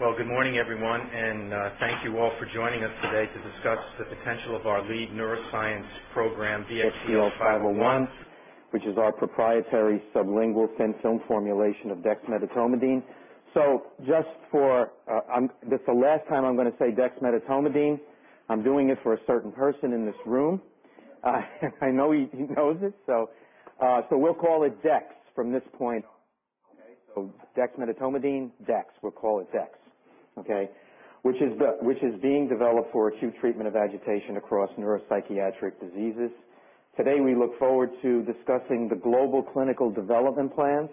Good morning, everyone, thank you all for joining us today to discuss the potential of our lead neuroscience program, BXCL501, which is our proprietary sublingual thin film formulation of dexmedetomidine. This is the last time I'm going to say "dexmedetomidine." I'm doing it for a certain person in this room. I know he knows it. We'll call it dex from this point on. Dexmedetomidine, dex. We'll call it dex. Which is being developed for acute treatment of agitation across neuropsychiatric diseases. Today, we look forward to discussing the global clinical development plans,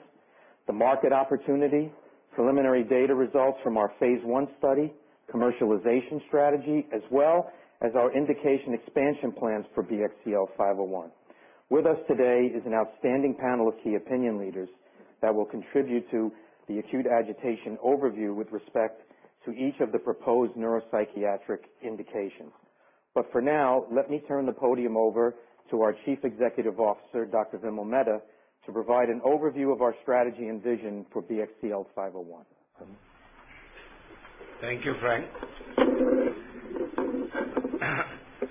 the market opportunity, preliminary data results from our phase I study, commercialization strategy, as well as our indication expansion plans for BXCL501. With us today is an outstanding panel of key opinion leaders that will contribute to the acute agitation overview with respect to each of the proposed neuropsychiatric indications. For now, let me turn the podium over to our Chief Executive Officer, Dr. Vimal Mehta, to provide an overview of our strategy and vision for BXCL501. Vimal. Thank you, Frank.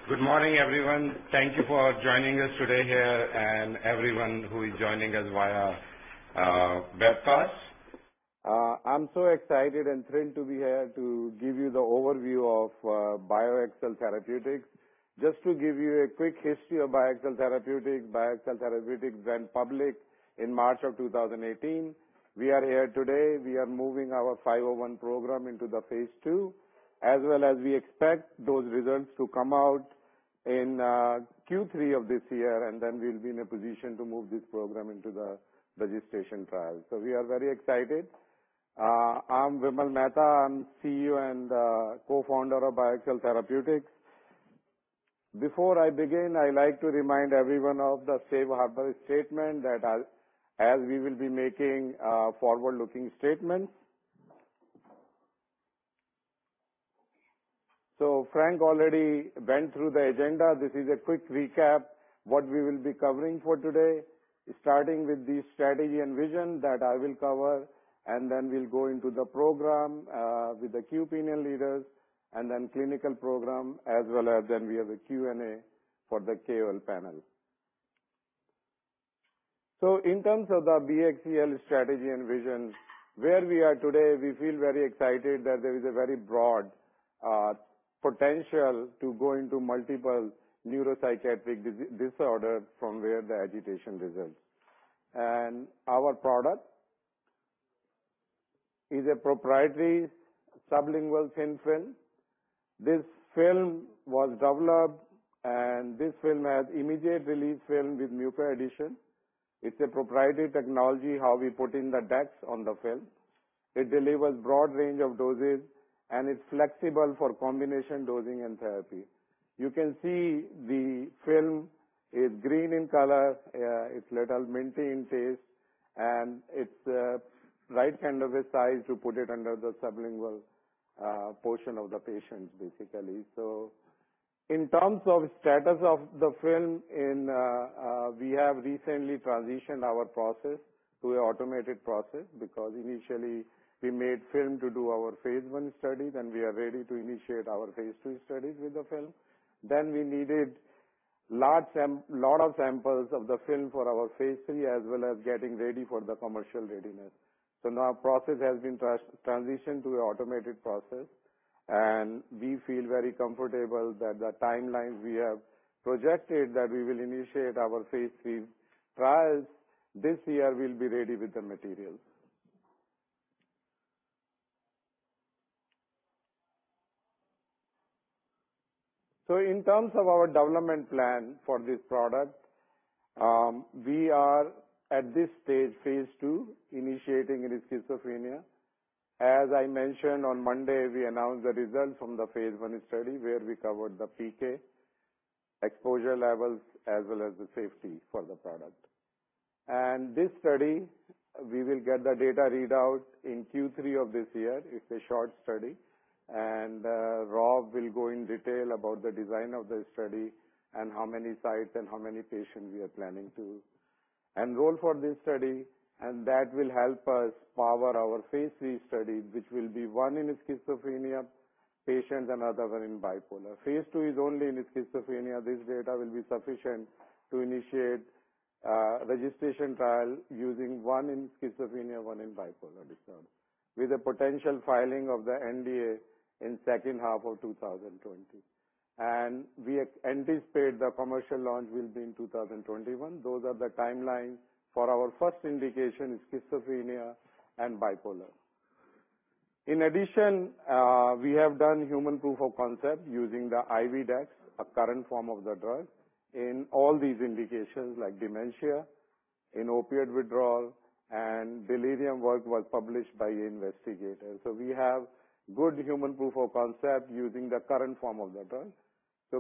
Good morning, everyone. Thank you for joining us today here and everyone who is joining us via webcast. I'm so excited and thrilled to be here to give you the overview of BioXcel Therapeutics. Just to give you a quick history of BioXcel Therapeutics, BioXcel Therapeutics went public in March of 2018. We are here today. We are moving our 501 program into the phase II, we expect those results to come out in Q3 of this year, we'll be in a position to move this program into the registration trial. We are very excited. I'm Vimal Mehta. I'm CEO and co-founder of BioXcel Therapeutics. Before I begin, I like to remind everyone of the safe harbor statement that as we will be making forward-looking statements. Frank already went through the agenda. This is a quick recap what we will be covering for today. Starting with the strategy and vision that I will cover, we'll go into the program, with the key opinion leaders, clinical program, we have a Q&A for the KOL panel. In terms of the BXCL strategy and vision, where we are today, we feel very excited that there is a very broad potential to go into multiple neuropsychiatric disorder from where the agitation results. Our product is a proprietary sublingual thin film. This film was developed and this film has immediate release film with mucoadhesion. It's a proprietary technology, how we put in the dex on the film. It delivers broad range of doses, and it's flexible for combination dosing and therapy. You can see the film is green in color. It's little minty in taste, and it's the right kind of a size to put it under the sublingual portion of the patients, basically. We have recently transitioned our process to an automated process because initially we made film to do our phase I study. We are ready to initiate our phase II studies with the film. We needed a lot of samples of the film for our phase III as well as getting ready for the commercial readiness. Now our process has been transitioned to an automated process, and we feel very comfortable that the timelines we have projected that we will initiate our phase III trials this year will be ready with the materials. In terms of our development plan for this product, we are at this stage, phase II, initiating in schizophrenia. As I mentioned on Monday, we announced the results from the phase I study where we covered the PK exposure levels as well as the safety for the product. This study, we will get the data readout in Q3 of this year. It's a short study. Rob will go in detail about the design of the study and how many sites and how many patients we are planning to enroll for this study. That will help us power our phase III study, which will be one in schizophrenia patients and other one in bipolar. Phase II is only in schizophrenia. This data will be sufficient to initiate registration trial using one in schizophrenia, one in bipolar disorder. With a potential filing of the NDA in second half of 2020. We anticipate the commercial launch will be in 2021. Those are the timelines for our first indication, schizophrenia and bipolar. In addition, we have done human proof of concept using the IV dex, a current form of the drug in all these indications like dementia, in opioid withdrawal and delirium work was published by the investigators. We have good human proof of concept using the current form of the drug.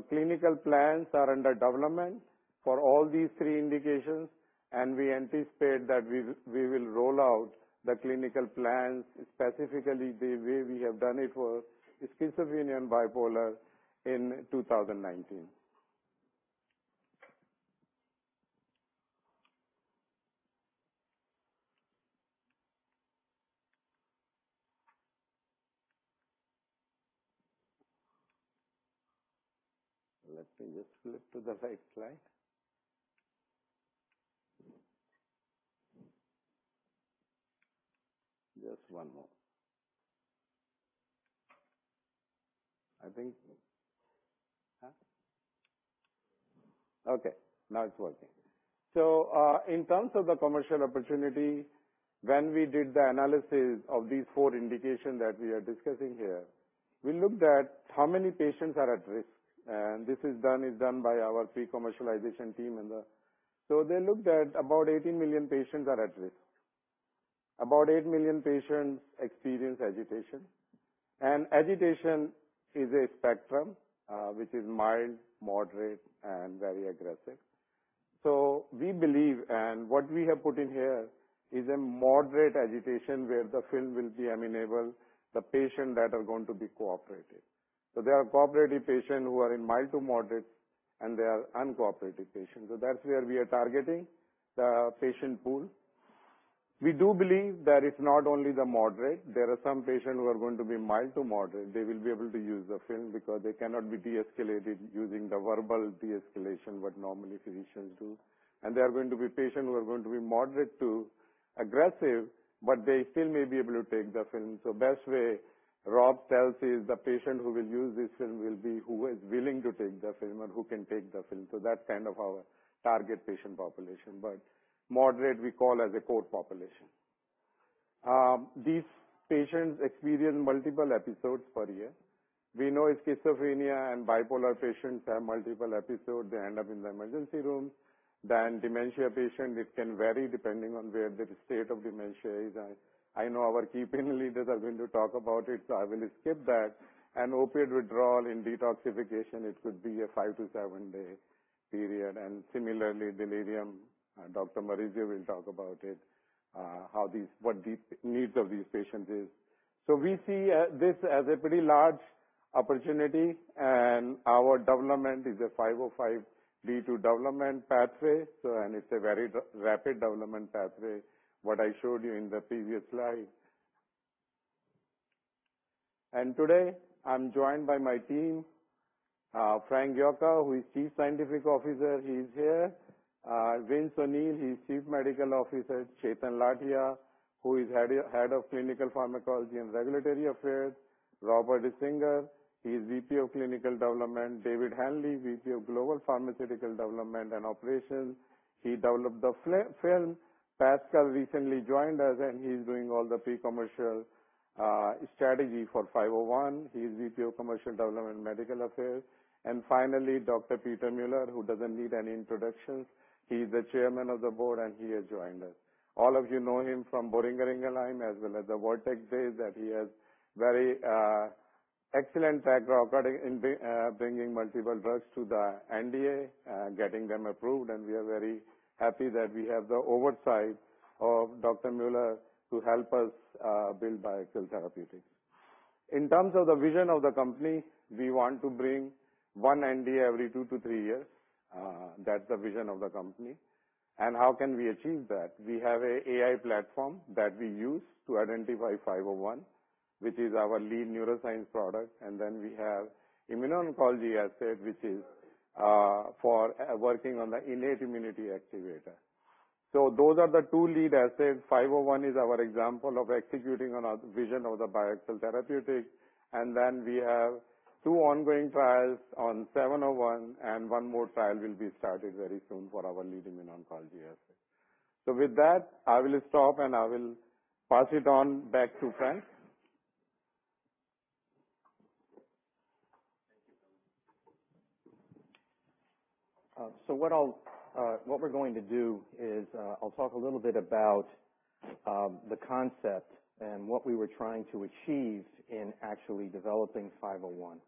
Clinical plans are under development for all these three indications, and we anticipate that we will roll out the clinical plans, specifically the way we have done it for schizophrenia and bipolar in 2019. Let me just flip to the right slide. Just one more. Okay, now it's working. In terms of the commercial opportunity, when we did the analysis of these four indications that we are discussing here, we looked at how many patients are at risk. This is done by our pre-commercialization team. They looked at about 18 million patients are at risk. About 8 million patients experience agitation. Agitation is a spectrum, which is mild, moderate, and very aggressive. We believe, and what we have put in here is a moderate agitation where the film will be amenable, the patient that are going to be cooperative. There are cooperative patients who are in mild to moderate, and there are uncooperative patients. That's where we are targeting the patient pool. We do believe that it's not only the moderate. There are some patients who are going to be mild to moderate. They will be able to use the film because they cannot be de-escalated using the verbal de-escalation, what normally physicians do. There are going to be patients who are going to be moderate to aggressive, but they still may be able to take the film. Best way Rob tells is the patient who will use this film will be who is willing to take the film or who can take the film. That's kind of our target patient population. Moderate, we call as a core population. These patients experience multiple episodes per year. We know schizophrenia and bipolar patients have multiple episodes. They end up in the emergency room. Dementia patients, it can vary depending on where the state of dementia is. I know our key opinion leaders are going to talk about it, I will skip that. Opioid withdrawal in detoxification, it could be a 5-7-day period. Similarly, delirium, Dr. Maurizio Fava will talk about it, what the needs of these patients is. We see this as a pretty large opportunity, our development is a 505(b)(2) development pathway. It's a very rapid development pathway, what I showed you in the previous slide. Today, I'm joined by my team, Frank D. Yocca, who is Chief Scientific Officer. He's here. Vince O'Neill, he's Chief Medical Officer. Chetan Lathia, who is Head of Clinical Pharmacology and Regulatory Affairs. Robert Risinger, he's VP of Clinical Development. David Hanley, VP of Global Pharmaceutical Development and Operations. He developed the film. Pascal recently joined us, he's doing all the pre-commercial strategy for 501. He's VP of Commercial Development Medical Affairs. Finally, Dr. Peter Mueller, who doesn't need any introduction. He's the Chairman of the Board, he has joined us. All of you know him from Boehringer Ingelheim, as well as the Vortex days, that he has very excellent track record in bringing multiple drugs to the NDA, getting them approved, we are very happy that we have the oversight of Dr. Mueller to help us build BioXcel Therapeutics. In terms of the vision of the company, we want to bring one NDA every 2 to 3 years. That's the vision of the company. How can we achieve that? We have an AI platform that we use to identify 501, which is our lead neuroscience product. Then we have immuno-oncology asset, which is for working on the innate immunity activator. Those are the two lead assets. 501 is our example of executing on our vision of the BioXcel Therapeutics. Then we have two ongoing trials on 701, one more trial will be started very soon for our lead immuno-oncology asset. With that, I will stop, I will pass it on back to Frank. Thank you. What we're going to do is, I'll talk a little bit about the concept and what we were trying to achieve in actually developing 501.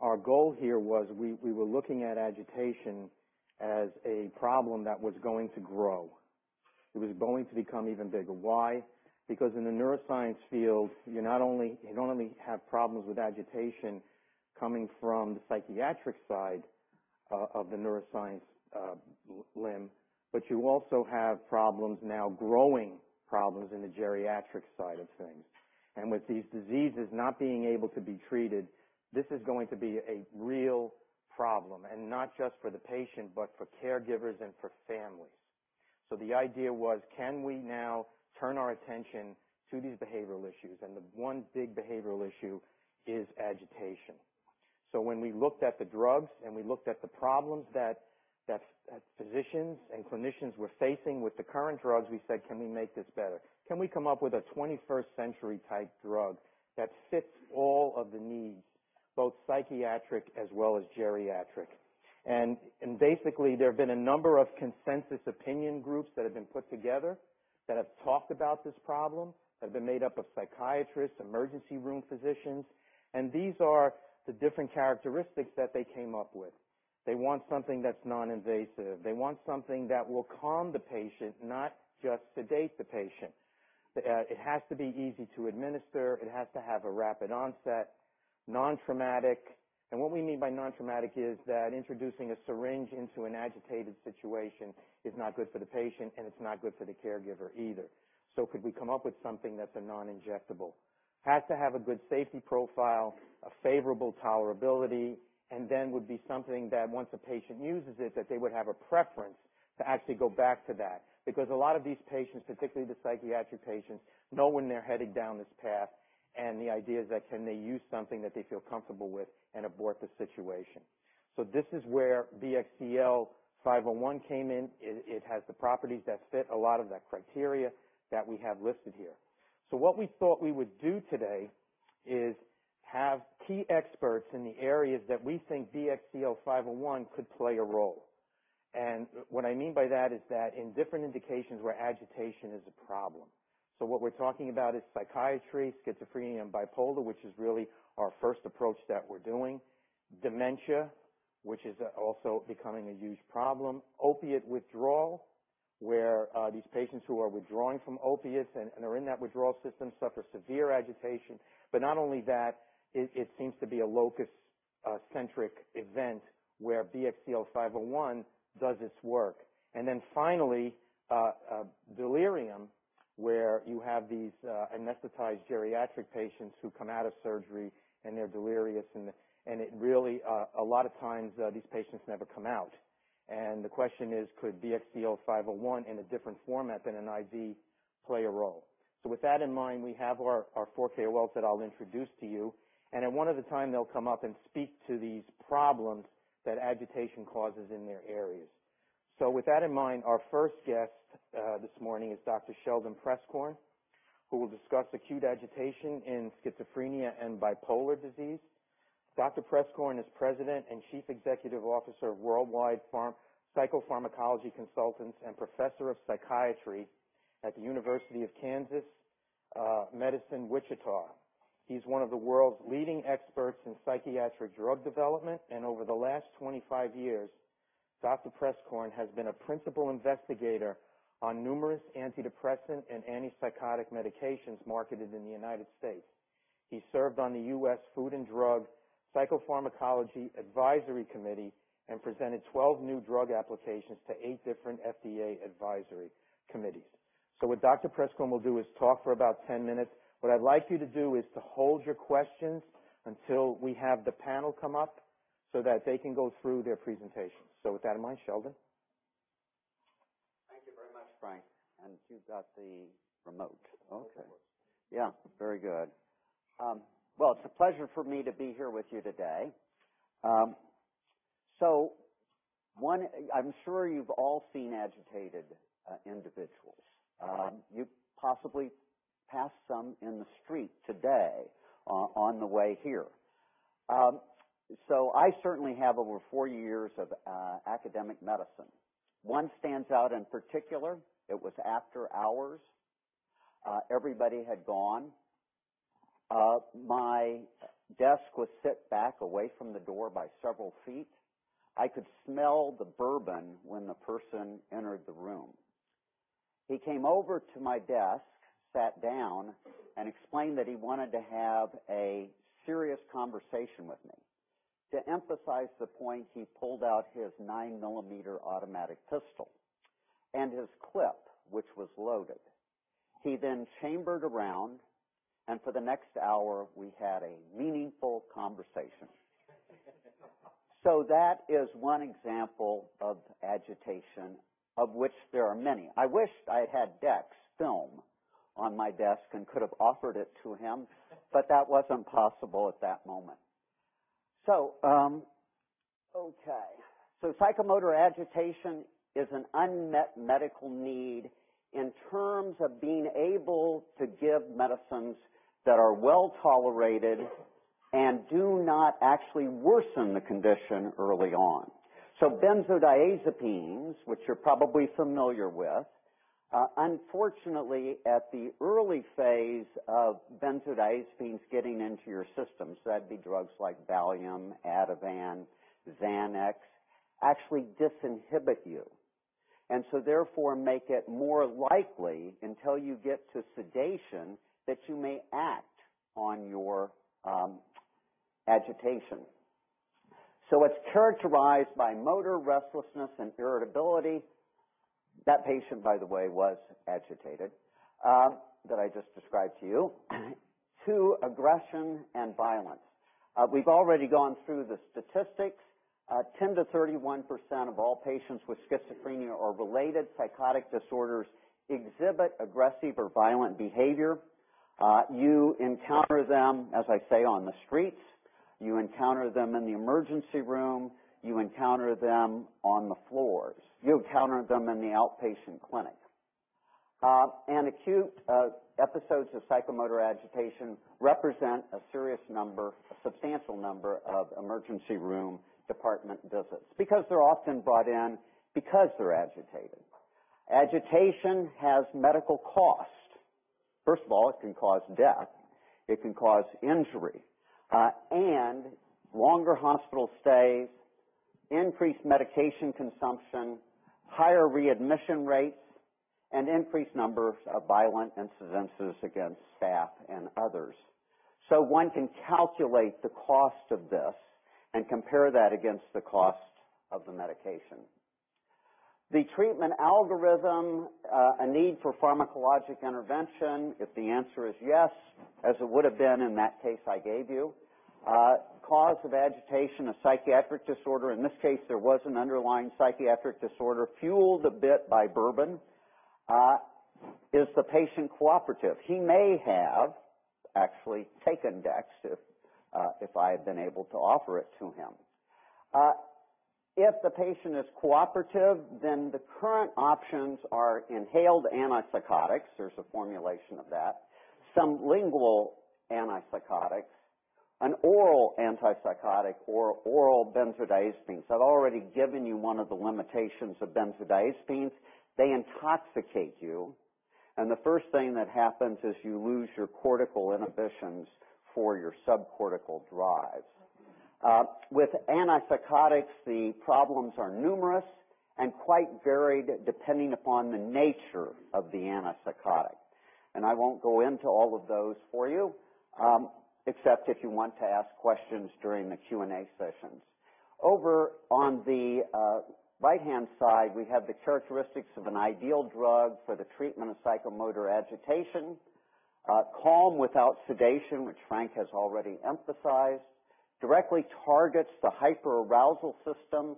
Our goal here was we were looking at agitation as a problem that was going to grow. It was going to become even bigger. Why? Because in the neuroscience field, you not only have problems with agitation coming from the psychiatric side of the neuroscience limb, but you also have problems now growing problems in the geriatric side of things. With these diseases not being able to be treated, this is going to be a real problem, and not just for the patient, but for caregivers and for families. The idea was: Can we now turn our attention to these behavioral issues? The one big behavioral issue is agitation. When we looked at the drugs and we looked at the problems that physicians and clinicians were facing with the current drugs, we said, "Can we make this better?" Can we come up with a 21st century type drug that fits all of the needs, both psychiatric as well as geriatric? Basically, there have been a number of consensus opinion groups that have been put together that have talked about this problem, that have been made up of psychiatrists, emergency room physicians, and these are the different characteristics that they came up with. They want something that's non-invasive. They want something that will calm the patient, not just sedate the patient. It has to be easy to administer. It has to have a rapid onset, non-traumatic. What we mean by non-traumatic is that introducing a syringe into an agitated situation is not good for the patient, and it's not good for the caregiver either. Could we come up with something that's a non-injectable? Has to have a good safety profile, a favorable tolerability, and then would be something that once a patient uses it, that they would have a preference to actually go back to that. Because a lot of these patients, particularly the psychiatric patients, know when they're heading down this path, and the idea is that can they use something that they feel comfortable with and abort the situation. This is where BXCL501 came in. It has the properties that fit a lot of that criteria that we have listed here. What we thought we would do today is have key experts in the areas that we think BXCL501 could play a role. What I mean by that is that in different indications where agitation is a problem. What we're talking about is psychiatry, schizophrenia, and bipolar, which is really our first approach that we're doing. Dementia, which is also becoming a huge problem. Opioid withdrawal, where these patients who are withdrawing from opioids and are in that withdrawal system suffer severe agitation. Not only that, it seems to be a locus coeruleus event where BXCL501 does its work. Then finally, delirium, where you have these anesthetized geriatric patients who come out of surgery, and they're delirious. A lot of times, these patients never come out. The question is: could BXCL501 in a different format than an IV play a role? With that in mind, we have our four KOLs that I'll introduce to you. One at a time, they'll come up and speak to these problems that agitation causes in their areas. With that in mind, our first guest this morning is Dr. Sheldon Preskorn, who will discuss acute agitation in schizophrenia and bipolar disease. Dr. Preskorn is President and Chief Executive Officer of Worldwide Psychopharmacology Consultants and Professor of Psychiatry at the University of Kansas School of Medicine-Wichita. He's one of the world's leading experts in psychiatric drug development. Over the last 25 years, Dr. Preskorn has been a principal investigator on numerous antidepressant and antipsychotic medications marketed in the U.S. He served on the U.S. Food and Drug Psychopharmacologic Drugs Advisory Committee and presented 12 new drug applications to eight different FDA advisory committees. What Dr. Preskorn will do is talk for about 10 minutes. What I'd like you to do is to hold your questions until we have the panel come up so that they can go through their presentations. With that in mind, Sheldon. Thank you very much, Frank. You've got the remote. Okay. Of course. Yeah. Very good. It's a pleasure for me to be here with you today. One, I'm sure you've all seen agitated individuals. You possibly passed some in the street today on the way here. I certainly have, over four years of academic medicine. One stands out, in particular. It was after hours. Everybody had gone. My desk was set back away from the door by several feet. I could smell the bourbon when the person entered the room. He came over to my desk, sat down, and explained that he wanted to have a serious conversation with me. To emphasize the point, he pulled out his 9mm automatic pistol and his clip, which was loaded. He chambered a round, and for the next hour, we had a meaningful conversation. That is one example of agitation, of which there are many. I wished I'd had dexmedetomidine on my desk and could've offered it to him, but that wasn't possible at that moment. Okay. Psychomotor agitation is an unmet medical need in terms of being able to give medicines that are well-tolerated and do not actually worsen the condition early on. Benzodiazepines, which you're probably familiar with. Unfortunately, at the early phase of benzodiazepines getting into your system, that'd be drugs like Valium, Ativan, Xanax, actually disinhibit you. Therefore, make it more likely, until you get to sedation, that you may act on your agitation. It's characterized by motor restlessness and irritability. That patient, by the way, was agitated, that I just described to you. To aggression and violence. We've already gone through the statistics. 10%-31% of all patients with schizophrenia or related psychotic disorders exhibit aggressive or violent behavior. You encounter them, as I say, on the streets. You encounter them in the emergency room. You encounter them on the floors. You encounter them in the outpatient clinic. Acute episodes of psychomotor agitation represent a serious number, a substantial number of emergency room department visits, because they're often brought in because they're agitated. Agitation has medical costs. First of all, it can cause death. It can cause injury, and longer hospital stays, increased medication consumption, higher readmission rates, and increased numbers of violent incidences against staff and others. One can calculate the cost of this and compare that against the cost of the medication. The treatment algorithm, a need for pharmacologic intervention. If the answer is yes, as it would've been in that case I gave you, cause of agitation, a psychiatric disorder. In this case, there was an underlying psychiatric disorder fueled a bit by bourbon. Is the patient cooperative? He may have actually taken Dex if I had been able to offer it to him. If the patient is cooperative, the current options are inhaled antipsychotics. There's a formulation of that. Sublingual antipsychotics, an oral antipsychotic, or oral benzodiazepines. I've already given you one of the limitations of benzodiazepines. They intoxicate you, and the first thing that happens is you lose your cortical inhibitions for your subcortical drives. With antipsychotics, the problems are numerous and quite varied depending upon the nature of the antipsychotic. I won't go into all of those for you, except if you want to ask questions during the Q&A sessions. Over on the right-hand side, we have the characteristics of an ideal drug for the treatment of psychomotor agitation. Calm without sedation, which Frank has already emphasized. Directly targets the hyperarousal system,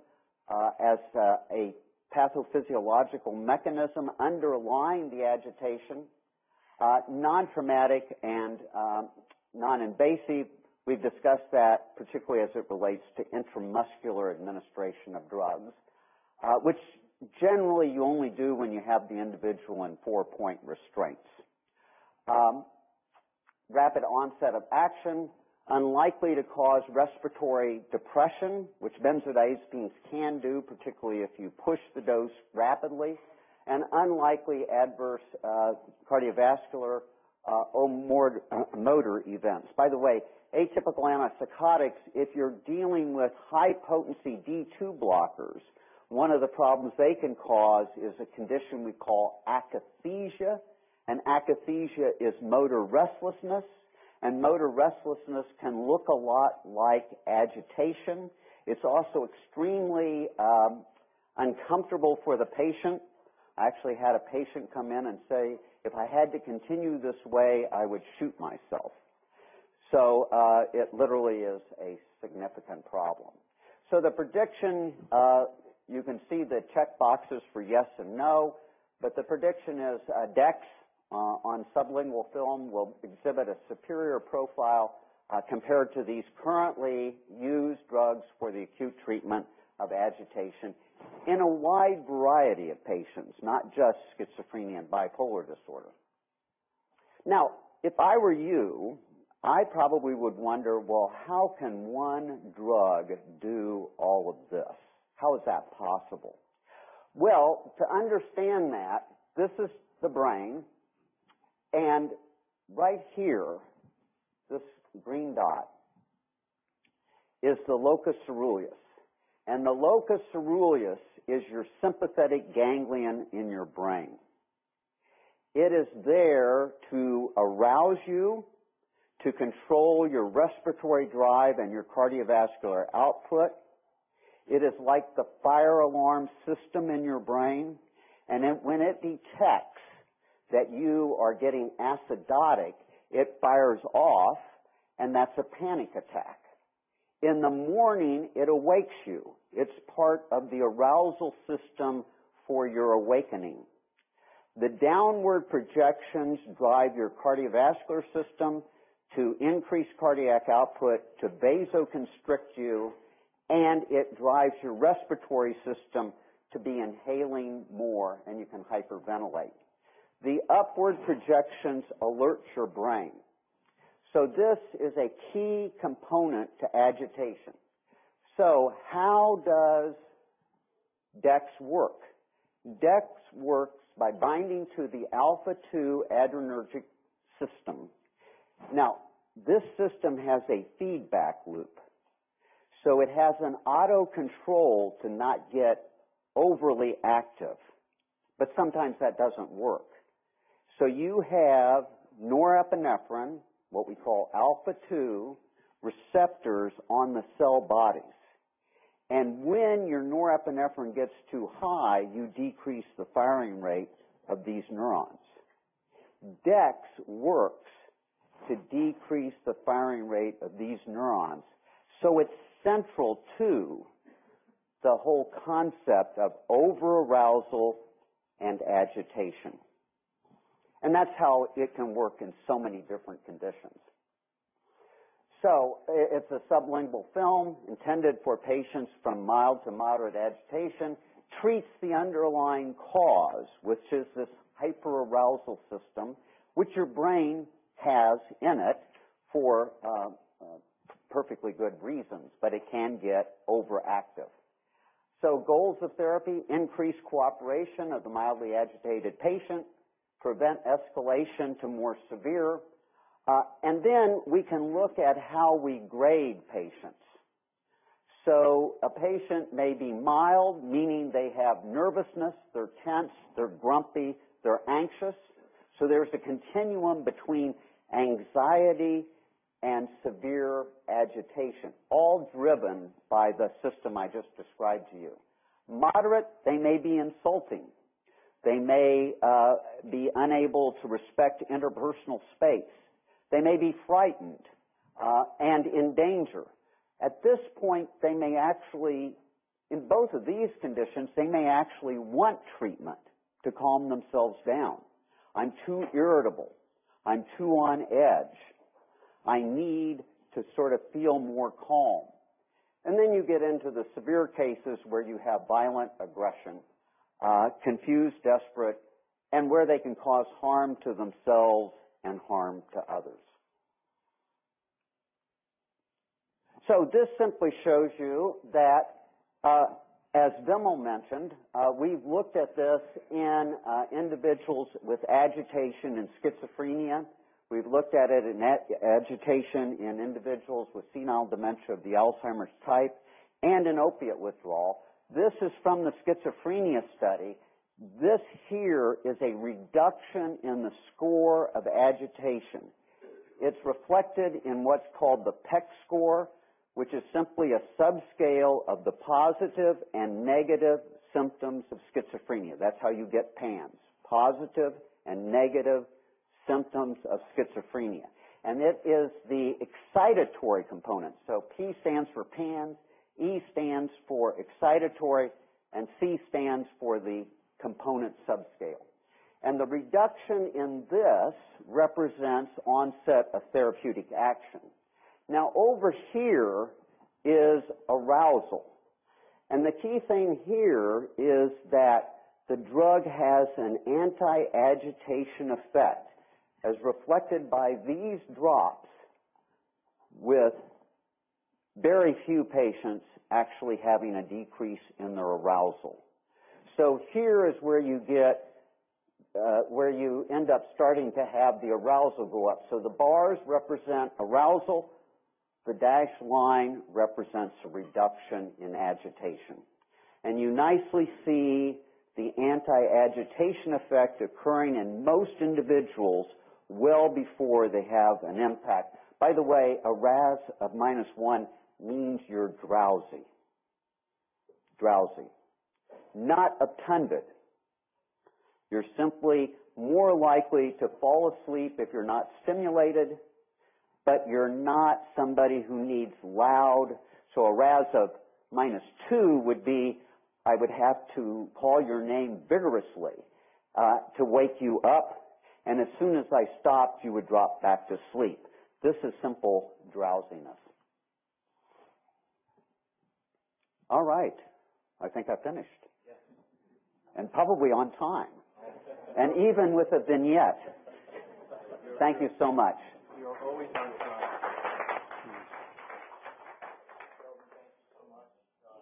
as a pathophysiological mechanism underlying the agitation. Non-traumatic and non-invasive. We've discussed that particularly as it relates to intramuscular administration of drugs, which generally you only do when you have the individual in four-point restraints. Rapid onset of action, unlikely to cause respiratory depression, which benzodiazepines can do, particularly if you push the dose rapidly, and unlikely adverse cardiovascular or motor events. By the way, atypical antipsychotics, if you're dealing with high-potency D2 blockers, one of the problems they can cause is a condition we call akathisia. akathisia is motor restlessness, and motor restlessness can look a lot like agitation. It's also extremely uncomfortable for the patient. I actually had a patient come in and say, "If I had to continue this way, I would shoot myself." It literally is a significant problem. The prediction, you can see the checkboxes for yes and no, but the prediction is Dex on sublingual film will exhibit a superior profile compared to these currently used drugs for the acute treatment of agitation in a wide variety of patients, not just schizophrenia and bipolar disorder. If I were you, I probably would wonder, well, how can one drug do all of this? How is that possible? To understand that, this is the brain, and right here, this green dot is the locus coeruleus. The locus coeruleus is your sympathetic ganglion in your brain. It is there to arouse you, to control your respiratory drive, and your cardiovascular output. It is like the fire alarm system in your brain. When it detects that you are getting acidotic, it fires off, and that's a panic attack. In the morning, it awakes you. It's part of the arousal system for your awakening. The downward projections drive your cardiovascular system to increase cardiac output, to vasoconstrict you, and it drives your respiratory system to be inhaling more, and you can hyperventilate. The upward projections alerts your brain. This is a key component to agitation. How does Dex work? Dex works by binding to the alpha-2 adrenergic system. This system has a feedback loop. It has an auto control to not get overly active, but sometimes that doesn't work. You have norepinephrine, what we call alpha-2 receptors on the cell bodies. When your norepinephrine gets too high, you decrease the firing rate of these neurons. Dex works to decrease the firing rate of these neurons. It's central to the whole concept of overarousal and agitation. That's how it can work in so many different conditions. It's a sublingual film intended for patients from mild to moderate agitation. Treats the underlying cause, which is this hyperarousal system, which your brain has in it for perfectly good reasons, but it can get overactive. Goals of therapy, increase cooperation of the mildly agitated patient, prevent escalation to more severe. We can look at how we grade patients. A patient may be mild, meaning they have nervousness, they're tense, they're grumpy, they're anxious. There's a continuum between anxiety and severe agitation, all driven by the system I just described to you. Moderate, they may be insulting. They may be unable to respect interpersonal space. They may be frightened, and in danger. At this point, in both of these conditions, they may actually want treatment to calm themselves down. I'm too irritable. I'm too on edge. I need to sort of feel more calm. You get into the severe cases where you have violent aggression, confused, desperate, and where they can cause harm to themselves and harm to others. This simply shows you that, as Vimal mentioned, we've looked at this in individuals with agitation and schizophrenia. We've looked at it in agitation in individuals with senile dementia of the Alzheimer's type, and in opioid withdrawal. This is from the schizophrenia study. This here is a reduction in the score of agitation. It's reflected in what's called the PEC score, which is simply a subscale of the positive and negative symptoms of schizophrenia. That's how you get PANSS, positive and negative symptoms of schizophrenia. It is the excitatory component. So P stands for PANSS, E stands for excitatory, and C stands for the component subscale. The reduction in this represents onset of therapeutic action. Over here is arousal. The key thing here is that the drug has an anti-agitation effect, as reflected by these drops, with very few patients actually having a decrease in their arousal. Here is where you end up starting to have the arousal go up. The bars represent arousal. The dashed line represents a reduction in agitation. You nicely see the anti-agitation effect occurring in most individuals well before they have an impact. By the way, a RASS of -1 means you're drowsy. Not obtunded. You're simply more likely to fall asleep if you're not stimulated, but you're not somebody who needs. A RASS of -2 would be, I would have to call your name vigorously to wake you up, and as soon as I stopped, you would drop back to sleep. This is simple drowsiness. All right. I think I've finished. Yes. Probably on time. Even with a vignette. Thank you so much. You are always on time. Sheldon, thank you so much.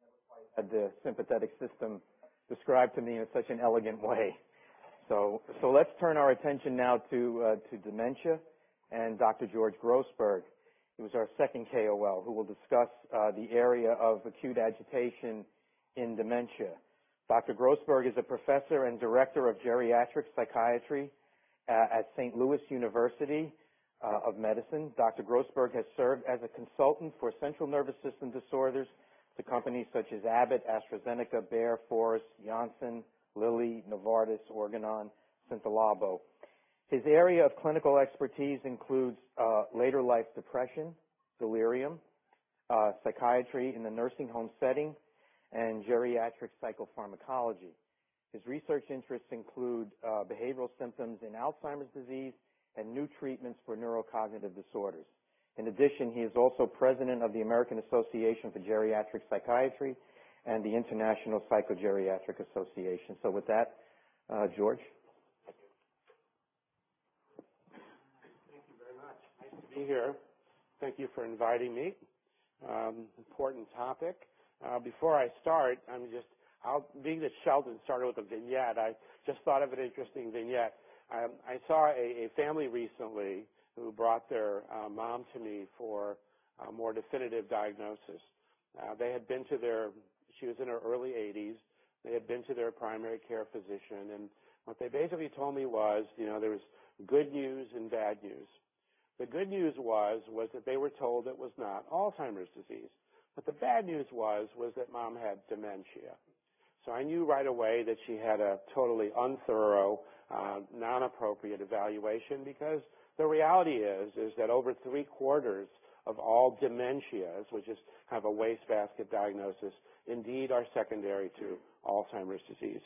Never quite had the sympathetic system described to me in such an elegant way. Let's turn our attention now to dementia, and Dr. George Grossberg, who is our second KOL, who will discuss the area of acute agitation in dementia. Dr. Grossberg is a professor and director of geriatric psychiatry at Saint Louis University School of Medicine. Dr. Grossberg has served as a consultant for central nervous system disorders to companies such as Abbott, AstraZeneca, Bayer, Forest, Janssen, Lilly, Novartis, Organon, Synthélabo. His area of clinical expertise includes later life depression, delirium, psychiatry in the nursing home setting, and geriatric psychopharmacology. His research interests include behavioral symptoms in Alzheimer's disease and new treatments for neurocognitive disorders. In addition, he is also president of the American Association for Geriatric Psychiatry and the International Psychogeriatric Association. With that, George. Thank you very much. Nice to be here. Thank you for inviting me. Important topic. Before I start, being that Sheldon started with a vignette, I just thought of an interesting vignette. I saw a family recently who brought their mom to me for a more definitive diagnosis. She was in her early 80s. They had been to their primary care physician, and what they basically told me was, there was good news and bad news. The good news was that they were told it was not Alzheimer's disease, but the bad news was that Mom had dementia. I knew right away that she had a totally unthorough, non-appropriate evaluation because the reality is that over three-quarters of all dementias, which is kind of a wastebasket diagnosis, indeed are secondary to Alzheimer's disease.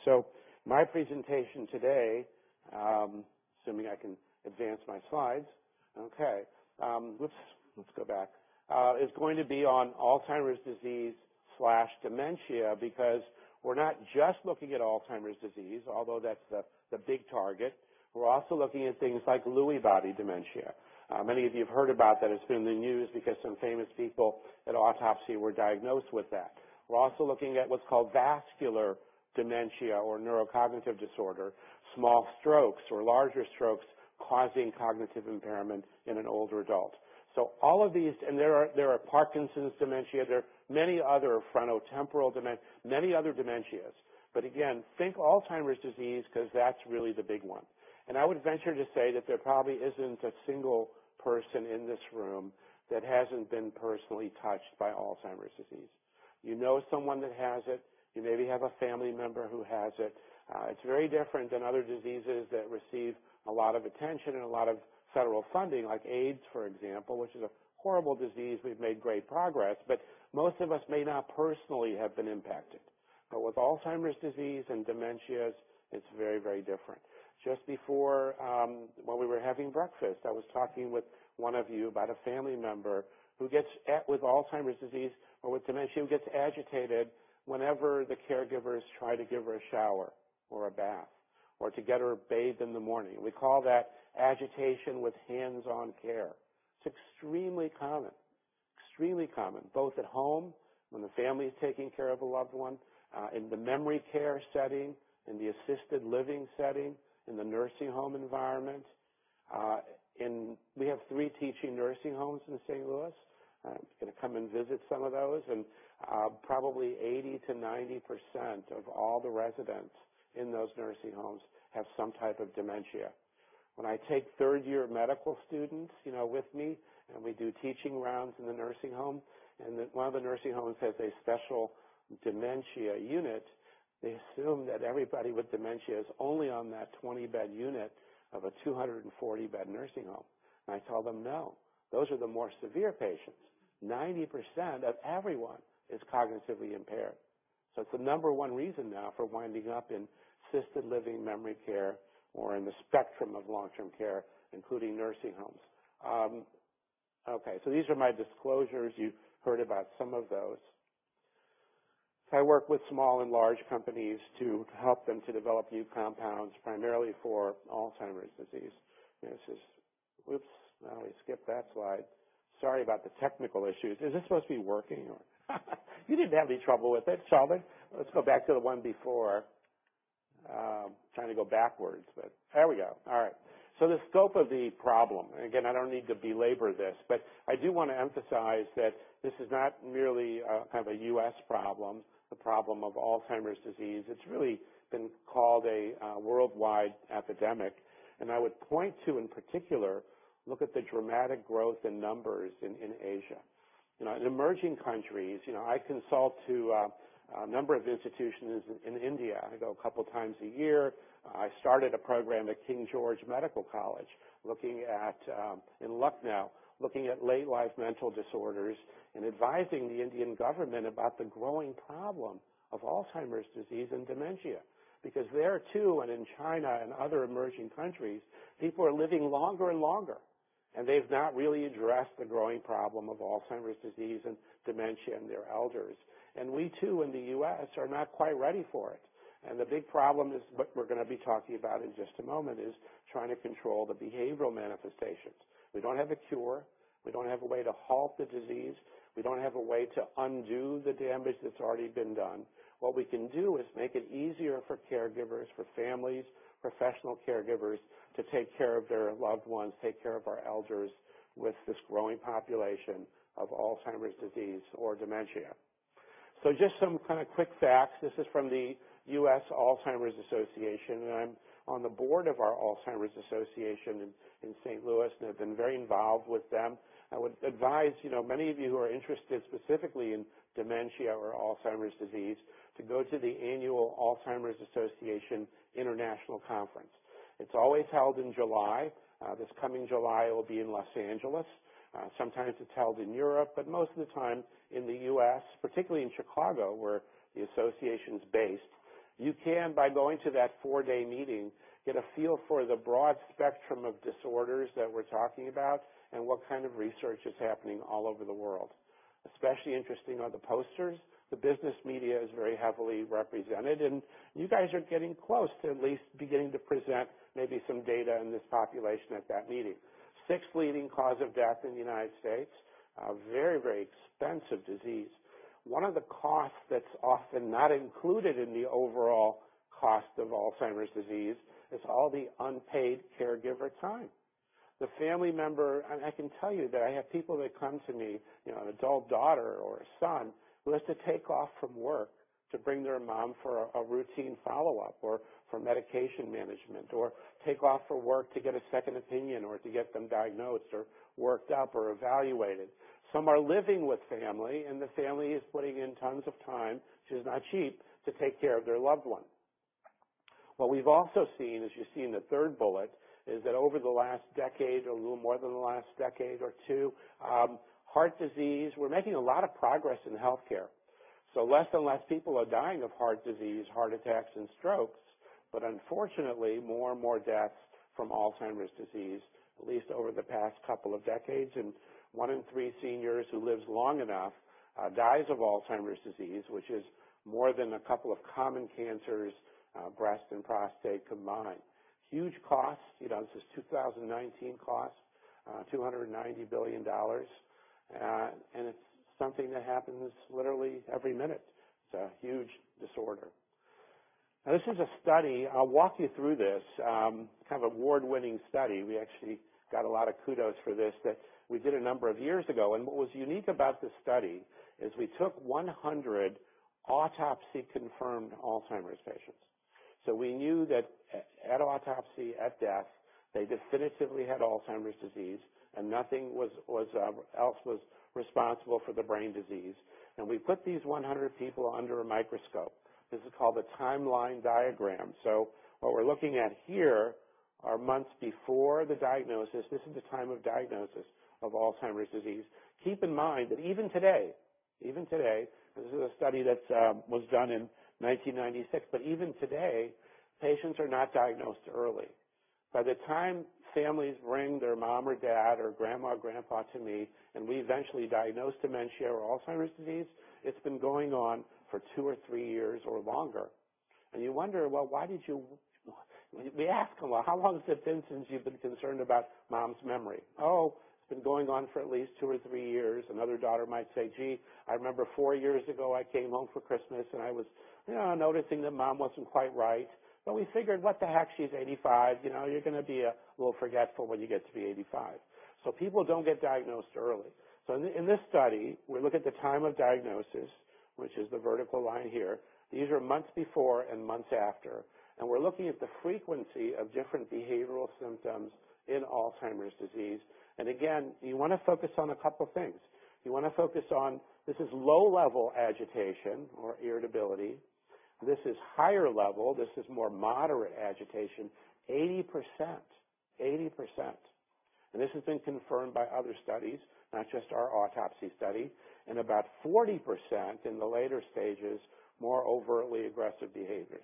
My presentation today. Assuming I can advance my slides. Okay. Let's go back. Is going to be on Alzheimer's disease/dementia, because we're not just looking at Alzheimer's disease, although that's the big target. We're also looking at things like Lewy body dementia. Many of you have heard about that. It's been in the news because some famous people at autopsy were diagnosed with that. We're also looking at what's called vascular dementia or neurocognitive disorder, small strokes or larger strokes causing cognitive impairment in an older adult. All of these, and there are Parkinson's dementia, there are many other, frontotemporal dementia, many other dementias. Again, think Alzheimer's disease, because that's really the big one. I would venture to say that there probably isn't a single person in this room that hasn't been personally touched by Alzheimer's disease. You know someone that has it, you maybe have a family member who has it. It's very different than other diseases that receive a lot of attention and a lot of federal funding, like AIDS, for example, which is a horrible disease. We've made great progress, but most of us may not personally have been impacted. With Alzheimer's disease and dementias, it's very, very different. Just before, while we were having breakfast, I was talking with one of you about a family member with Alzheimer's disease or with dementia, who gets agitated whenever the caregivers try to give her a shower or a bath or to get her bathed in the morning. We call that agitation with hands-on care. It's extremely common, both at home when the family is taking care of a loved one, in the memory care setting, in the assisted living setting, in the nursing home environment. We have three teaching nursing homes in Saint Louis. I'm going to come and visit some of those. Probably 80%-90% of all the residents in those nursing homes have some type of dementia. When I take third-year medical students with me, and we do teaching rounds in the nursing home, and one of the nursing homes has a special dementia unit, they assume that everybody with dementia is only on that 20-bed unit of a 240-bed nursing home. I tell them, "No, those are the more severe patients." 90% of everyone is cognitively impaired. It's the number one reason now for winding up in assisted living memory care or in the spectrum of long-term care, including nursing homes. These are my disclosures. You've heard about some of those. I work with small and large companies to help them to develop new compounds, primarily for Alzheimer's disease. Whoops. Now we skipped that slide. Sorry about the technical issues. Is this supposed to be working or what? You didn't have any trouble with it, Sheldon. Let's go back to the one before. Trying to go backwards, but there we go. All right. The scope of the problem, and again, I don't need to belabor this, but I do want to emphasize that this is not merely a U.S. problem, the problem of Alzheimer's disease. It's really been called a worldwide epidemic. I would point to, in particular, look at the dramatic growth in numbers in Asia. In emerging countries, I consult to a number of institutions in India. I go a couple times a year. I started a program at King George's Medical University, looking at, in Lucknow, looking at late-life mental disorders and advising the Indian government about the growing problem of Alzheimer's disease and dementia. There, too, and in China and other emerging countries, people are living longer and longer, and they've not really addressed the growing problem of Alzheimer's disease and dementia in their elders. We, too, in the U.S. are not quite ready for it. The big problem is what we're going to be talking about in just a moment is trying to control the behavioral manifestations. We don't have a cure. We don't have a way to halt the disease. We don't have a way to undo the damage that's already been done. What we can do is make it easier for caregivers, for families, professional caregivers, to take care of their loved ones, take care of our elders with this growing population of Alzheimer's disease or dementia. Just some kind of quick facts. This is from the U.S. Alzheimer's Association, and I'm on the board of our Alzheimer's Association in Saint Louis, and I've been very involved with them. I would advise many of you who are interested specifically in dementia or Alzheimer's disease to go to the annual Alzheimer's Association International Conference. It's always held in July. This coming July, it will be in Los Angeles. Sometimes it's held in Europe, but most of the time in the U.S., particularly in Chicago, where the association's based. You can, by going to that four-day meeting, get a feel for the broad spectrum of disorders that we're talking about and what kind of research is happening all over the world. Especially interesting are the posters. The business media is very heavily represented, and you guys are getting close to at least beginning to present maybe some data in this population at that meeting. Sixth leading cause of death in the United States. A very, very expensive disease. One of the costs that's often not included in the overall cost of Alzheimer's disease is all the unpaid caregiver time. I can tell you that I have people that come to me, an adult daughter or a son who has to take off from work to bring their mom for a routine follow-up or for medication management, or take off for work to get a second opinion or to get them diagnosed or worked up or evaluated. Some are living with family, and the family is putting in tons of time, which is not cheap, to take care of their loved one. What we've also seen, as you see in the third bullet, is that over the last decade or little more than the last decade or two, heart disease, we're making a lot of progress in healthcare. So less and less people are dying of heart disease, heart attacks, and strokes, but unfortunately, more and more deaths from Alzheimer's disease, at least over the past couple of decades. One in three seniors who lives long enough dies of Alzheimer's disease, which is more than a couple of common cancers, breast and prostate, combined. Huge cost. This is 2019 cost, $290 billion. It's something that happens literally every minute. It's a huge disorder. This is a study, I'll walk you through this award-winning study. We actually got a lot of kudos for this that we did a number of years ago. What was unique about this study is we took 100 autopsy-confirmed Alzheimer's patients. We knew that at autopsy, at death, they definitively had Alzheimer's disease, and nothing else was responsible for the brain disease. We put these 100 people under a microscope. This is called a timeline diagram. What we're looking at here are months before the diagnosis. This is the time of diagnosis of Alzheimer's disease. Keep in mind that even today, this is a study that was done in 1996, but even today, patients are not diagnosed early. By the time families bring their mom or dad or grandma or grandpa to me, and we eventually diagnose dementia or Alzheimer's disease, it's been going on for two or three years or longer. You wonder, well, why did you We ask them, "Well, how long has it been since you've been concerned about Mom's memory?" "Oh, it's been going on for at least two or three years." Another daughter might say, "Gee, I remember four years ago, I came home for Christmas, and I was noticing that Mom wasn't quite right. We figured, what the heck, she's 85. You're going to be a little forgetful when you get to be 85." People don't get diagnosed early. In this study, we look at the time of diagnosis, which is the vertical line here. These are months before and months after, and we're looking at the frequency of different behavioral symptoms in Alzheimer's disease. Again, you want to focus on a couple things. You want to focus on, this is low-level agitation or irritability. This is higher level. This is more moderate agitation, 80%. This has been confirmed by other studies, not just our autopsy study, and about 40%, in the later stages, more overtly aggressive behaviors.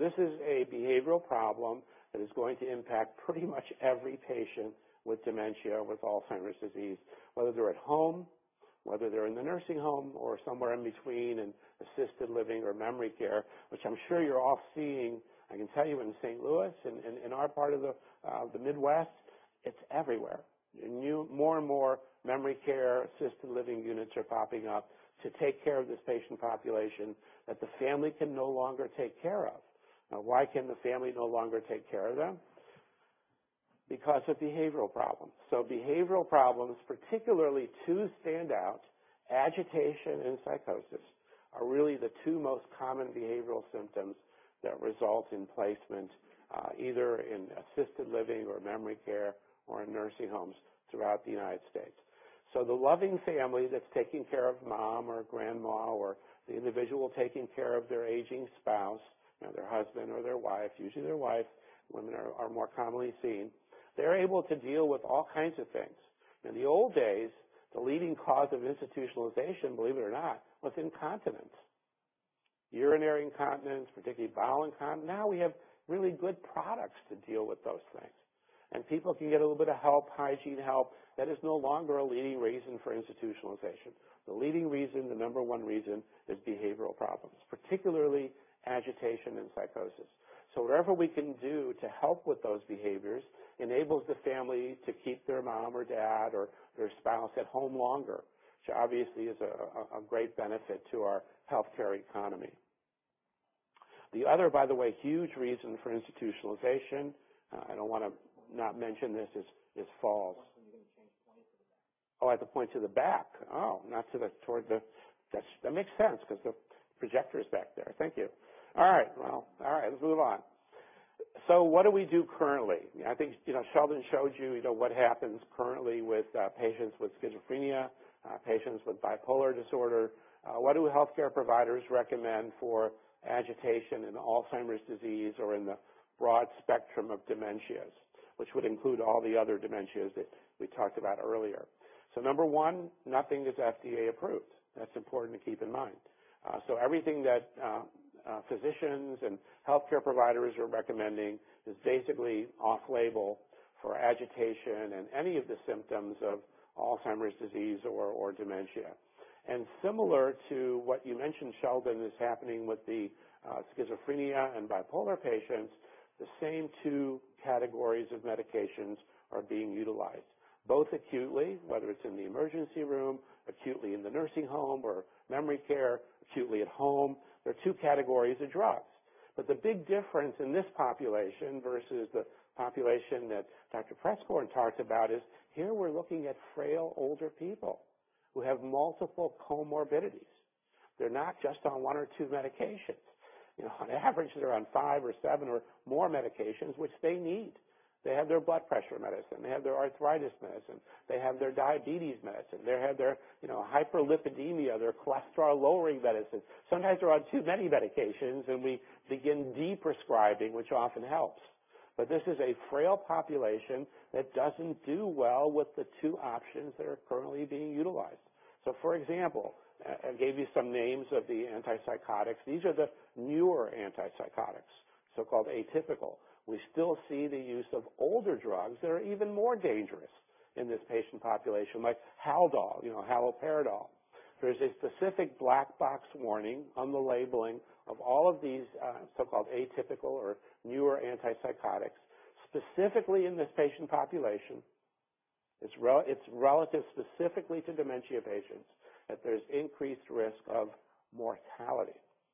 This is a behavioral problem that is going to impact pretty much every patient with dementia, with Alzheimer's disease, whether they're at home, whether they're in the nursing home, or somewhere in between in assisted living or memory care, which I'm sure you're all seeing. I can tell you in Saint Louis, in our part of the Midwest, it's everywhere. More and more memory care, assisted living units are popping up to take care of this patient population that the family can no longer take care of. Why can the family no longer take care of them? Because of behavioral problems. Behavioral problems, particularly two stand out, agitation and psychosis, are really the two most common behavioral symptoms that result in placement, either in assisted living or memory care or in nursing homes throughout the United States. The loving family that's taking care of mom or grandma or the individual taking care of their aging spouse, their husband or their wife, usually their wife, women are more commonly seen, they're able to deal with all kinds of things. In the old days, the leading cause of institutionalization, believe it or not, was incontinence. Urinary incontinence, particularly bowel incontinence. Now we have really good products to deal with those things. People can get a little bit of help, hygiene help. That is no longer a leading reason for institutionalization. The leading reason, the number one reason is behavioral problems, particularly agitation and psychosis. Whatever we can do to help with those behaviors enables the family to keep their mom or dad or their spouse at home longer, which obviously is a great benefit to our healthcare economy. The other, by the way, huge reason for institutionalization, I don't want to not mention this, is falls. You have to point to the back. Oh, I have to point to the back. Oh, not toward the. That makes sense because the projector's back there. Thank you. All right. Well, all right. Let's move on. What do we do currently? I think Sheldon showed you what happens currently with patients with schizophrenia, patients with bipolar disorder. What do healthcare providers recommend for agitation in Alzheimer's disease or in the broad spectrum of dementias, which would include all the other dementias that we talked about earlier? Number one, nothing is FDA approved. That's important to keep in mind. Everything that physicians and healthcare providers are recommending is basically off-label for agitation and any of the symptoms of Alzheimer's disease or dementia. Similar to what you mentioned, Sheldon, is happening with the schizophrenia and bipolar patients, the same two categories of medications are being utilized, both acutely, whether it's in the emergency room, acutely in the nursing home or memory care, acutely at home. There are two categories of drugs. The big difference in this population versus the population that Dr. Preskorn talked about is here we're looking at frail older people who have multiple comorbidities. They're not just on one or two medications. On average, they're on five or seven or more medications, which they need. They have their blood pressure medicine. They have their arthritis medicine. They have their diabetes medicine. They have their hyperlipidemia, their cholesterol-lowering medicine. Sometimes they're on too many medications, and we begin de-prescribing, which often helps. This is a frail population that doesn't do well with the two options that are currently being utilized. For example, I gave you some names of the antipsychotics. These are the newer antipsychotics, so-called atypical. We still see the use of older drugs that are even more dangerous in this patient population, like Haldol, you know, haloperidol. There is a specific black box warning on the labeling of all of these so-called atypical or newer antipsychotics, specifically in this patient population. It's relative specifically to dementia patients, that there's increased risk of mortality.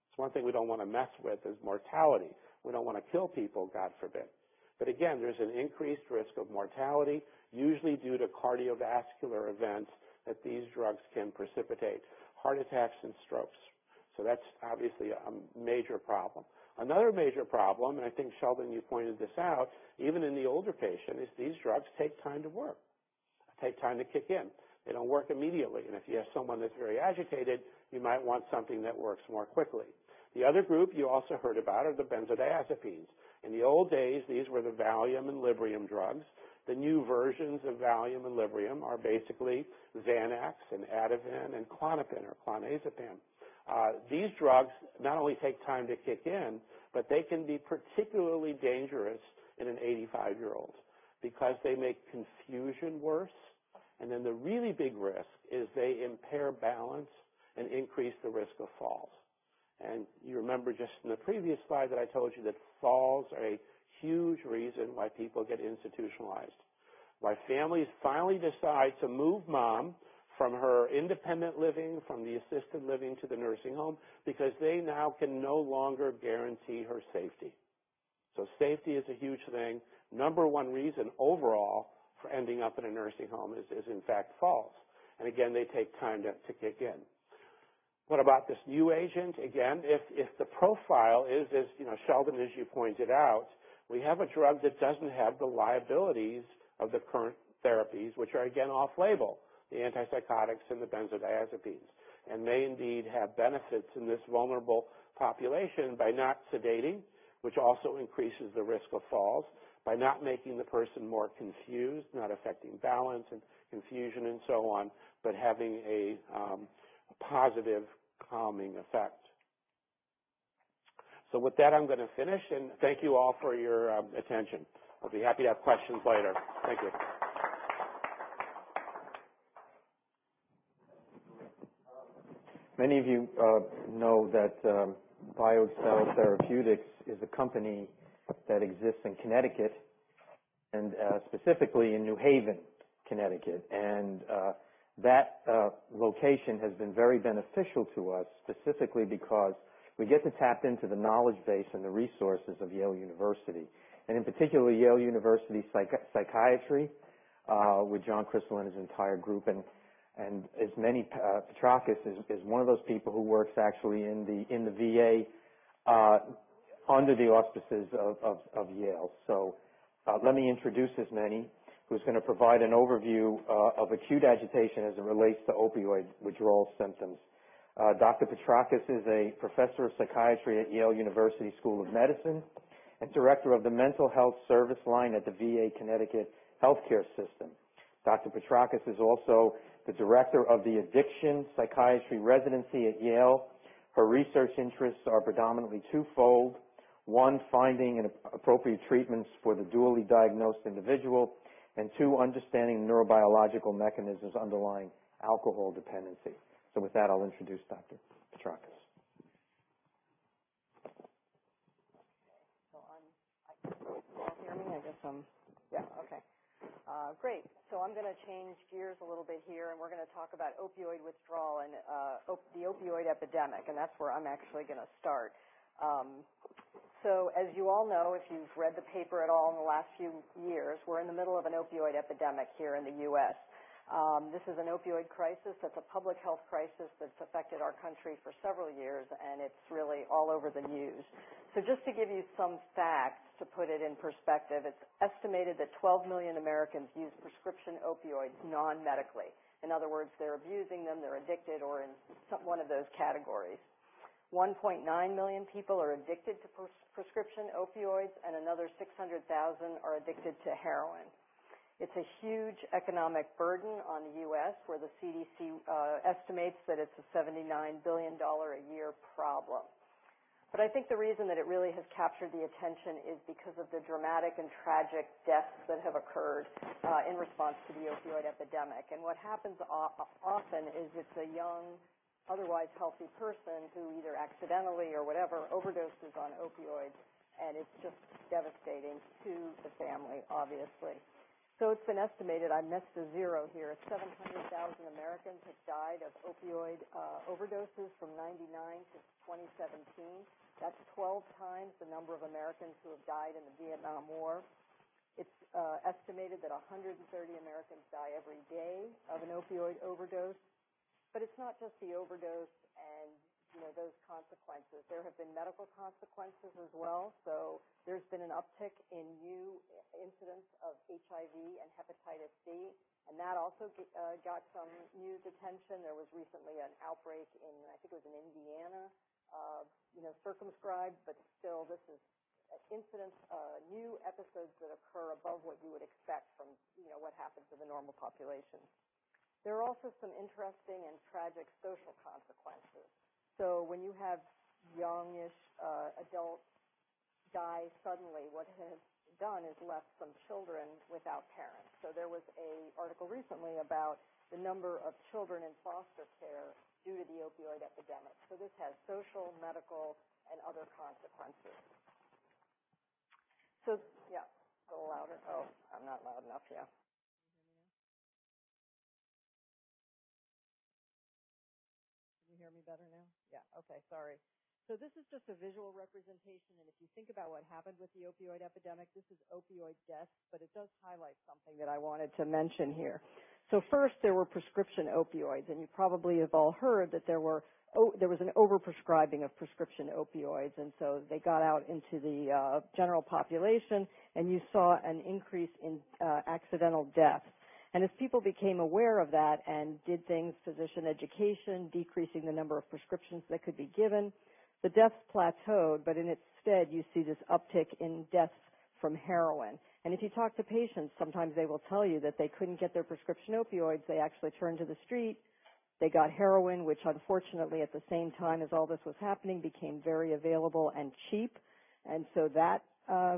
It's one thing we don't want to mess with, is mortality. We don't want to kill people, God forbid. Again, there's an increased risk of mortality, usually due to cardiovascular events that these drugs can precipitate. Heart attacks and strokes. That's obviously a major problem. Another major problem, and I think, Sheldon, you pointed this out, even in the older patient, is these drugs take time to work, take time to kick in. They don't work immediately, and if you have someone that's very agitated, you might want something that works more quickly. The other group you also heard about are the benzodiazepines. In the old days, these were the Valium and Librium drugs. The new versions of Valium and Librium are basically Xanax and Ativan and Klonopin or clonazepam. These drugs not only take time to kick in, but they can be particularly dangerous in an 85-year-old because they make confusion worse. Then the really big risk is they impair balance and increase the risk of falls. You remember just in the previous slide that I told you that falls are a huge reason why people get institutionalized. Why families finally decide to move mom from her independent living, from the assisted living to the nursing home, because they now can no longer guarantee her safety. Safety is a huge thing. Number one reason overall for ending up in a nursing home is in fact falls. Again, they take time to kick in. What about this new agent? If the profile is, as Sheldon, as you pointed out, we have a drug that doesn't have the liabilities of the current therapies, which are, again, off-label, the antipsychotics and the benzodiazepines, and may indeed have benefits in this vulnerable population by not sedating, which also increases the risk of falls, by not making the person more confused, not affecting balance and confusion and so on, but having a positive calming effect. With that, I'm going to finish, and thank you all for your attention. I'll be happy to have questions later. Thank you. Many of you know that BioXcel Therapeutics is a company that exists in Connecticut and specifically in New Haven, Connecticut. That location has been very beneficial to us, specifically because we get to tap into the knowledge base and the resources of Yale University, and in particular, Yale University Psychiatry, with John Krystal and his entire group. Ismene Petrakis is one of those people who works actually in the VA under the auspices of Yale. Let me introduce Ismene, who's going to provide an overview of acute agitation as it relates to opioid withdrawal symptoms. Dr. Petrakis is a professor of psychiatry at Yale University School of Medicine and director of the mental health service line at the VA Connecticut Healthcare System. Dr. Petrakis is also the director of the addiction psychiatry residency at Yale. Her research interests are predominantly twofold. One, finding appropriate treatments for the dually diagnosed individual, and two, understanding neurobiological mechanisms underlying alcohol dependency. With that, I'll introduce Dr. Petrakis. Okay. Can you all hear me? Yeah. Okay. Great. I'm going to change gears a little bit here, and we're going to talk about opioid withdrawal and the opioid epidemic, and that's where I'm actually going to start. As you all know, if you've read the paper at all in the last few years, we're in the middle of an opioid epidemic here in the U.S. This is an opioid crisis that's a public health crisis that's affected our country for several years, and it's really all over the news. Just to give you some facts, to put it in perspective, it's estimated that 12 million Americans use prescription opioids non-medically. In other words, they're abusing them, they're addicted, or in one of those categories. 1.9 million people are addicted to prescription opioids, and another 600,000 are addicted to heroin. It's a huge economic burden on the U.S., where the CDC estimates that it's a $79 billion a year problem. I think the reason that it really has captured the attention is because of the dramatic and tragic deaths that have occurred in response to the opioid epidemic. What happens often is it's a young, otherwise healthy person who either accidentally or whatever, overdoses on opioids, and it's just devastating to the family, obviously. It's been estimated, I missed a zero here, 700,000 Americans have died of opioid overdoses from 1999 to 2017. That's 12 times the number of Americans who have died in the Vietnam War. It's estimated that 130 Americans die every day of an opioid overdose. It's not just the overdose and those consequences. There have been medical consequences as well. There's been an uptick in new incidence of HIV and Hepatitis C, and that also got some news attention. There was recently an outbreak in, I think it was in Indiana. Circumscribed, but still, this is an incidence of new episodes that occur above what you would expect from what happens in the normal population. There are also some interesting and tragic social consequences. When you have young-ish adults die suddenly, what it has done is left some children without parents. There was an article recently about the number of children in foster care due to the opioid epidemic. This has social, medical, and other consequences. Yeah. A little louder. I'm not loud enough, yeah. Can you hear me now? Can you hear me better now? Yeah. Okay. Sorry. This is just a visual representation, and if you think about what happened with the opioid epidemic, this is opioid deaths, but it does highlight something that I wanted to mention here. First, there were prescription opioids, and you probably have all heard that there was an over-prescribing of prescription opioids, and so they got out into the general population, and you saw an increase in accidental deaths. As people became aware of that and did things, physician education, decreasing the number of prescriptions that could be given, the deaths plateaued, but in its stead, you see this uptick in deaths from heroin. If you talk to patients, sometimes they will tell you that they couldn't get their prescription opioids. They actually turned to the street. They got heroin, which unfortunately, at the same time as all this was happening, became very available and cheap. That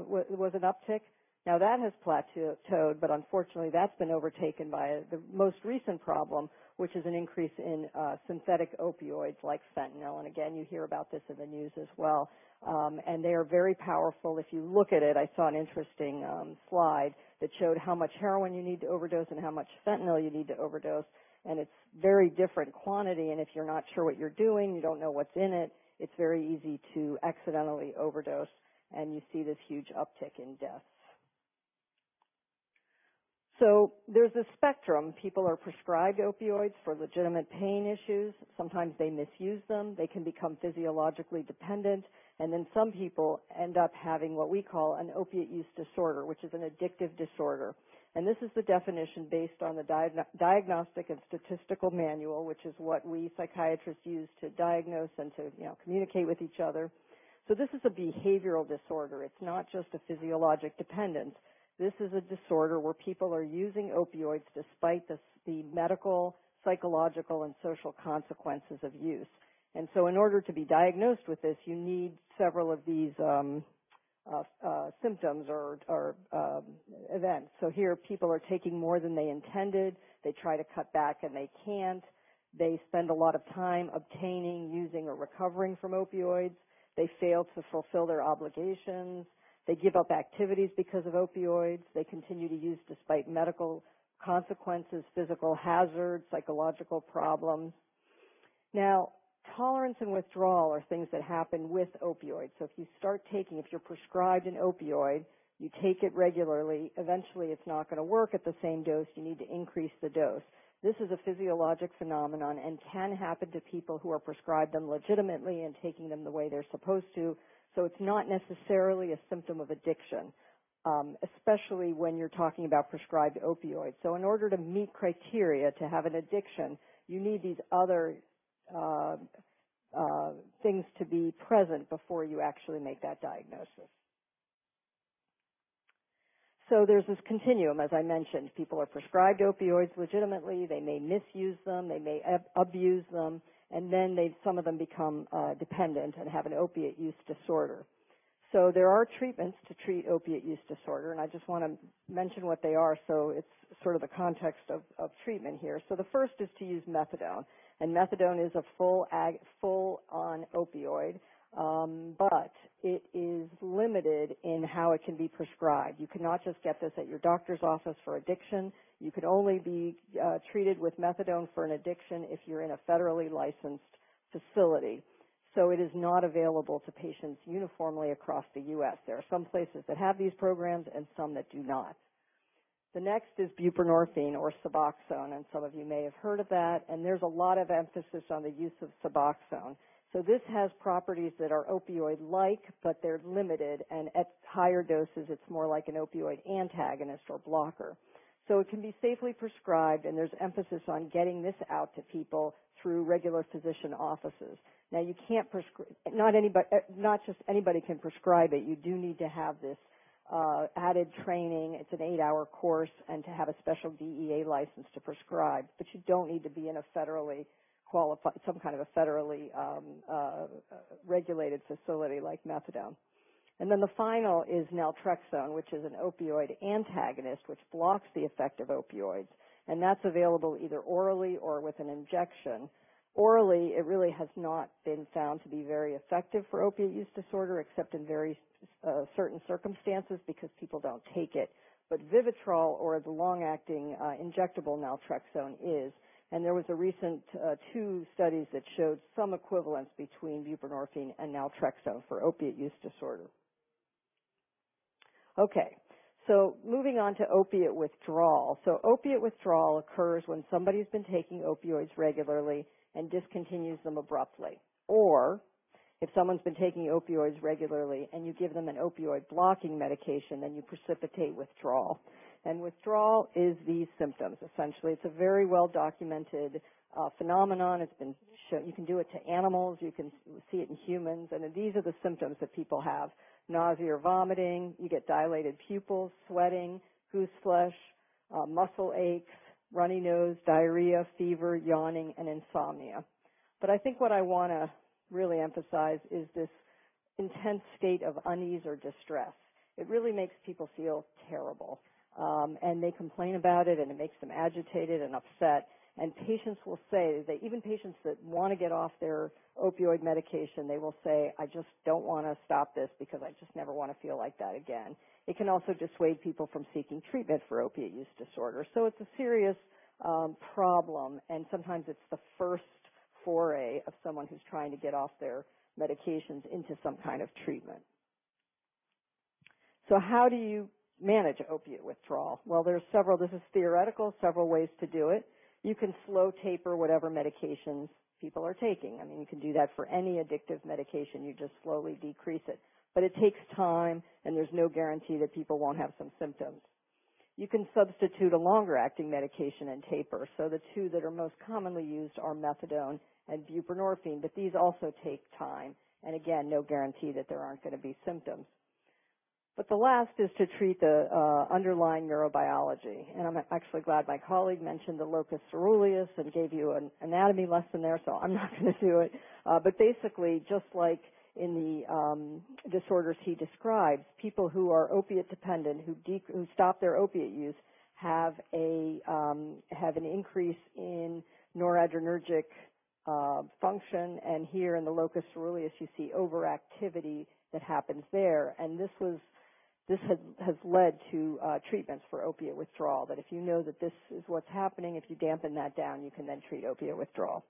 was an uptick. Now, that has plateaued, but unfortunately, that's been overtaken by the most recent problem, which is an increase in synthetic opioids like fentanyl. Again, you hear about this in the news as well, and they are very powerful. If you look at it, I saw an interesting slide that showed how much heroin you need to overdose and how much fentanyl you need to overdose, and it's very different quantity, and if you're not sure what you're doing, you don't know what's in it's very easy to accidentally overdose, and you see this huge uptick in deaths. There's a spectrum. People are prescribed opioids for legitimate pain issues. Sometimes they misuse them. They can become physiologically dependent. Then some people end up having what we call an opioid use disorder, which is an addictive disorder. This is the definition based on the Diagnostic and Statistical Manual, which is what we psychiatrists use to diagnose and to communicate with each other. This is a behavioral disorder. It's not just a physiologic dependence. This is a disorder where people are using opioids despite the medical, psychological, and social consequences of use. In order to be diagnosed with this, you need several of these symptoms or events. Here, people are taking more than they intended. They try to cut back, and they can't. They spend a lot of time obtaining, using, or recovering from opioids. They fail to fulfill their obligations. They give up activities because of opioids. They continue to use despite medical consequences, physical hazards, psychological problems. Tolerance and withdrawal are things that happen with opioids. If you start taking, if you're prescribed an opioid, you take it regularly, eventually, it's not going to work at the same dose. You need to increase the dose. This is a physiologic phenomenon and can happen to people who are prescribed them legitimately and taking them the way they're supposed to. It's not necessarily a symptom of addiction, especially when you're talking about prescribed opioids. In order to meet criteria to have an addiction, you need these other things to be present before you actually make that diagnosis. There's this continuum, as I mentioned. People are prescribed opioids legitimately. They may misuse them, they may abuse them, and then some of them become dependent and have an opiate use disorder. There are treatments to treat opiate use disorder, and I just want to mention what they are. It's sort of the context of treatment here. The first is to use methadone, and methadone is a full-on opioid, but it is limited in how it can be prescribed. You cannot just get this at your doctor's office for addiction. You could only be treated with methadone for an addiction if you're in a federally licensed facility. It is not available to patients uniformly across the U.S. There are some places that have these programs and some that do not. The next is buprenorphine or SUBOXONE, and some of you may have heard of that, and there's a lot of emphasis on the use of SUBOXONE. This has properties that are opioid-like, but they're limited, and at higher doses, it's more like an opioid antagonist or blocker. It can be safely prescribed, and there's emphasis on getting this out to people through regular physician offices. Now, not just anybody can prescribe it. You do need to have this added training, it's an eight-hour course, and to have a special DEA license to prescribe. You don't need to be in some kind of a federally regulated facility like methadone. The final is naltrexone, which is an opioid antagonist which blocks the effect of opioids, and that's available either orally or with an injection. Orally, it really has not been found to be very effective for opiate use disorder, except in very certain circumstances because people don't take it. VIVITROL or the long-acting injectable naltrexone is, and there was a recent two studies that showed some equivalence between buprenorphine and naltrexone for opiate use disorder. Moving on to opiate withdrawal. Opiate withdrawal occurs when somebody's been taking opioids regularly and discontinues them abruptly. If someone's been taking opioids regularly and you give them an opioid-blocking medication, then you precipitate withdrawal. Withdrawal is these symptoms, essentially. It's a very well-documented phenomenon. You can do it to animals, you can see it in humans, and these are the symptoms that people have: nausea, vomiting, you get dilated pupils, sweating, goose flesh, muscle aches, runny nose, diarrhea, fever, yawning, and insomnia. I think what I want to really emphasize is this intense state of unease or distress. It really makes people feel terrible. They complain about it, and it makes them agitated and upset. Patients will say, even patients that want to get off their opioid medication, they will say, "I just don't want to stop this because I just never want to feel like that again." It can also dissuade people from seeking treatment for opioid use disorder. It's a serious problem, and sometimes it's the first foray of someone who's trying to get off their medications into some kind of treatment. How do you manage opioid withdrawal? There's several, this is theoretical, several ways to do it. You can slow taper whatever medications people are taking. You can do that for any addictive medication. You just slowly decrease it. But it takes time, and there's no guarantee that people won't have some symptoms. You can substitute a longer-acting medication and taper. The two that are most commonly used are methadone and buprenorphine, but these also take time, and again, no guarantee that there aren't going to be symptoms. The last is to treat the underlying neurobiology, and I'm actually glad my colleague mentioned the locus coeruleus and gave you an anatomy lesson there, I'm not going to do it. Basically, just like in the disorders he describes, people who are opioid-dependent, who stop their opioid use, have an increase in noradrenergic function, and here in the locus coeruleus, you see overactivity that happens there. This has led to treatments for opioid withdrawal, that if you know that this is what's happening, if you dampen that down, you can then treat opioid withdrawal.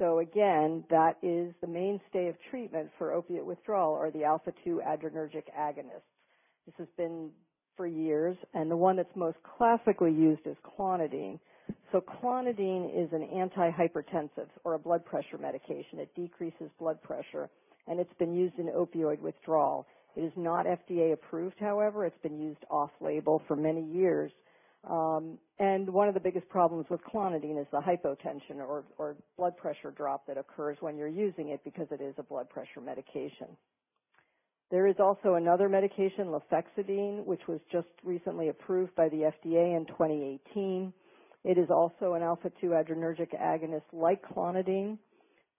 Again, that is the mainstay of treatment for opioid withdrawal are the alpha-2 adrenergic agonists. This has been for years, and the one that's most classically used is clonidine. Clonidine is an antihypertensive or a blood pressure medication. It decreases blood pressure, and it's been used in opioid withdrawal. It is not FDA-approved, however. It's been used off-label for many years. One of the biggest problems with clonidine is the hypotension or blood pressure drop that occurs when you're using it because it is a blood pressure medication. There is also another medication, lofexidine, which was just recently approved by the FDA in 2018. It is also an alpha-2 adrenergic agonist like clonidine.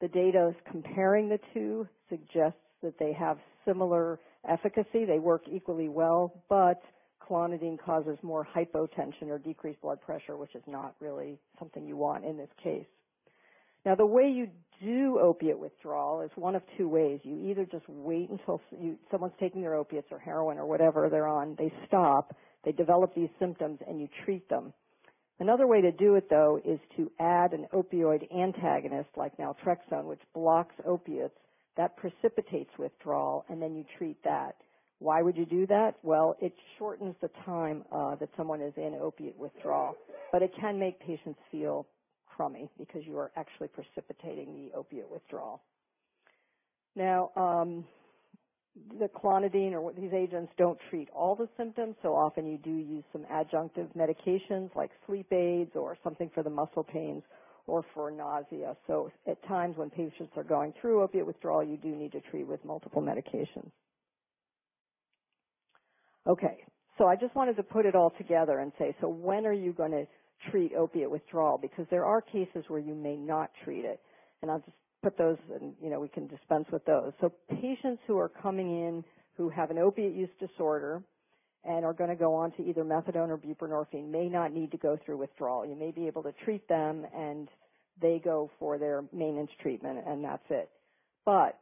The data comparing the two suggests that they have similar efficacy. They work equally well, but clonidine causes more hypotension or decreased blood pressure, which is not really something you want in this case. The way you do opioid withdrawal is one of two ways. You either just wait until someone's taking their opioids or heroin or whatever they're on, they stop, they develop these symptoms, and you treat them. Another way to do it, though, is to add an opioid antagonist like naltrexone, which blocks opioids. That precipitates withdrawal, you treat that. Why would you do that? It shortens the time that someone is in opioid withdrawal, but it can make patients feel crummy because you are actually precipitating the opioid withdrawal. The clonidine or these agents don't treat all the symptoms, often you do use some adjunctive medications like sleep aids or something for the muscle pains or for nausea. At times when patients are going through opioid withdrawal, you do need to treat with multiple medications. I just wanted to put it all together and say, when are you going to treat opiate withdrawal? There are cases where you may not treat it. I'll just put those, and we can dispense with those. Patients who are coming in who have an opiate use disorder and are going to go on to either methadone or buprenorphine may not need to go through withdrawal. You may be able to treat them, and they go for their maintenance treatment, and that's it.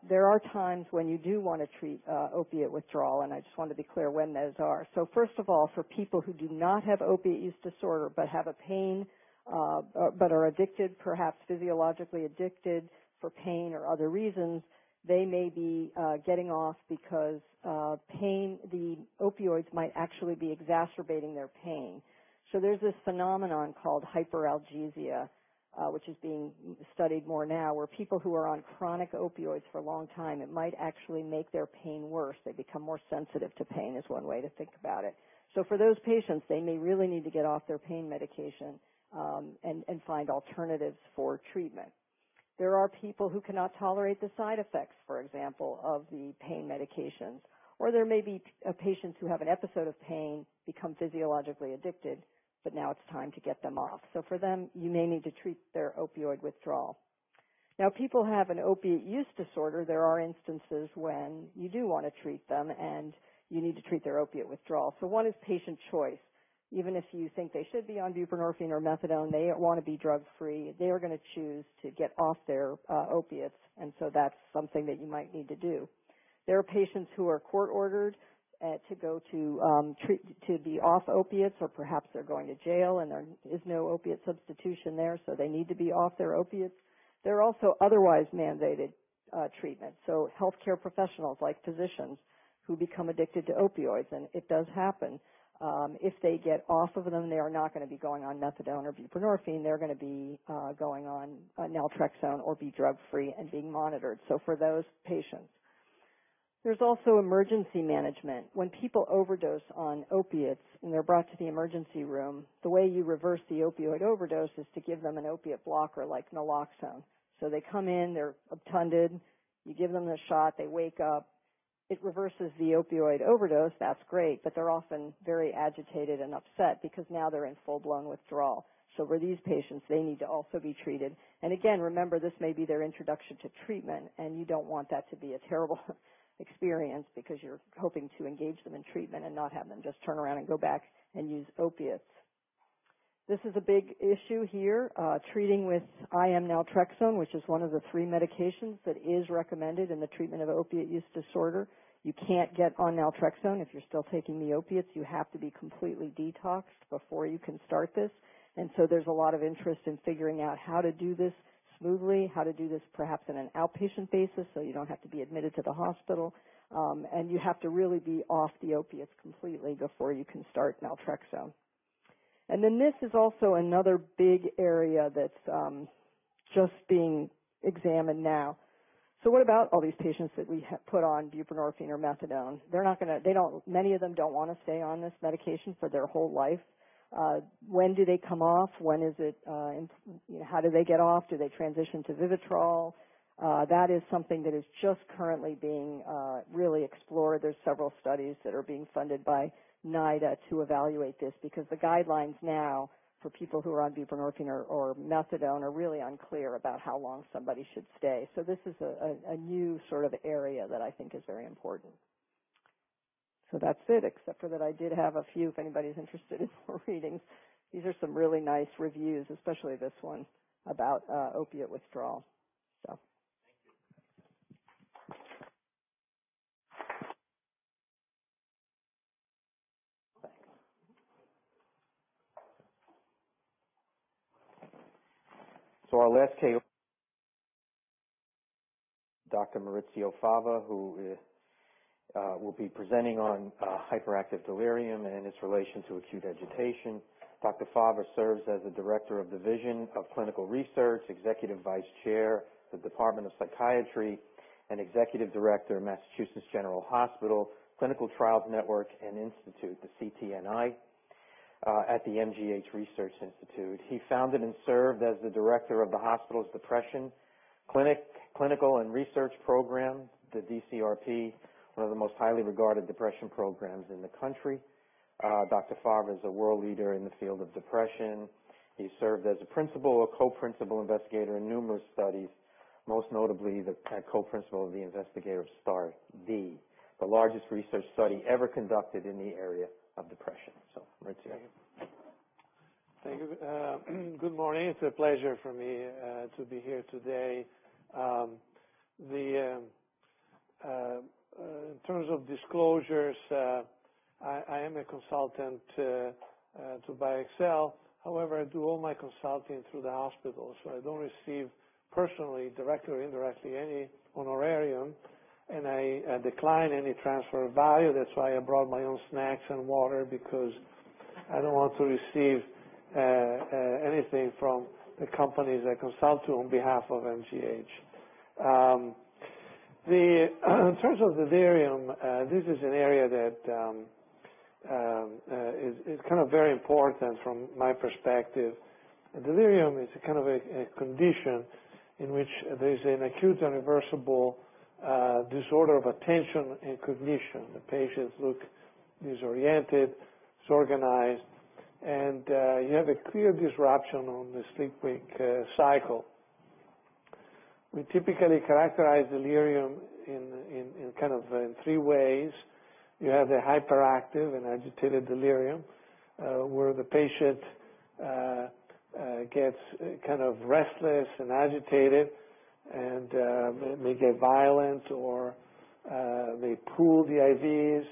There are times when you do want to treat opiate withdrawal, and I just wanted to be clear when those are. First of all, for people who do not have opiate use disorder but have a pain, but are addicted, perhaps physiologically addicted for pain or other reasons, they may be getting off because the opioids might actually be exacerbating their pain. There's this phenomenon called hyperalgesia, which is being studied more now, where people who are on chronic opioids for a long time, it might actually make their pain worse. They become more sensitive to pain is one way to think about it. For those patients, they may really need to get off their pain medication, and find alternatives for treatment. There are people who cannot tolerate the side effects, for example, of the pain medications, or there may be patients who have an episode of pain, become physiologically addicted, but now it's time to get them off. For them, you may need to treat their opioid withdrawal. People have an opiate use disorder, there are instances when you do want to treat them, and you need to treat their opiate withdrawal. One is patient choice. Even if you think they should be on buprenorphine or methadone, they want to be drug-free, they are going to choose to get off their opiates. That's something that you might need to do. There are patients who are court-ordered to be off opiates, or perhaps they're going to jail and there is no opiate substitution there, so they need to be off their opiates. There are also otherwise mandated treatments. Healthcare professionals like physicians who become addicted to opioids, and it does happen. If they get off of them, they are not going to be going on methadone or buprenorphine. They're going to be going on naltrexone or be drug-free and being monitored. For those patients, there's also emergency management. When people overdose on opiates and they're brought to the emergency room, the way you reverse the opioid overdose is to give them an opiate blocker like naloxone. They come in, they're obtunded. You give them the shot, they wake up. It reverses the opioid overdose, that's great, but they're often very agitated and upset because now they're in full-blown withdrawal. For these patients, they need to also be treated. Again, remember, this may be their introduction to treatment, and you don't want that to be a terrible experience because you're hoping to engage them in treatment and not have them just turn around and go back and use opiates. This is a big issue here, treating with IM naltrexone, which is one of the three medications that is recommended in the treatment of opiate use disorder. You can't get on naltrexone if you're still taking the opiates. You have to be completely detoxed before you can start this. There's a lot of interest in figuring out how to do this smoothly, how to do this perhaps on an outpatient basis, so you don't have to be admitted to the hospital. You have to really be off the opiates completely before you can start naltrexone. This is also another big area that's just being examined now. What about all these patients that we put on buprenorphine or methadone? Many of them don't want to stay on this medication for their whole life. When do they come off? How do they get off? Do they transition to VIVITROL? That is something that is just currently being really explored. There's several studies that are being funded by NIDA to evaluate this, because the guidelines now for people who are on buprenorphine or methadone are really unclear about how long somebody should stay. This is a new sort of area that I think is very important. That's it, except for that I did have a few, if anybody's interested in more readings. These are some really nice reviews, especially this one about opiate withdrawal. Thank you. Thanks. Our last KOL, Dr. Maurizio Fava, who will be presenting on hyperactive delirium and its relation to acute agitation. Dr. Fava serves as the Director of the Division of Clinical Research, Executive Vice Chair of the Department of Psychiatry, and Executive Director of Massachusetts General Hospital Clinical Trials Network and Institute, the CTNI, at the MGH Research Institute. He founded and served as the director of the hospital's Depression Clinical and Research Program, the DCRP, one of the most highly regarded depression programs in the country. Dr. Fava is a world leader in the field of depression. He served as a principal or co-principal investigator in numerous studies, most notably the co-principal and the investigator of STAR*D, the largest research study ever conducted in the area of depression. Maurizio. Thank you. Good morning. It's a pleasure for me to be here today. In terms of disclosures, I am a consultant to BioXcel. However, I do all my consulting through the hospital, so I don't receive personally, directly or indirectly, any honorarium, and I decline any transfer of value. That's why I brought my own snacks and water because I don't want to receive anything from the companies I consult on behalf of MGH. In terms of delirium, this is an area that is kind of very important from my perspective. Delirium is a kind of a condition in which there's an acute and reversible disorder of attention and cognition. The patients look disoriented, disorganized, and you have a clear disruption on the sleep-wake cycle. We typically characterize delirium in kind of three ways. You have the hyperactive and agitated delirium, where the patient gets kind of restless and agitated, and they get violent or they pull the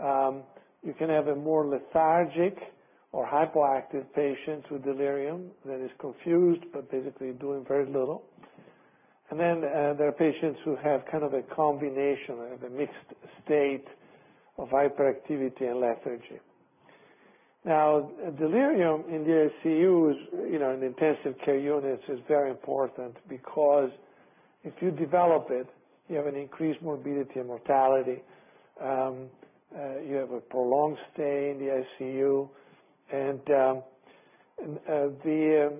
IVs. You can have a more lethargic or hypoactive patient with delirium that is confused, but basically doing very little. Then there are patients who have kind of a combination of a mixed state of hyperactivity and lethargy. Delirium in the ICU, in intensive care units, is very important because if you develop it, you have an increased morbidity and mortality. You have a prolonged stay in the ICU. The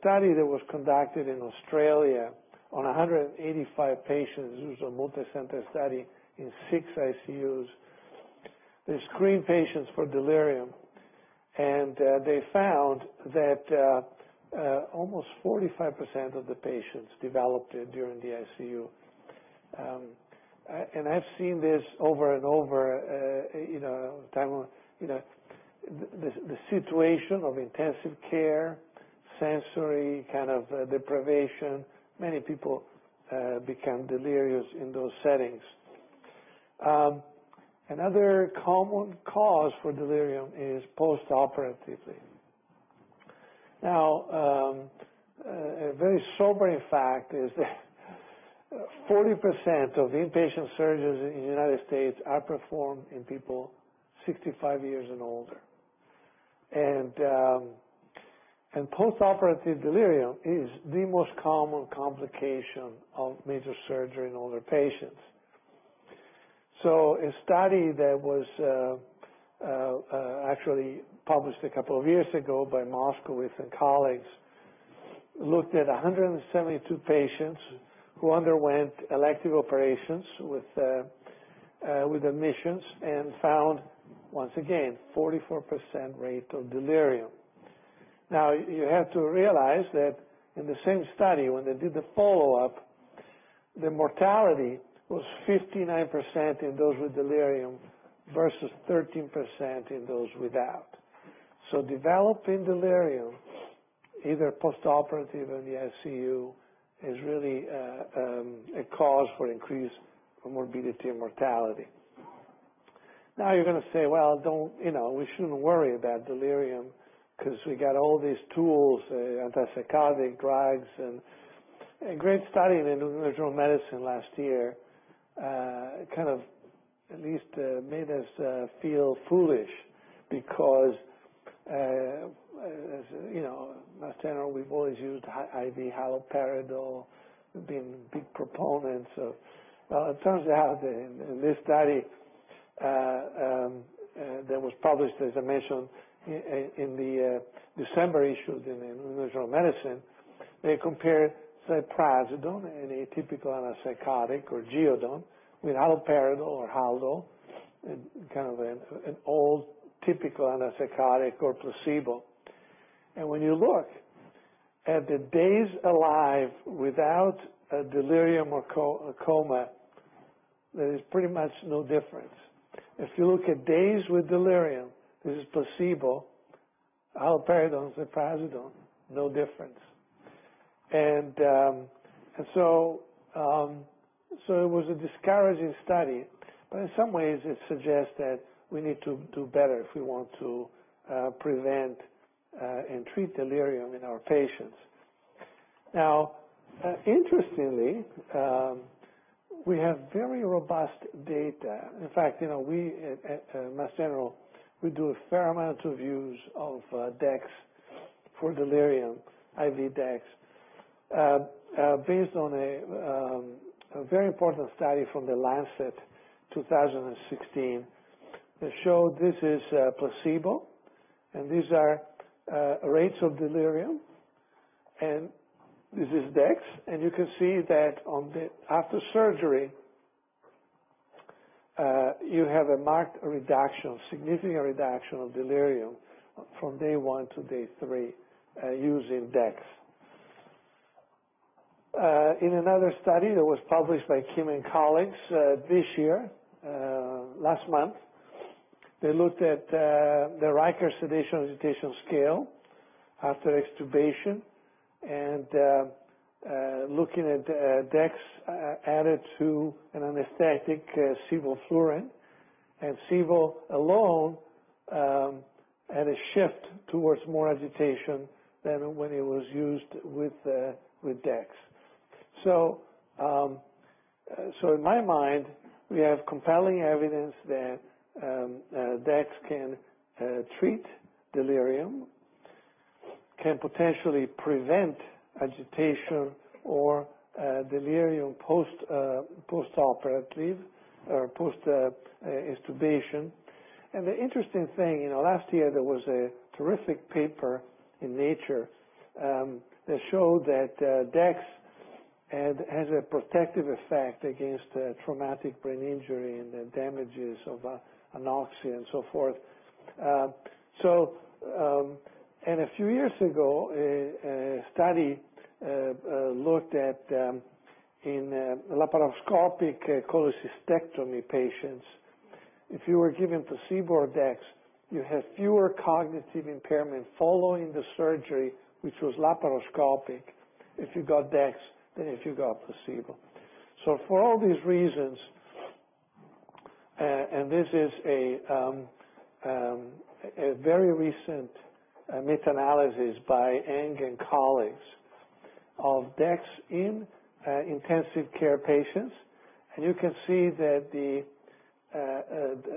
study that was conducted in Australia on 185 patients, it was a multicenter study in six ICUs. They screened patients for delirium, and they found that almost 45% of the patients developed it during the ICU. I've seen this over and over. The situation of intensive care, sensory kind of deprivation, many people become delirious in those settings. Another common cause for delirium is post-operatively. A very sobering fact is that 40% of inpatient surgeries in the U.S. are performed in people 65 years and older. Postoperative delirium is the most common complication of major surgery in older patients. A study that was actually published a couple of years ago by Moskowitz and colleagues looked at 172 patients who underwent elective operations with admissions and found, once again, 44% rate of delirium. You have to realize that in the same study, when they did the follow-up, the mortality was 59% in those with delirium versus 13% in those without. Developing delirium, either postoperative in the ICU, is really a cause for increased morbidity and mortality. You're going to say, "Well, we shouldn't worry about delirium because we got all these tools, antipsychotic drugs." A great study in the "New England Journal of Medicine" last year kind of at least made us feel foolish because, as you know, Mass General, we've always used IV haloperidol, been big proponents. It turns out in this study that was published, as I mentioned, in the December issue of the "New England Journal of Medicine," they compared ziprasidone, an atypical antipsychotic, or Geodon, with haloperidol or Haldol, kind of an old typical antipsychotic or placebo. When you look at the days alive without a delirium or coma, there is pretty much no difference. If you look at days with delirium versus placebo, haloperidol and ziprasidone, no difference. It was a discouraging study, but in some ways it suggests that we need to do better if we want to prevent and treat delirium in our patients. Interestingly, we have very robust data. In fact, we at Mass General, we do a fair amount of use of dex for delirium, IV dex. Based on a very important study from The Lancet 2016 that showed this is placebo, and these are rates of delirium, and this is dex. You can see that after surgery, you have a marked reduction, significant reduction of delirium from day one to day three using dex. In another study that was published by Kim and colleagues this year, last month, they looked at the Riker Sedation-Agitation Scale after extubation, looking at dex added to an anesthetic, sevoflurane. Sevo alone had a shift towards more agitation than when it was used with dex. In my mind, we have compelling evidence that dex can treat delirium, can potentially prevent agitation or delirium postoperative or post-extubation. The interesting thing, last year there was a terrific paper in Nature that showed that dex has a protective effect against traumatic brain injury and the damages of anoxia and so forth. A few years ago, a study looked at in laparoscopic cholecystectomy patients, if you were given placebo or dex, you had fewer cognitive impairment following the surgery, which was laparoscopic, if you got dex than if you got placebo. For all these reasons, this is a very recent meta-analysis by Ng and colleagues of dex in intensive care patients. You can see that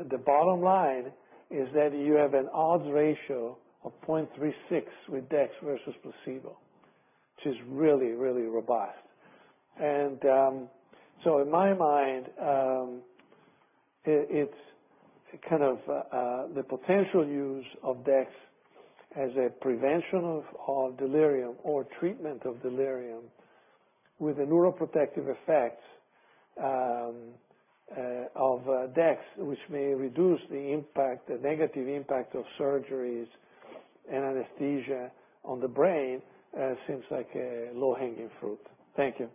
the bottom line is that you have an odds ratio of 0.36 with dex versus placebo, which is really, really robust. In my mind, it's kind of the potential use of dex as a prevention of delirium or treatment of delirium with the neuroprotective effects of dex, which may reduce the negative impact of surgeries and anesthesia on the brain, seems like a low-hanging fruit. Thank you.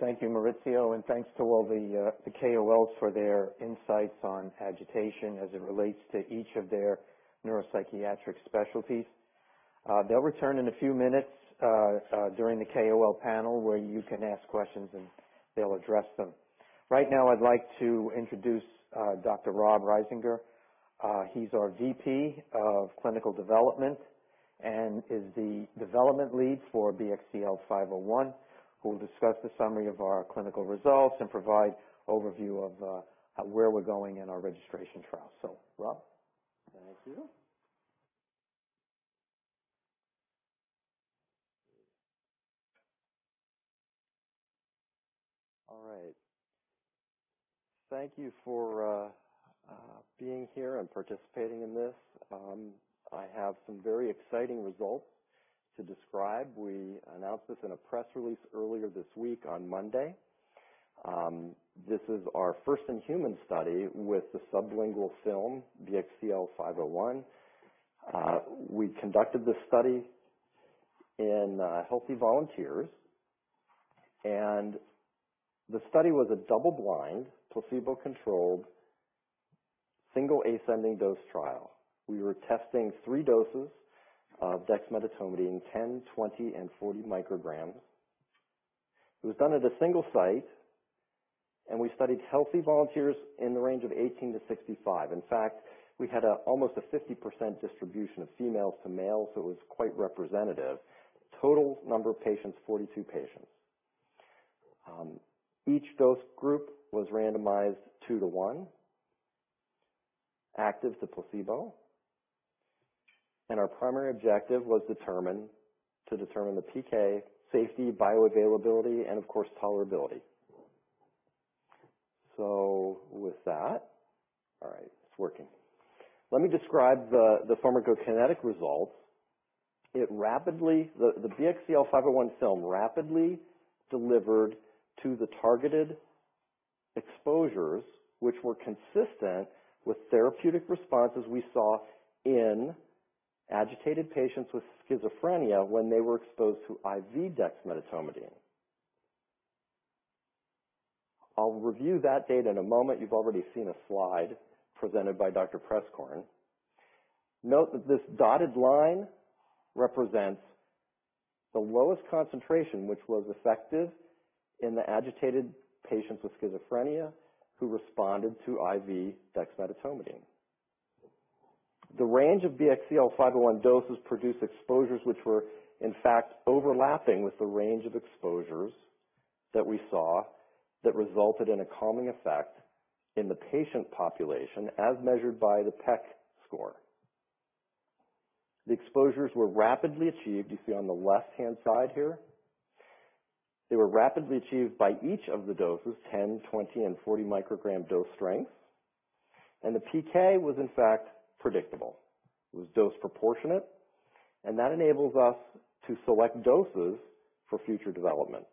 Thank you, Maurizio, and thanks to all the KOLs for their insights on agitation as it relates to each of their neuropsychiatric specialties. They'll return in a few minutes during the KOL panel where you can ask questions, and they'll address them. I'd like to introduce Dr. Robert Risinger. He's our VP of clinical development and is the development lead for BXCL501, who will discuss the summary of our clinical results and provide overview of where we're going in our registration trial. Rob? Thank you. All right. Thank you for being here and participating in this. I have some very exciting results to describe. We announced this in a press release earlier this week on Monday. This is our first human study with the sublingual film, BXCL501. We conducted this study in healthy volunteers. The study was a double-blind, placebo-controlled, single ascending dose trial. We were testing three doses of dexmedetomidine, 10, 20, and 40 micrograms. It was done at a single site. We studied healthy volunteers in the range of 18 to 65. In fact, we had almost a 50% distribution of females to males. It was quite representative. Total number of patients, 42 patients. Each dose group was randomized two to one, active to placebo. Our primary objective was to determine the PK, safety, bioavailability, and of course, tolerability. All right, it's working. Let me describe the pharmacokinetic results. The BXCL501 film rapidly delivered to the targeted exposures, which were consistent with therapeutic responses we saw in agitated patients with schizophrenia when they were exposed to IV dexmedetomidine. I'll review that data in a moment. You've already seen a slide presented by Dr. Preskorn. Note that this dotted line represents the lowest concentration which was effective in the agitated patients with schizophrenia who responded to IV dexmedetomidine. The range of BXCL501 doses produced exposures which were, in fact, overlapping with the range of exposures that we saw that resulted in a calming effect in the patient population, as measured by the PEC score. The exposures were rapidly achieved. You see on the left-hand side here. They were rapidly achieved by each of the doses, 10, 20, and 40 microgram dose strengths. The PK was, in fact, predictable. It was dose proportionate. That enables us to select doses for future development.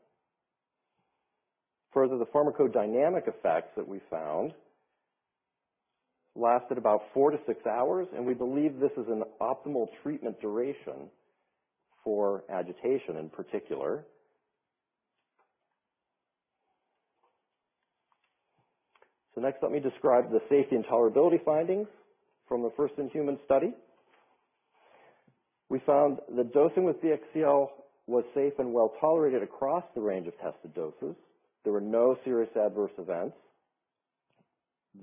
Further, the pharmacodynamic effects that we found lasted about four to six hours, and we believe this is an optimal treatment duration for agitation in particular. Next, let me describe the safety and tolerability findings from the first human study. We found that dosing with BXCL was safe and well-tolerated across the range of tested doses. There were no serious adverse events.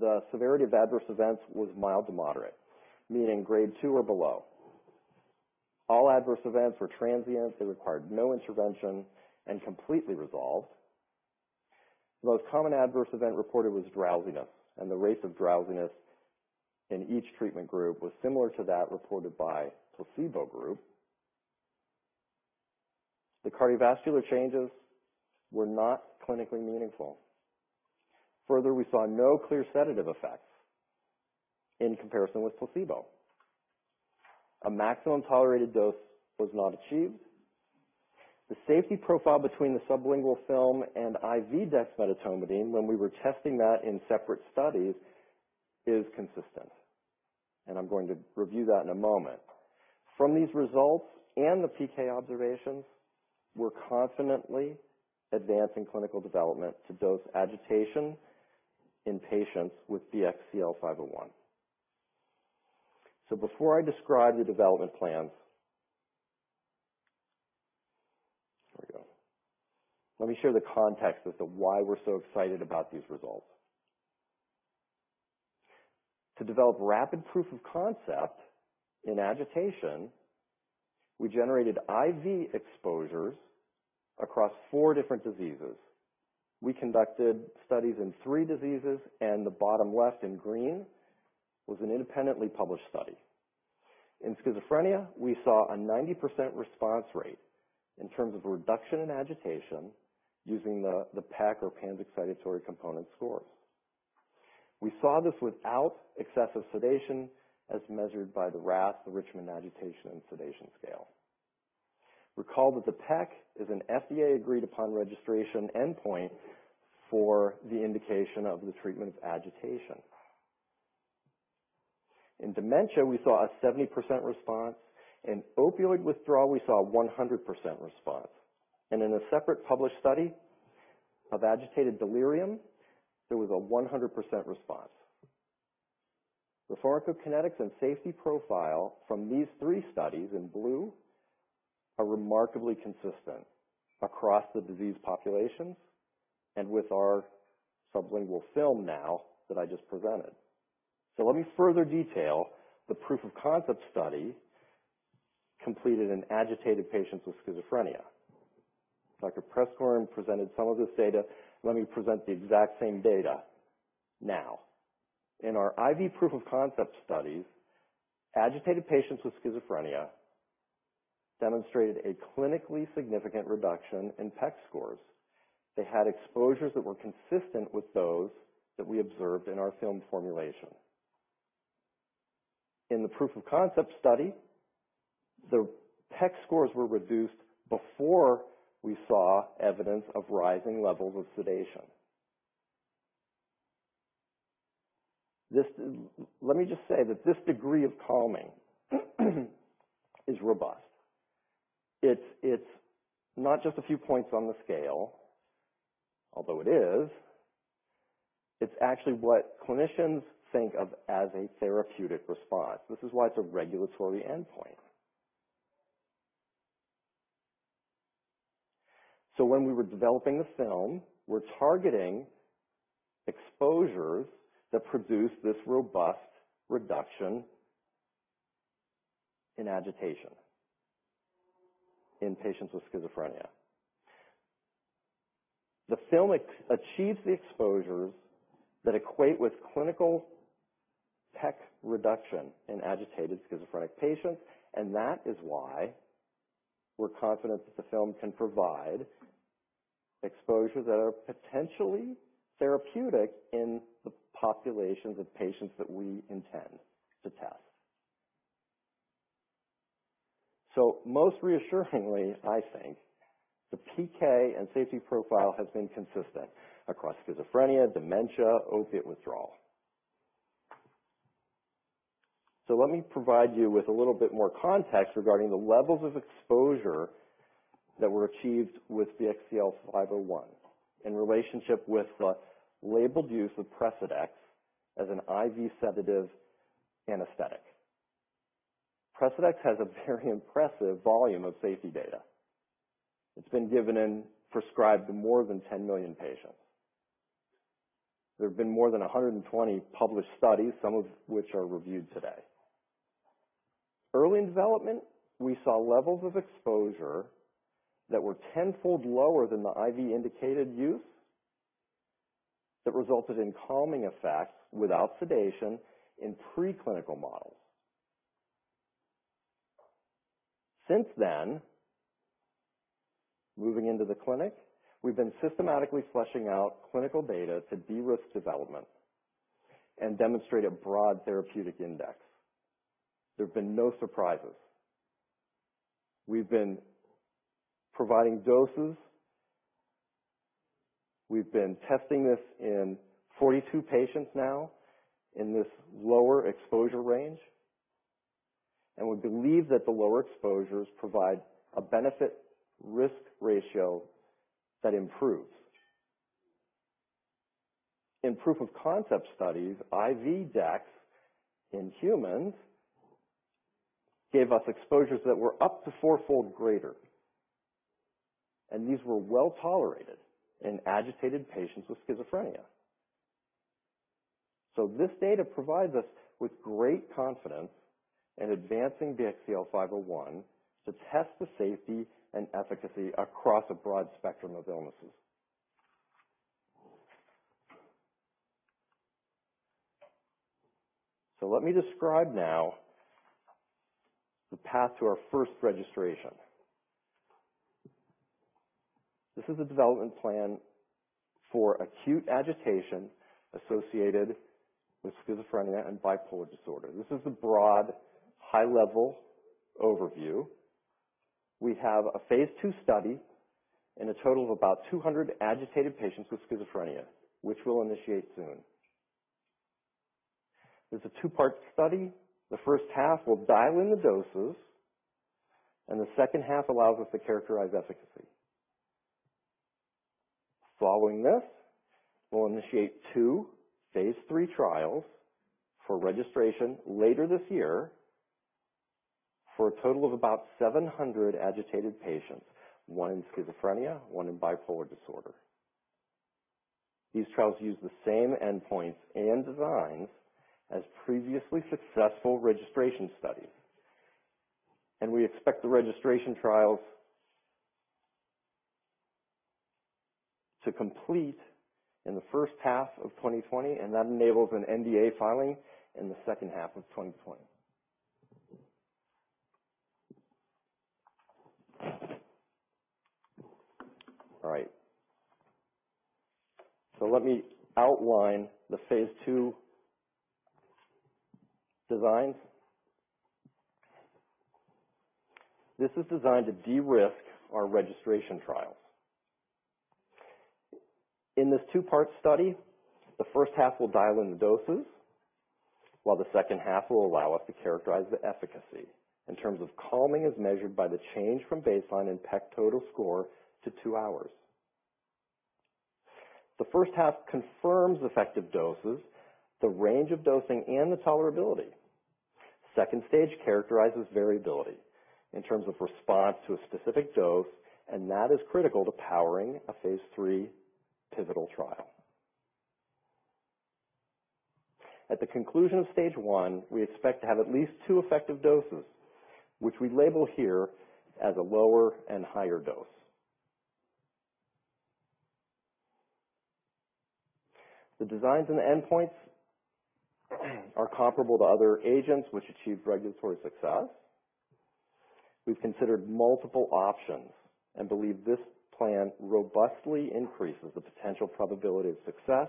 The severity of adverse events was mild to moderate, meaning Grade 2 or below. All adverse events were transient. They required no intervention, and completely resolved. The most common adverse event reported was drowsiness. The rate of drowsiness in each treatment group was similar to that reported by placebo group. The cardiovascular changes were not clinically meaningful. Further, we saw no clear sedative effects in comparison with placebo. A maximum tolerated dose was not achieved. The safety profile between the sublingual film and IV dexmedetomidine, when we were testing that in separate studies, is consistent. I'm going to review that in a moment. From these results and the PK observations, we're confidently advancing clinical development to dose agitation in patients with BXCL501. Before I describe the development plans. There we go. Let me share the context as to why we're so excited about these results. To develop rapid proof of concept in agitation, we generated IV exposures across four different diseases. We conducted studies in three diseases. The bottom left in green was an independently published study. In schizophrenia, we saw a 90% response rate in terms of reduction in agitation using the PEC, or PANSS excitatory component scores. We saw this without excessive sedation as measured by the RASS, the Richmond Agitation and Sedation Scale. Recall that the PEC is an FDA agreed-upon registration endpoint for the indication of the treatment of agitation. In dementia, we saw a 70% response. In opioid withdrawal, we saw a 100% response. In a separate published study of agitated delirium, there was a 100% response. The pharmacokinetics and safety profile from these three studies in blue are remarkably consistent across the disease populations and with our sublingual film now that I just presented. Let me further detail the proof-of-concept study completed in agitated patients with schizophrenia. Dr. Preskorn presented some of this data. Let me present the exact same data now. In our IV proof-of-concept studies, agitated patients with schizophrenia demonstrated a clinically significant reduction in PEC scores. They had exposures that were consistent with those that we observed in our film formulation. In the proof-of-concept study, the PEC scores were reduced before we saw evidence of rising levels of sedation. Let me just say that this degree of calming is robust. It is not just a few points on the scale, although it is. It is actually what clinicians think of as a therapeutic response. This is why it is a regulatory endpoint. When we were developing the film, we are targeting exposures that produce this robust reduction in agitation in patients with schizophrenia. The film achieves the exposures that equate with clinical PEC reduction in agitated schizophrenic patients, and that is why we are confident that the film can provide exposures that are potentially therapeutic in the populations of patients that we intend to test. Most reassuringly, I think, the PK and safety profile has been consistent across schizophrenia, dementia, opiate withdrawal. Let me provide you with a little bit more context regarding the levels of exposure that were achieved with BXCL501 in relationship with the labeled use of Precedex as an IV sedative anesthetic. Precedex has a very impressive volume of safety data. It has been given and prescribed to more than 10 million patients. There have been more than 120 published studies, some of which are reviewed today. Early in development, we saw levels of exposure that were tenfold lower than the IV indicated use that resulted in calming effects without sedation in pre-clinical models. Since then, moving into the clinic, we have been systematically fleshing out clinical data to de-risk development and demonstrate a broad therapeutic index. There have been no surprises. We have been providing doses. We have been testing this in 42 patients now in this lower exposure range, and we believe that the lower exposures provide a benefit risk ratio that improves. In proof-of-concept studies, IV dex in humans gave us exposures that were up to fourfold greater, and these were well-tolerated in agitated patients with schizophrenia. This data provides us with great confidence in advancing BXCL501 to test the safety and efficacy across a broad spectrum of illnesses. Let me describe now the path to our first registration. This is a development plan for acute agitation associated with schizophrenia and bipolar disorder. This is a broad, high-level overview. We have a phase II study and a total of about 200 agitated patients with schizophrenia, which we will initiate soon. It is a two-part study. The first half will dial in the doses, and the second half allows us to characterize efficacy. Following this, we'll initiate two phase III trials for registration later this year for a total of about 700 agitated patients, one in schizophrenia, one in bipolar disorder. These trials use the same endpoints and designs as previously successful registration studies. We expect the registration trials to complete in the first half of 2020, and that enables an NDA filing in the second half of 2020. All right. Let me outline the phase II designs. This is designed to de-risk our registration trials. In this two-part study, the first half will dial in the doses, while the second half will allow us to characterize the efficacy in terms of calming as measured by the change from baseline in PEC total score to two hours. The first half confirms effective doses, the range of dosing, and the tolerability. Stage 2 characterizes variability in terms of response to a specific dose, and that is critical to powering a phase III pivotal trial. At the conclusion of Stage 1, we expect to have at least two effective doses, which we label here as a lower and higher dose. The designs and endpoints are comparable to other agents which achieved regulatory success. We've considered multiple options and believe this plan robustly increases the potential probability of success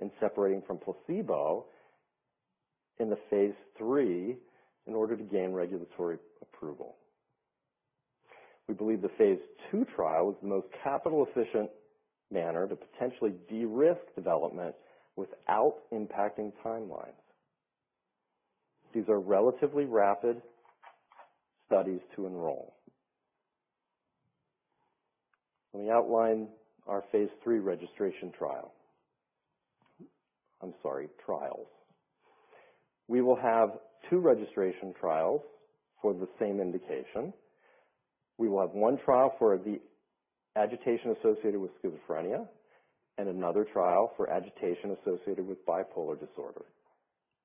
in separating from placebo in the phase III in order to gain regulatory approval. We believe the phase II trial is the most capital-efficient manner to potentially de-risk development without impacting timelines. These are relatively rapid studies to enroll. Let me outline our phase III registration trial. I'm sorry, trials. We will have two registration trials for the same indication. We will have one trial for the agitation associated with schizophrenia and another trial for agitation associated with bipolar disorder.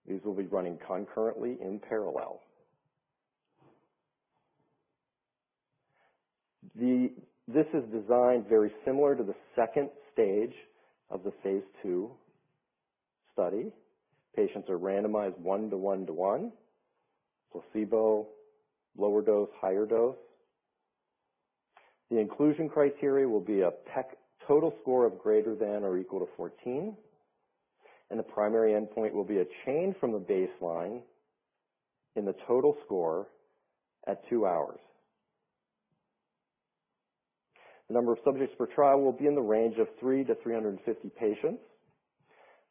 These will be running concurrently in parallel. This is designed very similar to the Stage 2 of the phase II study. Patients are randomized 1 to 1 to 1, placebo, lower dose, higher dose. The inclusion criteria will be a PEC total score of greater than or equal to 14, and the primary endpoint will be a change from the baseline in the total score at two hours. The number of subjects per trial will be in the range of 3 to 350 patients.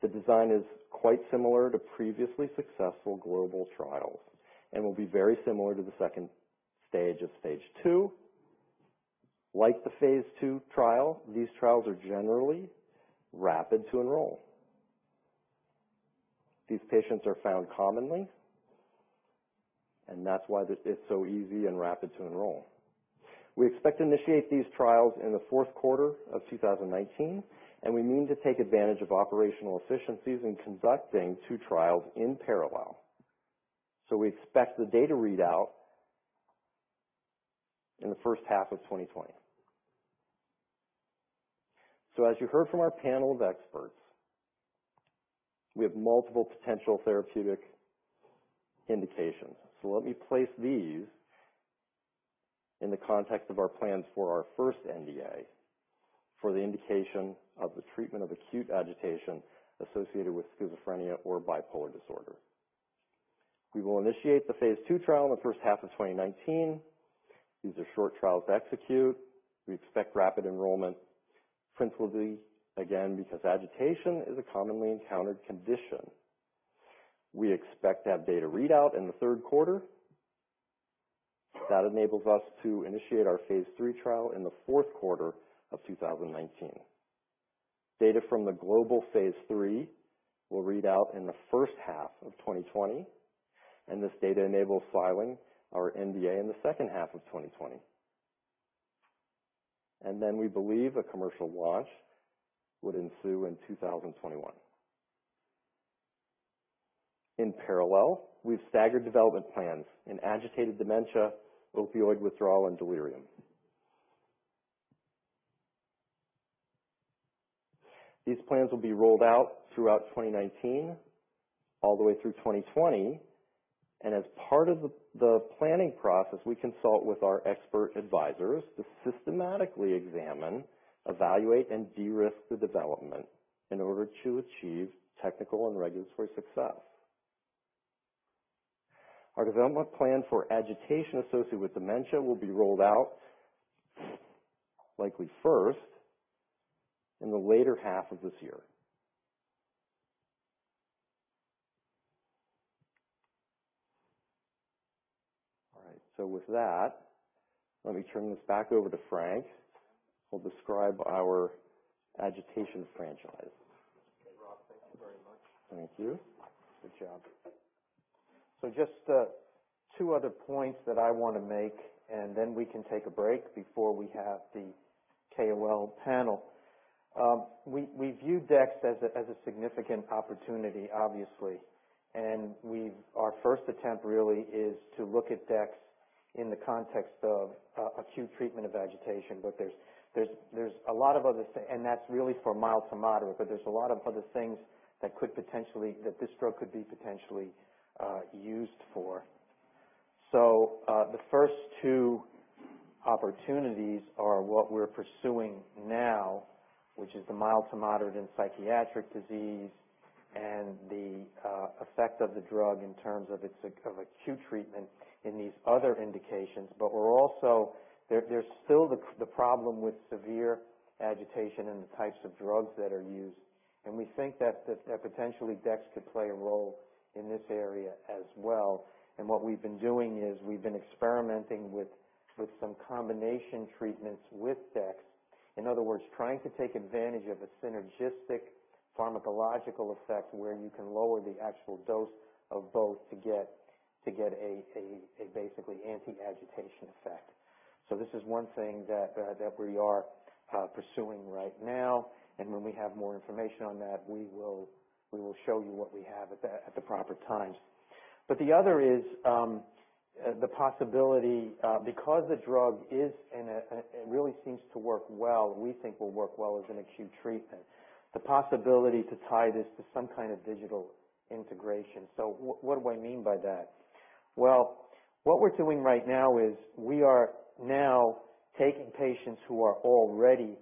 The design is quite similar to previously successful global trials and will be very similar to the Stage 2. Like the phase II trial, these trials are generally rapid to enroll. These patients are found commonly, and that's why it's so easy and rapid to enroll. We expect to initiate these trials in the fourth quarter of 2019, and we mean to take advantage of operational efficiencies in conducting two trials in parallel. We expect the data readout in the first half of 2020. As you heard from our panel of experts, we have multiple potential therapeutic indications. Let me place these in the context of our plans for our first NDA for the indication of the treatment of acute agitation associated with schizophrenia or bipolar disorder. We will initiate the phase II trial in the first half of 2019. These are short trials to execute. We expect rapid enrollment, principally, again, because agitation is a commonly encountered condition. We expect to have data readout in the third quarter. That enables us to initiate our phase III trial in the fourth quarter of 2019. This data enables filing our NDA in the second half of 2020. We believe a commercial launch would ensue in 2021. In parallel, we've staggered development plans in agitated dementia, opioid withdrawal, and delirium. These plans will be rolled out throughout 2019, all the way through 2020, as part of the planning process, we consult with our expert advisors to systematically examine, evaluate, and de-risk the development in order to achieve technical and regulatory success. Our development plan for agitation associated with dementia will be rolled out, likely first, in the later half of this year. All right. With that, let me turn this back over to Frank, who'll describe our agitation franchise. Okay, Rob, thank you very much. Thank you. Good job. Just two other points that I want to make, then we can take a break before we have the KOL panel. We view dex as a significant opportunity, obviously, our first attempt really is to look at dex in the context of acute treatment of agitation. That's really for mild to moderate, there's a lot of other things that this drug could be potentially used for. The first two opportunities are what we're pursuing now, which is the mild to moderate in psychiatric disease and the effect of the drug in terms of acute treatment in these other indications. There's still the problem with severe agitation and the types of drugs that are used. We think that potentially dex could play a role in this area as well. What we've been doing is we've been experimenting with some combination treatments with dex. In other words, trying to take advantage of a synergistic pharmacological effect where you can lower the actual dose of both to get a basically anti-agitation effect. This is one thing that we are pursuing right now, and when we have more information on that, we will show you what we have at the proper times. The other is the possibility, because the drug really seems to work well, we think will work well as an acute treatment. The possibility to tie this to some kind of digital integration. What do I mean by that? Well, what we're doing right now is we are now taking patients who are already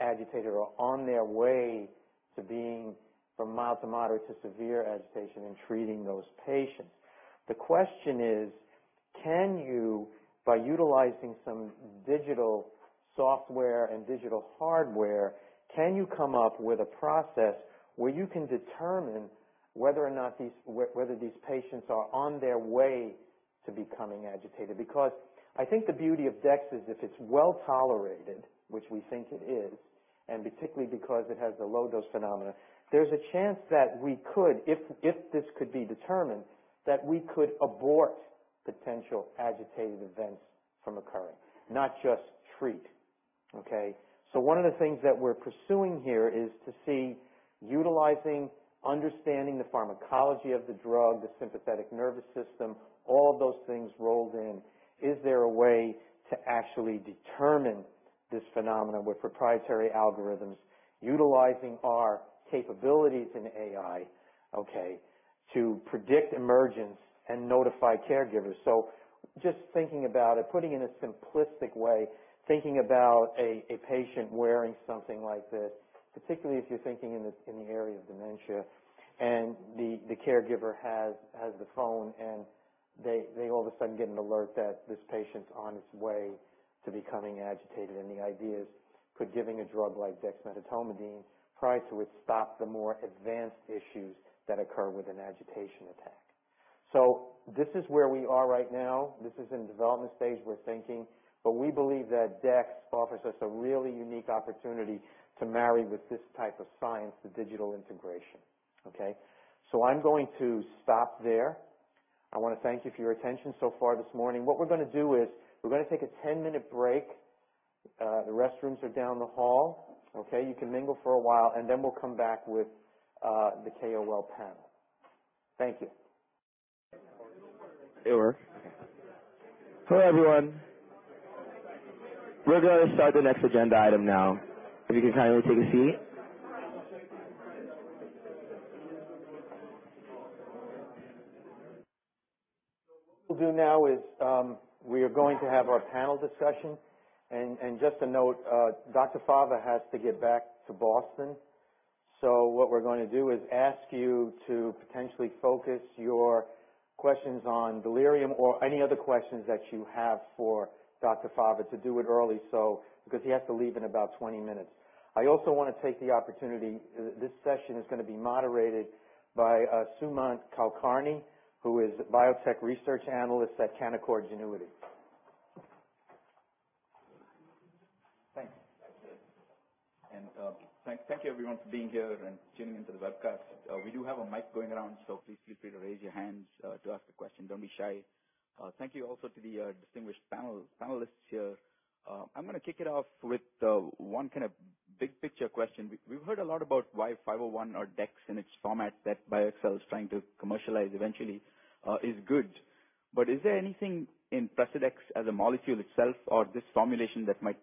agitated or on their way to being from mild to moderate to severe agitation and treating those patients. The question is, by utilizing some digital software and digital hardware, can you come up with a process where you can determine whether these patients are on their way to becoming agitated? Because I think the beauty of dex is if it's well-tolerated, which we think it is, and particularly because it has the low-dose phenomena, there's a chance that we could, if this could be determined, that we could abort potential agitated events from occurring, not just treat. Okay? One of the things that we're pursuing here is to see, utilizing, understanding the pharmacology of the drug, the sympathetic nervous system, all of those things rolled in. Is there a way to actually determine this phenomenon with proprietary algorithms, utilizing our capabilities in AI, okay, to predict emergence and notify caregivers? Just thinking about it, putting it in a simplistic way, thinking about a patient wearing something like this, particularly if you're thinking in the area of dementia. The caregiver has the phone, and they all of a sudden get an alert that this patient's on his way to becoming agitated. The idea is, could giving a drug like dexmedetomidine try to stop the more advanced issues that occur with an agitation attack? This is where we are right now. This is in the development stage. We're thinking. We believe that dex offers us a really unique opportunity to marry with this type of science, the digital integration. Okay? I'm going to stop there. I want to thank you for your attention so far this morning. What we're going to do is we're going to take a 10-minute break. The restrooms are down the hall. Okay. You can mingle for a while, and then we'll come back with the KOL panel. Thank you. Hello, everyone. We're going to start the next agenda item now. If you can kindly take a seat. What we'll do now is, we are going to have our panel discussion. Just a note, Dr. Maurizio Fava has to get back to Boston. What we're going to do is ask you to potentially focus your questions on delirium or any other questions that you have for Dr. Maurizio Fava to do it early, because he has to leave in about 20 minutes. I also want to take the opportunity. This session is going to be moderated by Sumant Kulkarni, who is a biotech research analyst at Canaccord Genuity. Thanks. Thank you everyone for being here and tuning into the webcast. We do have a mic going around, please feel free to raise your hands to ask a question. Don't be shy. Thank you also to the distinguished panelists here. I'm going to kick it off with one big picture question. We've heard a lot about why 501 or dex in its format that BioXcel Therapeutics is trying to commercialize eventually is good. Is there anything in Precedex as a molecule itself or this formulation that might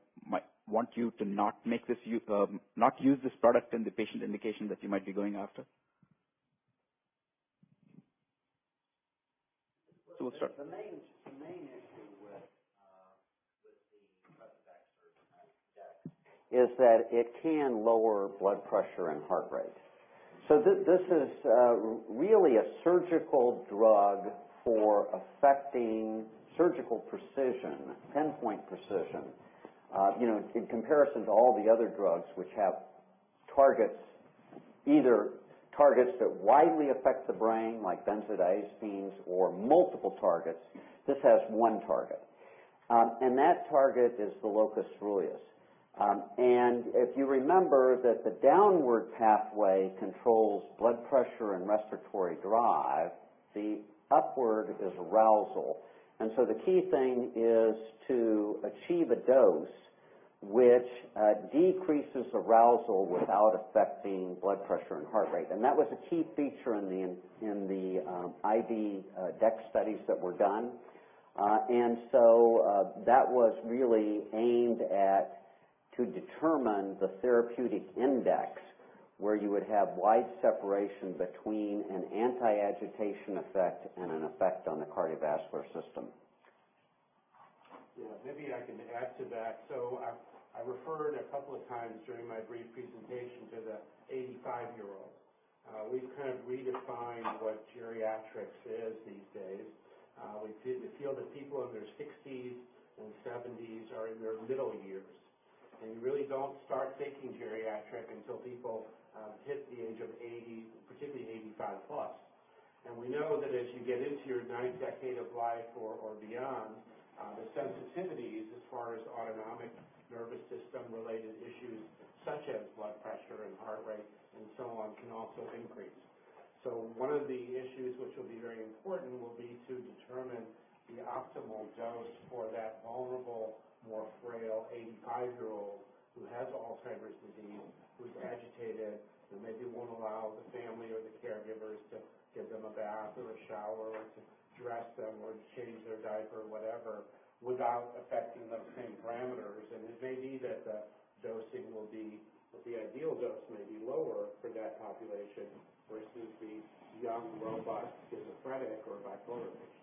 want you to not use this product in the patient indication that you might be going after? We'll start. The main issue with the Precedex or dex is that it can lower blood pressure and heart rate. This is really a surgical drug for affecting surgical precision, pinpoint precision. In comparison to all the other drugs which have targets, either targets that widely affect the brain, like benzodiazepines or multiple targets. This has one target. That target is the locus coeruleus. If you remember that the downward pathway controls blood pressure and respiratory drive, the upward is arousal. The key thing is to achieve a dose which decreases arousal without affecting blood pressure and heart rate. That was a key feature in the IV dexmedetomidine studies that were done. That was really aimed to determine the therapeutic index, where you would have wide separation between an anti-agitation effect and an effect on the cardiovascular system. Yeah, maybe I can add to that. I referred a couple of times during my brief presentation to the 85-year-old We've kind of redefined what geriatrics is these days. We feel that people in their 60s and 70s are in their middle years, and you really don't start thinking geriatric until people hit the age of 80, particularly 85 plus. We know that as you get into your ninth decade of life or beyond, the sensitivities as far as autonomic nervous system-related issues such as blood pressure and heart rate and so on, can also increase. One of the issues which will be very important will be to determine the optimal dose for that vulnerable, more frail 85-year-old who has Alzheimer's disease, who's agitated, and maybe won't allow the family or the caregivers to give them a bath or a shower or to dress them or to change their diaper, whatever, without affecting those same parameters. It may be that the ideal dose may be lower for that population versus the young, robust, schizophrenic or bipolar patient.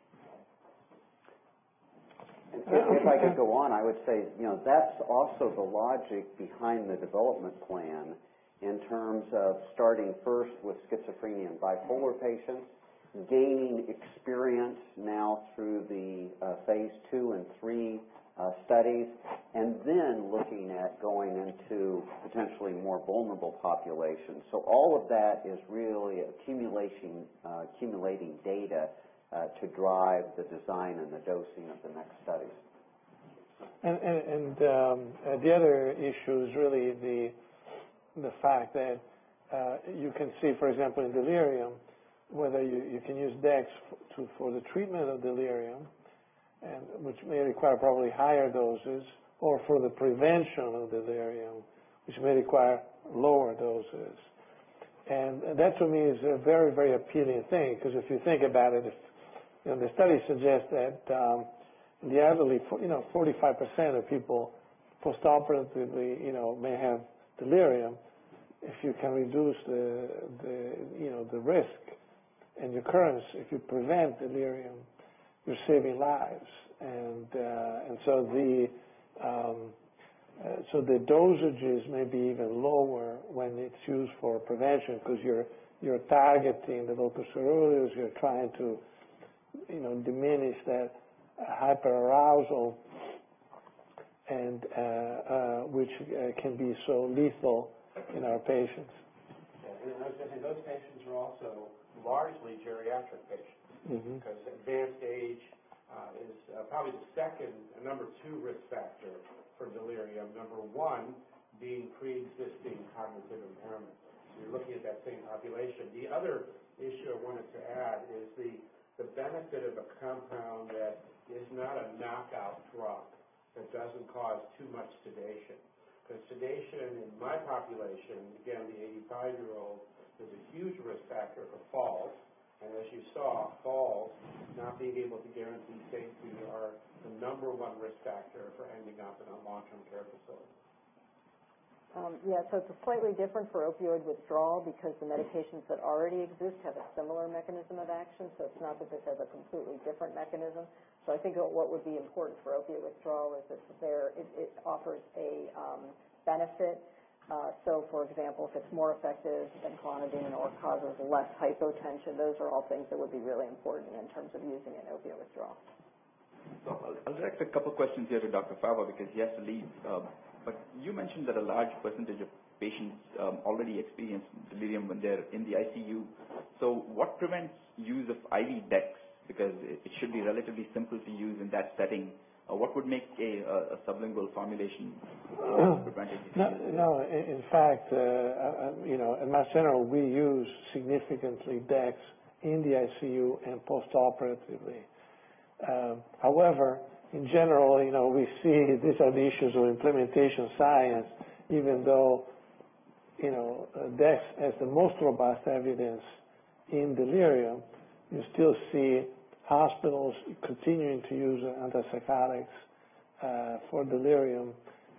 If I could go on, I would say, that's also the logic behind the development plan in terms of starting first with schizophrenia and bipolar patients, gaining experience now through the phase II and III studies, and then looking at going into potentially more vulnerable populations. All of that is really accumulating data to drive the design and the dosing of the next studies. The other issue is really the fact that you can see, for example, in delirium, whether you can use dex for the treatment of delirium, which may require probably higher doses, or for the prevention of delirium, which may require lower doses. That, to me, is a very, very appealing thing. If you think about it, the studies suggest that the elderly, 45% of people post-operatively may have delirium. If you can reduce the risk and recurrence, if you prevent delirium, you're saving lives. The dosages may be even lower when it's used for prevention because you're targeting the locus coeruleus, you're trying to diminish that hyperarousal, which can be so lethal in our patients. Those patients are also largely geriatric patients. Advanced age is probably the second, number 2 risk factor for delirium. Number 1 being preexisting cognitive impairment. You're looking at that same population. The other issue I wanted to add is the benefit of a compound that is not a knockout drug, that doesn't cause too much sedation. Sedation in my population, again, the 85-year-old, is a huge risk factor for falls. As you saw, falls, not being able to guarantee safety, are the number 1 risk factor for ending up in a long-term care facility. Yeah. It's slightly different for opioid withdrawal because the medications that already exist have a similar mechanism of action. It's not that this has a completely different mechanism. I think what would be important for opioid withdrawal is if it offers a benefit. For example, if it's more effective than clonidine or causes less hypotension, those are all things that would be really important in terms of using it in opioid withdrawal. I'll direct a couple questions here to Dr. Fava because he has to leave. You mentioned that a large percentage of patients already experience delirium when they're in the ICU. What prevents use of IV dexmedetomidine? It should be relatively simple to use in that setting. What would make a sublingual formulation advantageous? No. In fact, in Mass General, we use significantly dex in the ICU and post-operatively. In general, we see these are the issues with implementation science even though dex has the most robust evidence in delirium. You still see hospitals continuing to use antipsychotics for delirium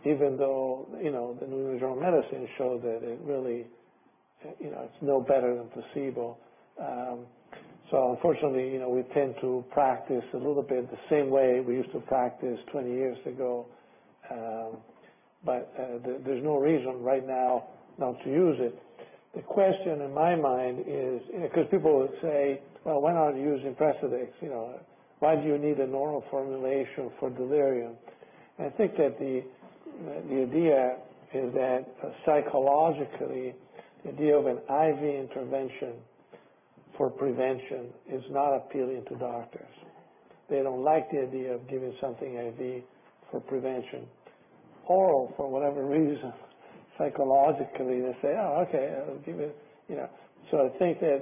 even though the New England Journal of Medicine showed that it's no better than placebo. Unfortunately, we tend to practice a little bit the same way we used to practice 20 years ago. There's no reason right now not to use it. The question in my mind is, because people say, "Well, why not use Precedex? Why do you need an oral formulation for delirium?" I think that the idea is that psychologically, the idea of an IV intervention for prevention is not appealing to doctors. They don't like the idea of giving something IV for prevention. Oral, for whatever reason, psychologically, they say, "Oh, okay, I'll give it." I think that,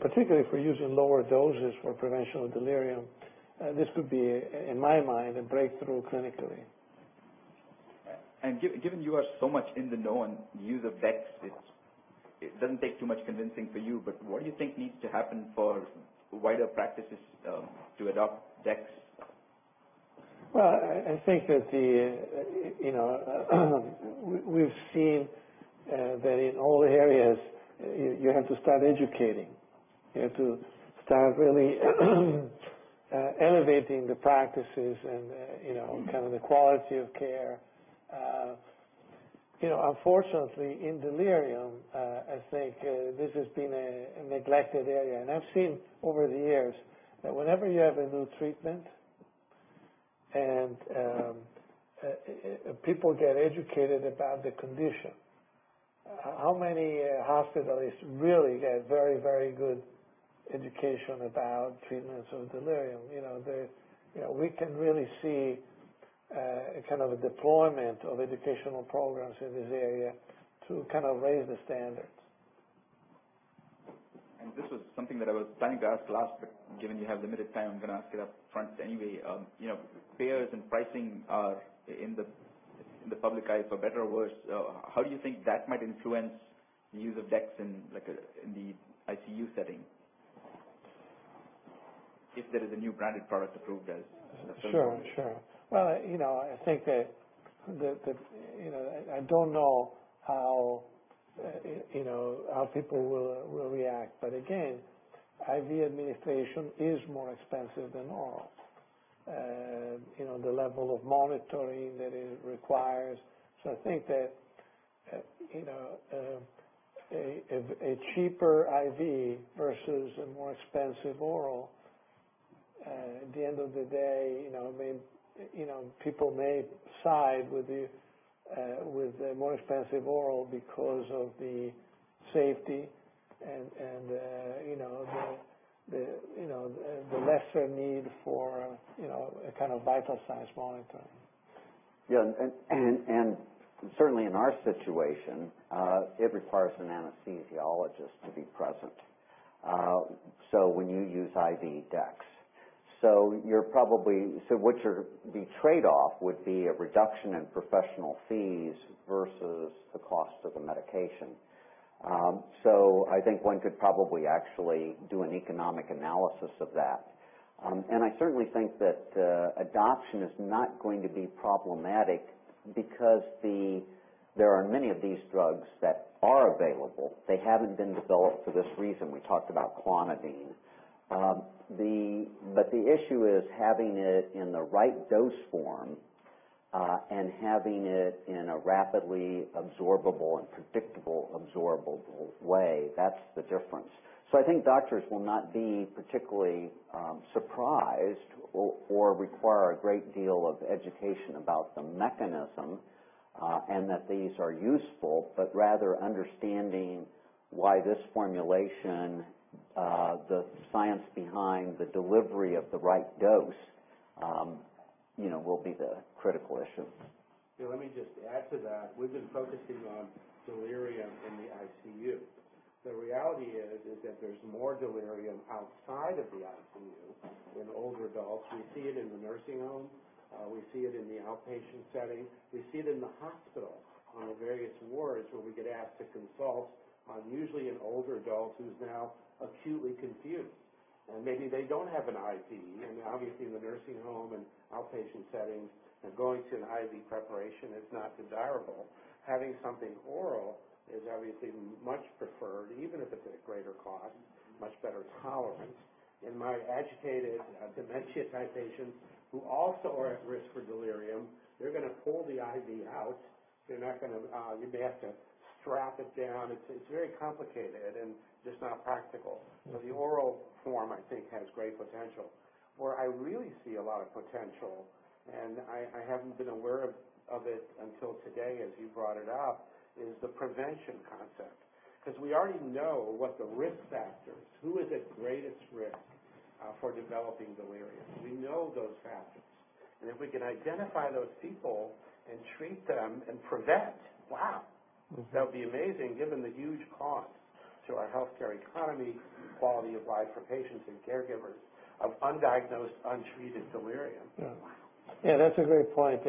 particularly if we're using lower doses for prevention of delirium, this could be, in my mind, a breakthrough clinically. Given you are so much in the know on use of dex, it doesn't take too much convincing for you, but what do you think needs to happen for wider practices to adopt dex? Well, I think that we've seen that in all areas, you have to start educating. You have to start really elevating the practices and the quality of care. Unfortunately, in delirium, I think this has been a neglected area. I've seen over the years that whenever you have a new treatment and people get educated about the condition, how many hospitals really get very good education about treatments of delirium? We can really see a kind of a deployment of educational programs in this area to raise the standards. This was something that I was planning to ask last, but given you have limited time, I'm going to ask it up front anyway. Payers and pricing are in the public eye, for better or worse. How do you think that might influence the use of dex in the ICU setting if there is a new branded product approved as the first one? Sure. Well, I don't know how people will react, again, IV administration is more expensive than oral. The level of monitoring that it requires. I think that a cheaper IV versus a more expensive oral, at the end of the day, people may side with the more expensive oral because of the safety and the lesser need for a kind of vital signs monitoring. Yeah, certainly in our situation, it requires an anesthesiologist to be present when you use IV dexmedetomidine. The trade-off would be a reduction in professional fees versus the cost of the medication. I think one could probably actually do an economic analysis of that. I certainly think that adoption is not going to be problematic because there are many of these drugs that are available. They haven't been developed for this reason. We talked about clonidine. The issue is having it in the right dose form, and having it in a rapidly absorbable and predictable absorbable way. That's the difference. I think doctors will not be particularly surprised or require a great deal of education about the mechanism and that these are useful, but rather understanding why this formulation, the science behind the delivery of the right dose, will be the critical issue. Yeah, let me just add to that. We've been focusing on delirium in the ICU. The reality is that there's more delirium outside of the ICU in older adults. We see it in the nursing home. We see it in the outpatient setting. We see it in the hospital on various wards where we get asked to consult on usually an older adult who's now acutely confused. Maybe they don't have an IV, and obviously in the nursing home and outpatient settings, going to an IV preparation is not desirable. Having something oral is obviously much preferred, even if it's at a greater cost. Much better tolerance. In my agitated dementia type patients who also are at risk for delirium, they're going to pull the IV out. You may have to strap it down. It's very complicated and just not practical. The oral form, I think, has great potential. Where I really see a lot of potential, and I haven't been aware of it until today as you brought it up, is the prevention concept. We already know what the risk factors, who is at greatest risk for developing delirium. We know those factors. If we can identify those people and treat them and prevent, wow. That would be amazing given the huge cost to our healthcare economy, quality of life for patients and caregivers of undiagnosed, untreated delirium. Yeah. Wow. Yeah, that's a great point.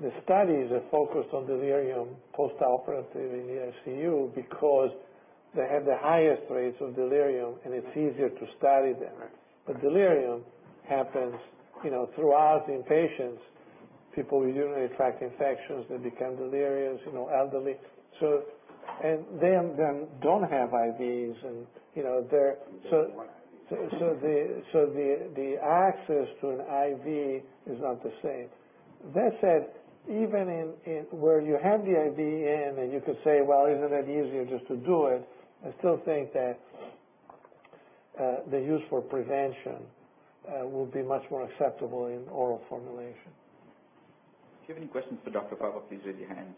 The studies are focused on delirium post-operatively in the ICU because they have the highest rates of delirium, and it's easier to study them. Delirium happens throughout inpatients. People with urinary tract infections may become delirious, elderly. They don't have IVs. They don't want IVs. The access to an IV is not the same. That said, even where you have the IV in and you could say, "Well, isn't it easier just to do it?" I still think that the use for prevention will be much more acceptable in oral formulation. If you have any questions for Dr. Fava, please raise your hands.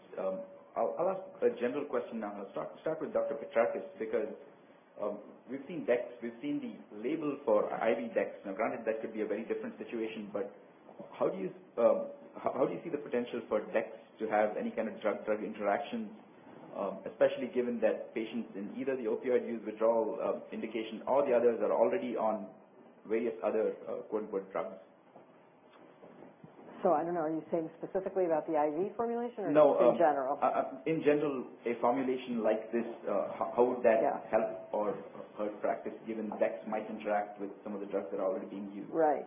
I'll ask a general question now. I'll start with Dr. Petrakis because we've seen dex. We've seen the label for IV dexmedetomidine. Now granted, that could be a very different situation. How do you see the potential for dex to have any kind of drug-drug interactions, especially given that patients in either the opioid use withdrawal indication or the others are already on various other quote unquote drugs? I don't know, are you saying specifically about the IV formulation or just in general? No, in general, a formulation like this, how would that help or hurt practice given that might interact with some of the drugs that are already being used? Right.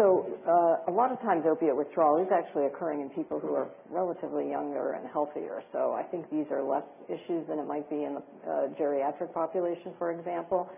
A lot of times opiate withdrawal is actually occurring in people who are relatively younger and healthier. I think these are less issues than it might be in the geriatric population, for example.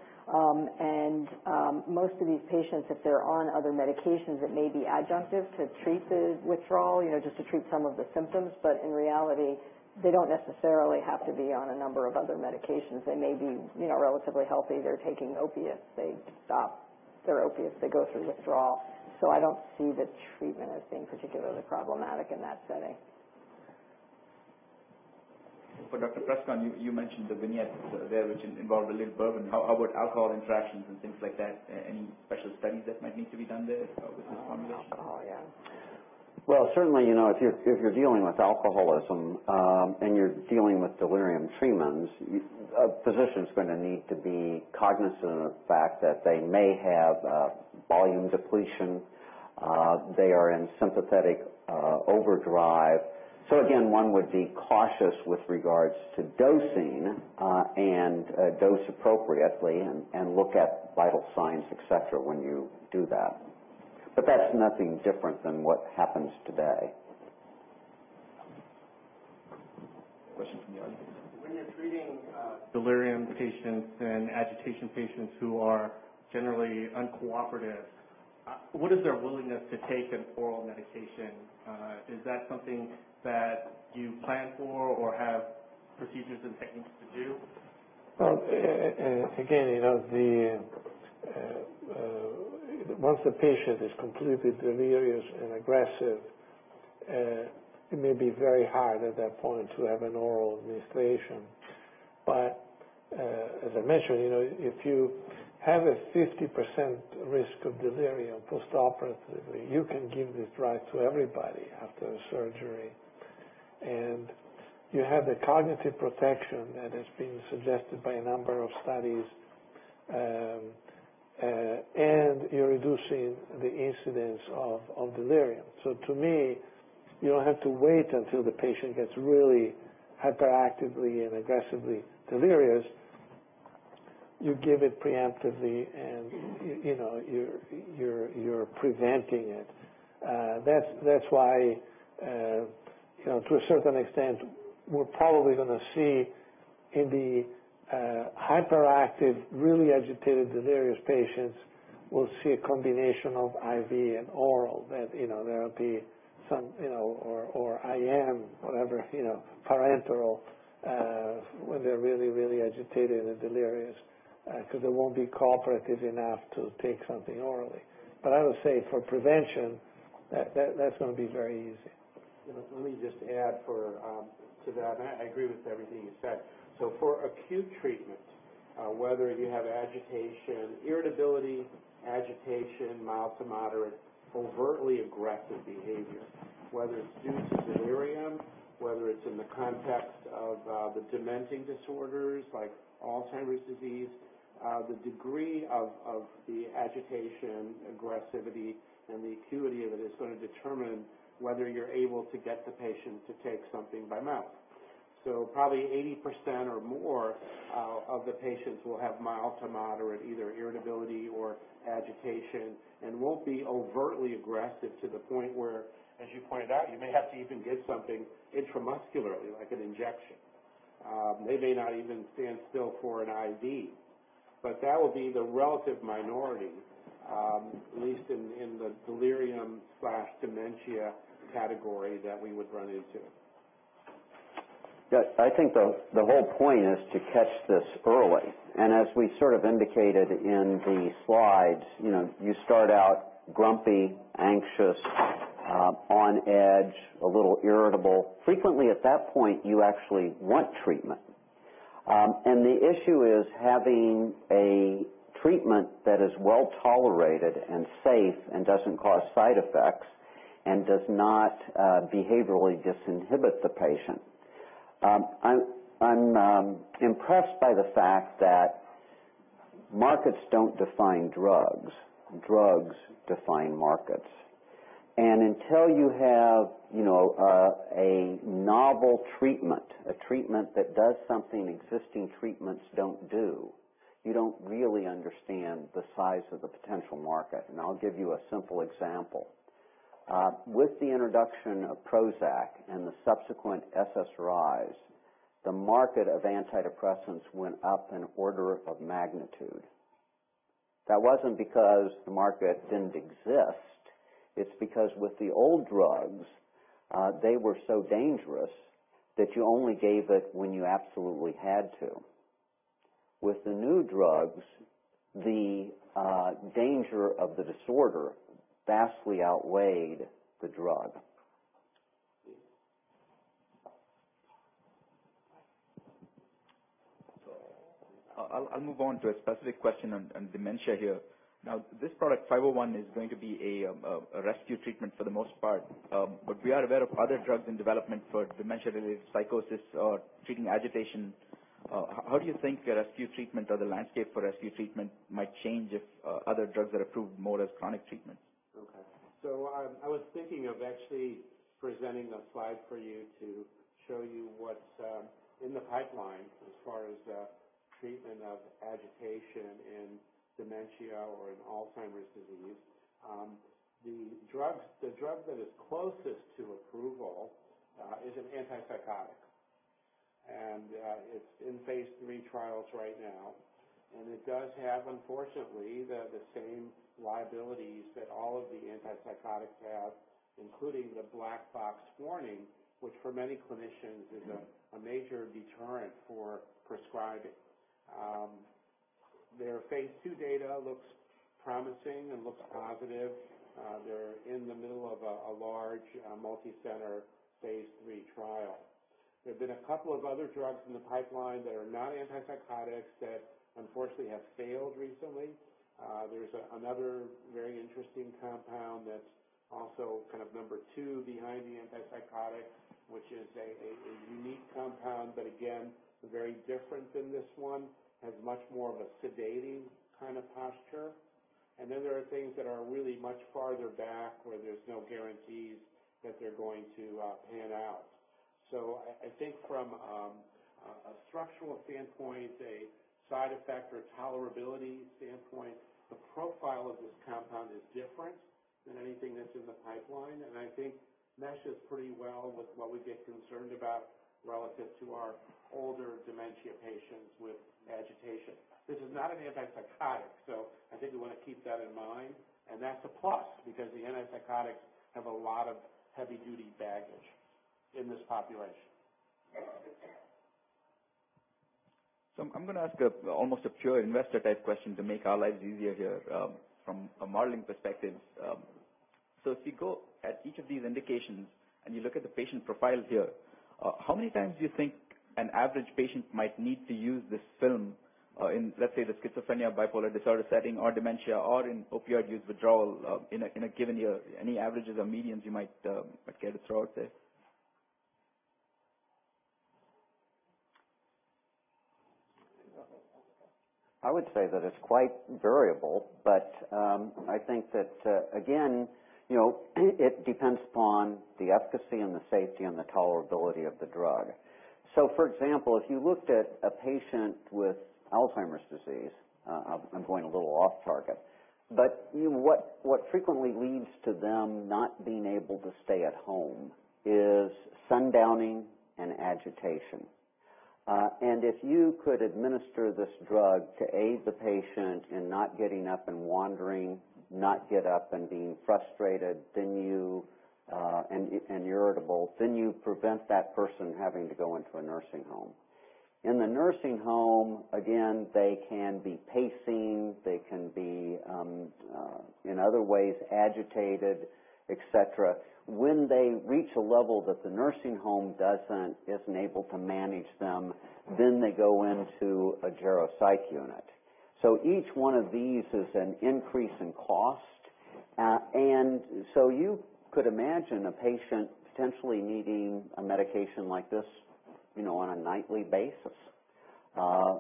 Most of these patients, if they're on other medications, it may be adjunctive to treat the withdrawal, just to treat some of the symptoms. In reality, they don't necessarily have to be on a number of other medications. They may be relatively healthy. They're taking opiates. They stop their opiates. They go through withdrawal. I don't see the treatment as being particularly problematic in that setting. For Dr. Preskorn, you mentioned the vignettes there which involved a little bourbon. How about alcohol interactions and things like that? Any special studies that might need to be done there with this formulation? On alcohol, yeah. Certainly, if you're dealing with alcoholism, and you're dealing with delirium treatments, a physician's going to need to be cognizant of the fact that they may have volume depletion. They are in sympathetic overdrive. Again, one would be cautious with regards to dosing and dose appropriately and look at vital signs, et cetera, when you do that. That's nothing different than what happens today. Question from the audience. When you're treating delirium patients and agitation patients who are generally uncooperative, what is their willingness to take an oral medication? Is that something that you plan for or have procedures and techniques to do? Well, again, once the patient is completely delirious and aggressive, it may be very hard at that point to have an oral administration. As I mentioned, if you have a 50% risk of delirium post-operatively, you can give this drug to everybody after surgery. You have the cognitive protection that has been suggested by a number of studies, and you're reducing the incidence of delirium. To me, you don't have to wait until the patient gets really hyperactively and aggressively delirious. You give it preemptively, and you're preventing it. That's why, to a certain extent, we're probably going to see in the hyperactive, really agitated, delirious patients, we'll see a combination of IV and oral. There'll be some IM, whatever, parenteral, when they're really agitated and delirious, because they won't be cooperative enough to take something orally. I would say for prevention, that's going to be very easy. Let me just add to that. I agree with everything you said. For acute treatment, whether you have irritability, agitation, mild to moderate overtly aggressive behavior, whether it's due to delirium, whether it's in the context of the dementing disorders like Alzheimer's disease. The degree of the agitation, aggressivity, and the acuity of it is going to determine whether you're able to get the patient to take something by mouth. Probably 80% or more of the patients will have mild to moderate either irritability or agitation and won't be overtly aggressive to the point where, as you pointed out, you may have to even give something intramuscularly, like an injection. They may not even stand still for an IV. That will be the relative minority, at least in the delirium/dementia category that we would run into. Yes. I think the whole point is to catch this early. As we sort of indicated in the slides, you start out grumpy, anxious, on edge, a little irritable. Frequently at that point, you actually want treatment. The issue is having a treatment that is well-tolerated and safe and doesn't cause side effects and does not behaviorally disinhibit the patient. I'm impressed by the fact that markets don't define drugs. Drugs define markets. Until you have a novel treatment, a treatment that does something existing treatments don't do, you don't really understand the size of the potential market. I'll give you a simple example. With the introduction of Prozac and the subsequent SSRIs, the market of antidepressants went up an order of magnitude. That wasn't because the market didn't exist. It's because with the old drugs, they were so dangerous that you only gave it when you absolutely had to. With the new drugs, the danger of the disorder vastly outweighed the drug. I'll move on to a specific question on dementia here. This product 501 is going to be a rescue treatment for the most part. We are aware of other drugs in development for dementia-related psychosis or treating agitation. How do you think rescue treatment or the landscape for rescue treatment might change if other drugs are approved more as chronic treatments? I was thinking of actually presenting a slide for you to show you what's in the pipeline as far as treatment of agitation in dementia or in Alzheimer's disease. The drug that is closest to approval is an antipsychotic, and it's in phase III trials right now. It does have, unfortunately, the same liabilities that all of the antipsychotics have, including the black box warning, which for many clinicians is a major deterrent for prescribing. Their phase II data looks promising and looks positive. They're in the middle of a large multicenter phase III trial. There have been a couple of other drugs in the pipeline that are not antipsychotics that unfortunately have failed recently. There's another very interesting compound that's also kind of number 2 behind the antipsychotic, which is a unique compound, but again, very different than this one, has much more of a sedating kind of posture. There are things that are really much farther back where there's no guarantees that they're going to pan out. I think from a structural standpoint, a side effect or tolerability standpoint, the profile of this compound is different than anything that's in the pipeline, and I think meshes pretty well with what we get concerned about relative to our older dementia patients with agitation. This is not an antipsychotic, so I think we want to keep that in mind. That's a plus, because the antipsychotics have a lot of heavy duty baggage in this population. I'm going to ask almost a pure investor type question to make our lives easier here from a modeling perspective. If you go at each of these indications and you look at the patient profiles here, how many times do you think an average patient might need to use this film in, let's say, the schizophrenia, bipolar disorder setting, or dementia, or in opioid use withdrawal in a given year? Any averages or medians you might care to throw out there? I would say that it's quite variable, but I think that, again, it depends upon the efficacy and the safety and the tolerability of the drug. For example, if you looked at a patient with Alzheimer's disease, I'm going a little off target, but what frequently leads to them not being able to stay at home is sundowning and agitation. If you could administer this drug to aid the patient in not getting up and wandering, not get up and being frustrated, and irritable, then you prevent that person having to go into a nursing home. In the nursing home, again, they can be pacing. They can be, in other ways, agitated, et cetera. When they reach a level that the nursing home isn't able to manage them, then they go into a geropsych unit. Each one of these is an increase in cost. You could imagine a patient potentially needing a medication like this on a nightly basis.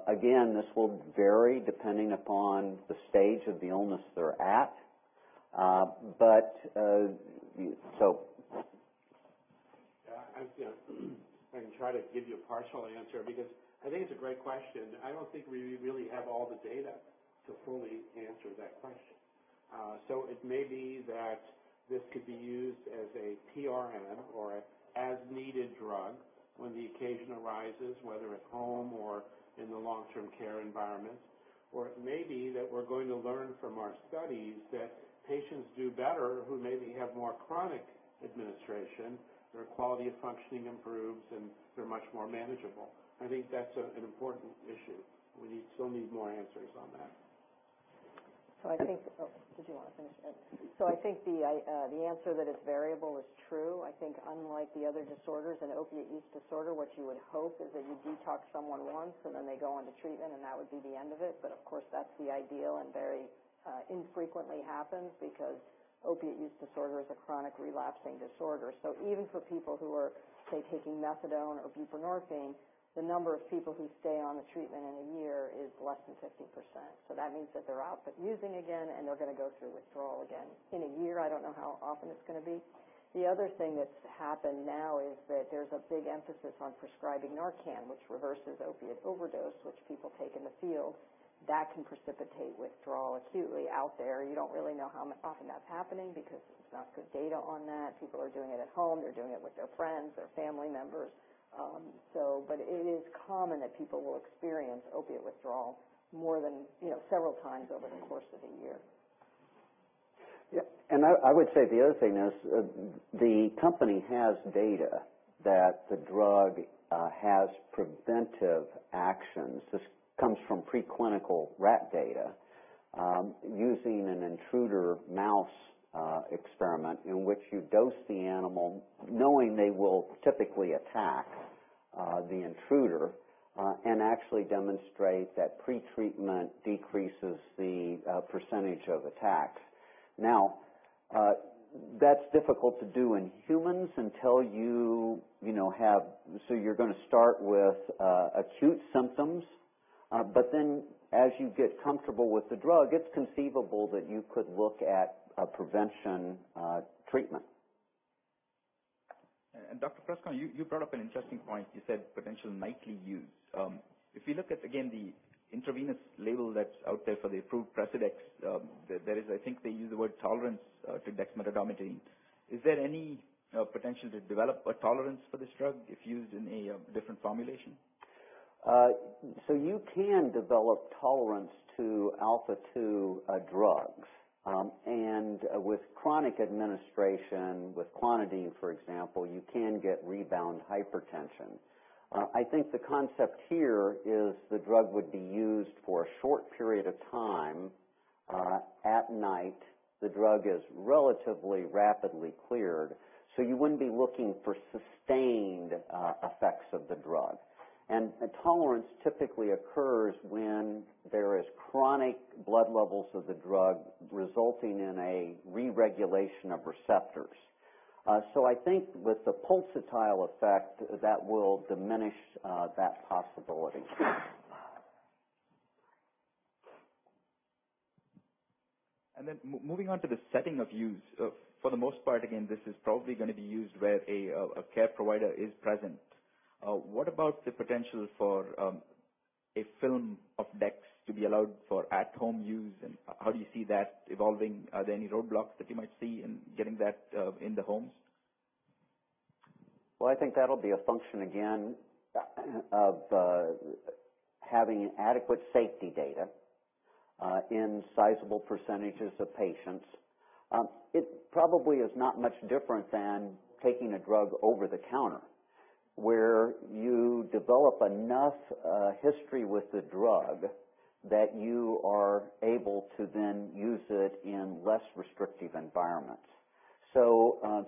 Again, this will vary depending upon the stage of the illness they're at. Yeah. I can try to give you a partial answer because I think it's a great question. I don't think we really have all the data to fully answer that question. It may be that this could be used as a PRN or a as needed drug when the occasion arises, whether at home or in the long-term care environment. It may be that we're going to learn from our studies that patients do better who maybe have more chronic administration, their quality of functioning improves, and they're much more manageable. I think that's an important issue. We still need more answers on that. I think the answer that it's variable is true. I think unlike the other disorders, an opioid use disorder, what you would hope is that you detox someone once, and then they go into treatment, and that would be the end of it. Of course, that's the ideal and very infrequently happens because opioid use disorder is a chronic relapsing disorder. Even for people who are, say, taking methadone or buprenorphine, the number of people who stay on the treatment in a year is less than 50%. That means that they're out but using again, and they're going to go through withdrawal again. In a year, I don't know how often it's going to be. The other thing that's happened now is that there's a big emphasis on prescribing NARCAN, which reverses opioid overdose, which people take in the field. That can precipitate withdrawal acutely out there. You don't really know how often that's happening because there's not good data on that. People are doing it at home. They're doing it with their friends, their family members. It is common that people will experience opioid withdrawal several times over the course of a year. Yeah. I would say the other thing is, the company has data that the drug has preventive actions. This comes from preclinical rat data, using an intruder mouse experiment in which you dose the animal knowing they will typically attack the intruder, and actually demonstrate that pretreatment decreases the percentage of attacks. That's difficult to do in humans. You're going to start with acute symptoms, but then as you get comfortable with the drug, it's conceivable that you could look at a prevention treatment. Dr. Preskorn, you brought up an interesting point. You said potential nightly use. If we look at, again, the intravenous label that's out there for the approved Precedex, there is, I think they use the word tolerance to dexmedetomidine. Is there any potential to develop a tolerance for this drug if used in a different formulation? You can develop tolerance to alpha-2 drugs. With chronic administration, with clonidine, for example, you can get rebound hypertension. I think the concept here is the drug would be used for a short period of time at night. The drug is relatively rapidly cleared, so you wouldn't be looking for sustained effects of the drug. A tolerance typically occurs when there is chronic blood levels of the drug resulting in a reregulation of receptors. I think with the pulsatile effect, that will diminish that possibility. Moving on to the setting of use. For the most part, again, this is probably going to be used where a care provider is present. What about the potential for a film of dex to be allowed for at home use, and how do you see that evolving? Are there any roadblocks that you might see in getting that in the homes? I think that'll be a function, again, of having adequate safety data in sizable percentages of patients. It probably is not much different than taking a drug over the counter, where you develop enough history with the drug that you are able to then use it in less restrictive environments.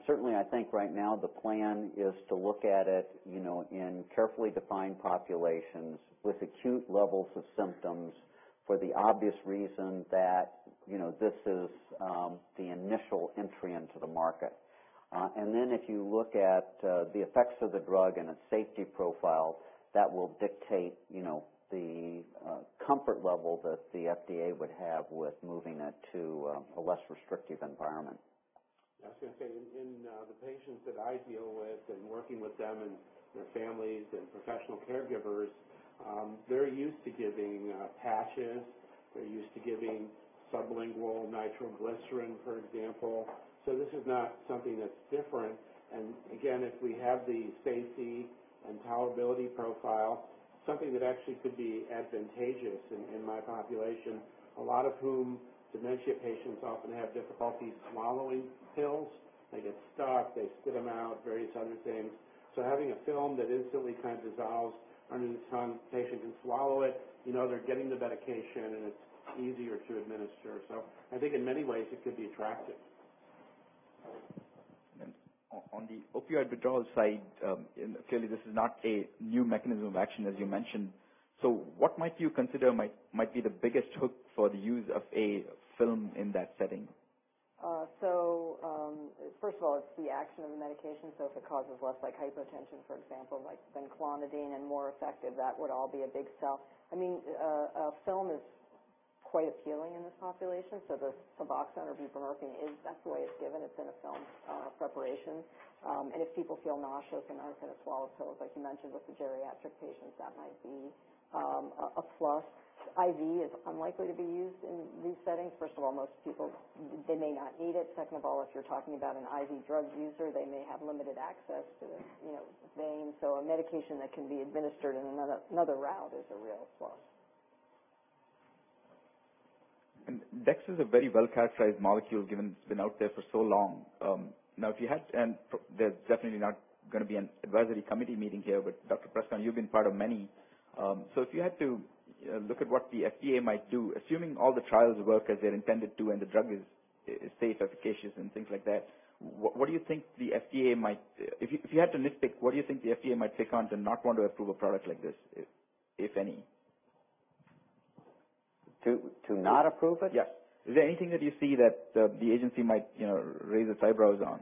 Certainly I think right now the plan is to look at it in carefully defined populations with acute levels of symptoms for the obvious reason that this is the initial entry into the market. Then if you look at the effects of the drug and its safety profile, that will dictate the comfort level that the FDA would have with moving it to a less restrictive environment. I was going to say, in the patients that I deal with and working with them and their families and professional caregivers, they're used to giving patches. They're used to giving sublingual nitroglycerin, for example. This is not something that's different. Again, if we have the safety and tolerability profile, something that actually could be advantageous in my population, a lot of whom dementia patients often have difficulty swallowing pills. They get stuck, they spit them out, various other things. Having a film that instantly kind of dissolves under the tongue, patient can swallow it, they're getting the medication, and it's easier to administer. I think in many ways it could be attractive. On the opioid withdrawal side, clearly this is not a new mechanism of action, as you mentioned. What might you consider might be the biggest hook for the use of a film in that setting? First of all, it's the action of the medication, if it causes less hypotension, for example, like than clonidine and more effective, that would all be a big sell. A film is quite appealing in this population. The SUBOXONE or buprenorphine, that's the way it's given. It's in a film preparation. If people feel nauseous and aren't going to swallow pills, like you mentioned with the geriatric patients, that might be a plus. IV is unlikely to be used in these settings. First of all, most people, they may not need it. Second of all, if you're talking about an IV drug user, they may have limited access to this vein. A medication that can be administered in another route is a real plus. dex is a very well-characterized molecule, given it's been out there for so long. Now, there's definitely not going to be an advisory committee meeting here, but Dr. Preskorn, you've been part of many. If you had to look at what the FDA might do, assuming all the trials work as they're intended to, and the drug is safe, efficacious, and things like that, if you had to nitpick, what do you think the FDA might pick on to not want to approve a product like this, if any? To not approve it? Yes. Is there anything that you see that the agency might raise its eyebrows on?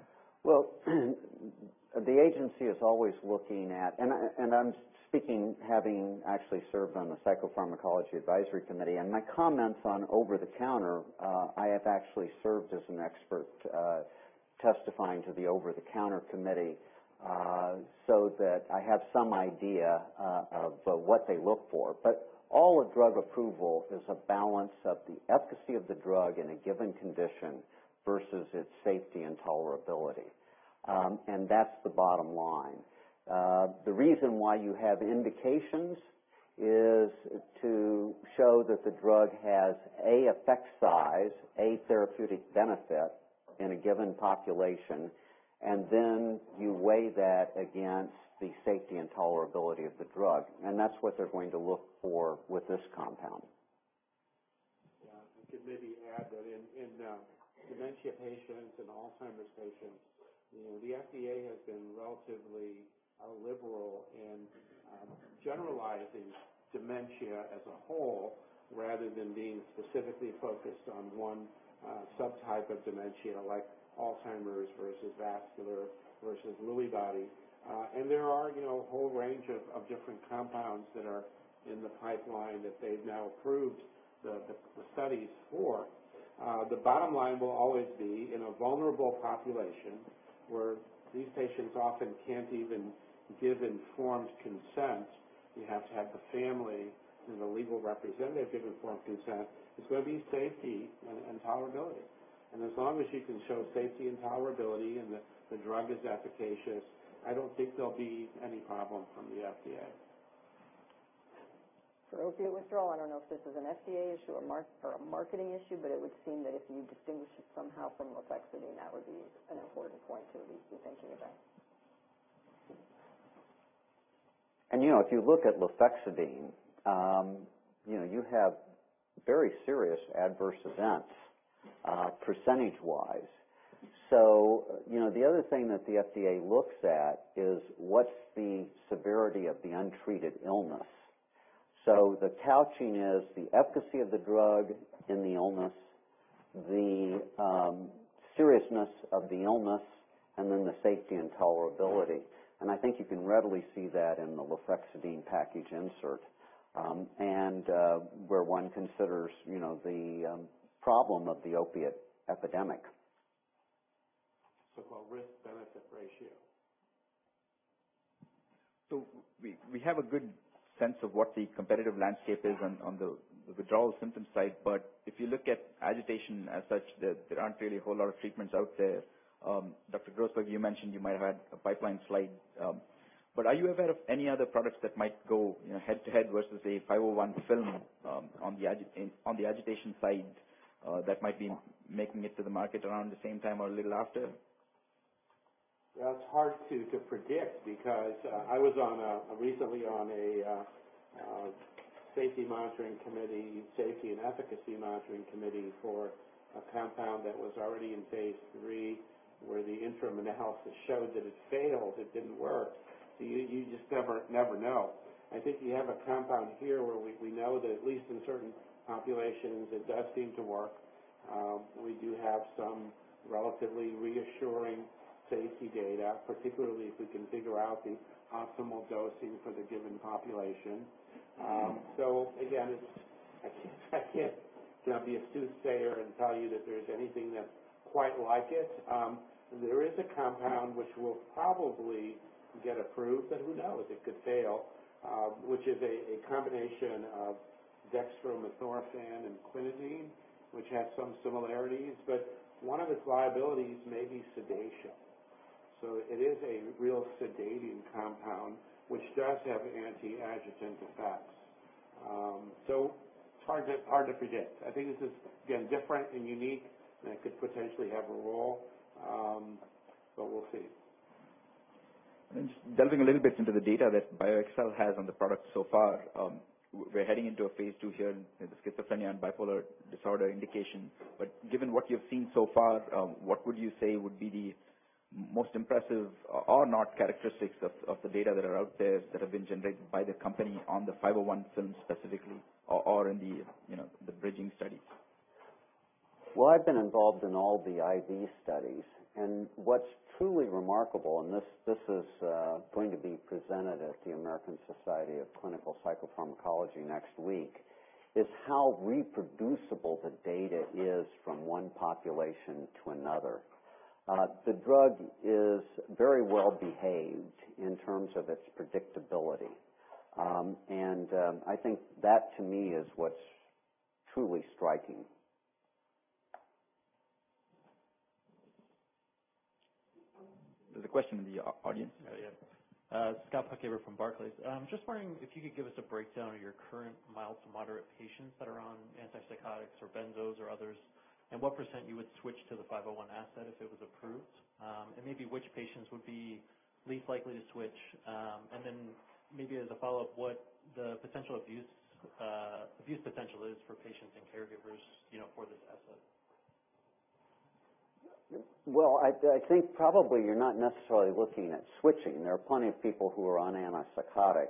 I'm speaking having actually served on the Psychopharmacologic Drugs Advisory Committee. My comments on over-the-counter, I have actually served as an expert testifying to the over-the-counter committee, so that I have some idea of what they look for. All of drug approval is a balance of the efficacy of the drug in a given condition versus its safety and tolerability. That's the bottom line. The reason why you have indications is to show that the drug has A, effect size, A, therapeutic benefit in a given population, and then you weigh that against the safety and tolerability of the drug. That's what they're going to look for with this compound. I should maybe add that in dementia patients and Alzheimer's patients, the FDA has been relatively liberal in generalizing dementia as a whole rather than being specifically focused on one subtype of dementia, like Alzheimer's versus vascular versus Lewy body. There are a whole range of different compounds that are in the pipeline that they've now approved the studies for. The bottom line will always be in a vulnerable population where these patients often can't even give informed consent, you have to have the family and the legal representative give informed consent. It's going to be safety and tolerability. As long as you can show safety and tolerability, and the drug is efficacious, I don't think there'll be any problem from the FDA. For opioid withdrawal, I don't know if this is an FDA issue or a marketing issue, it would seem that if you distinguish it somehow from sufentanil, that would be an important point to at least be thinking about. If you look at sufentanil, you have very serious adverse events, percentage-wise. The other thing that the FDA looks at is what's the severity of the untreated illness. The touting is the efficacy of the drug in the illness, the seriousness of the illness, and then the safety and tolerability. I think you can readily see that in the sufentanil package insert, and where one considers the problem of the opioid epidemic. So-called risk-benefit ratio. We have a good sense of what the competitive landscape is on the withdrawal symptom side. If you look at agitation as such, there aren't really a whole lot of treatments out there. Dr. Grossberg, you mentioned you might have had a pipeline slide. Are you aware of any other products that might go head to head versus a BXCL501 film on the agitation side that might be making it to the market around the same time or a little after? That's hard to predict, because I was recently on a safety and efficacy monitoring committee for a compound that was already in phase III, where the interim analysis showed that it failed. It didn't work. You just never know. I think you have a compound here where we know that at least in certain populations, it does seem to work. We do have some relatively reassuring safety data, particularly if we can figure out the optimal dosing for the given population. Again, I can't be a soothsayer and tell you that there's anything that's quite like it. There is a compound which will probably get approved, but who knows, it could fail, which is a combination of dextromethorphan and quinidine, which has some similarities. One of its liabilities may be sedation. It is a real sedating compound, which does have anti-agitant effects. It's hard to predict. I think this is, again, different and unique, and it could potentially have a role. We'll see. Delving a little bit into the data that BioXcel has on the product so far. We're heading into a phase II here in the schizophrenia and bipolar disorder indication. Given what you've seen so far, what would you say would be the most impressive or not characteristics of the data that are out there that have been generated by the company on the BXCL501 film specifically or in the bridging studies? I've been involved in all the IV studies, and what's truly remarkable, this is going to be presented at the American Society of Clinical Psychopharmacology next week, is how reproducible the data is from one population to another. The drug is very well behaved in terms of its predictability. I think that, to me, is what's truly striking. There's a question in the audience. Scott Puckhaber from Barclays. Just wondering if you could give us a breakdown of your current mild to moderate patients that are on antipsychotics or benzos or others, and what % you would switch to the 501 asset if it was approved. Maybe which patients would be least likely to switch. Maybe as a follow-up, what the potential abuse potential is for patients and caregivers for this asset. I think probably you're not necessarily looking at switching. There are plenty of people who are on antipsychotic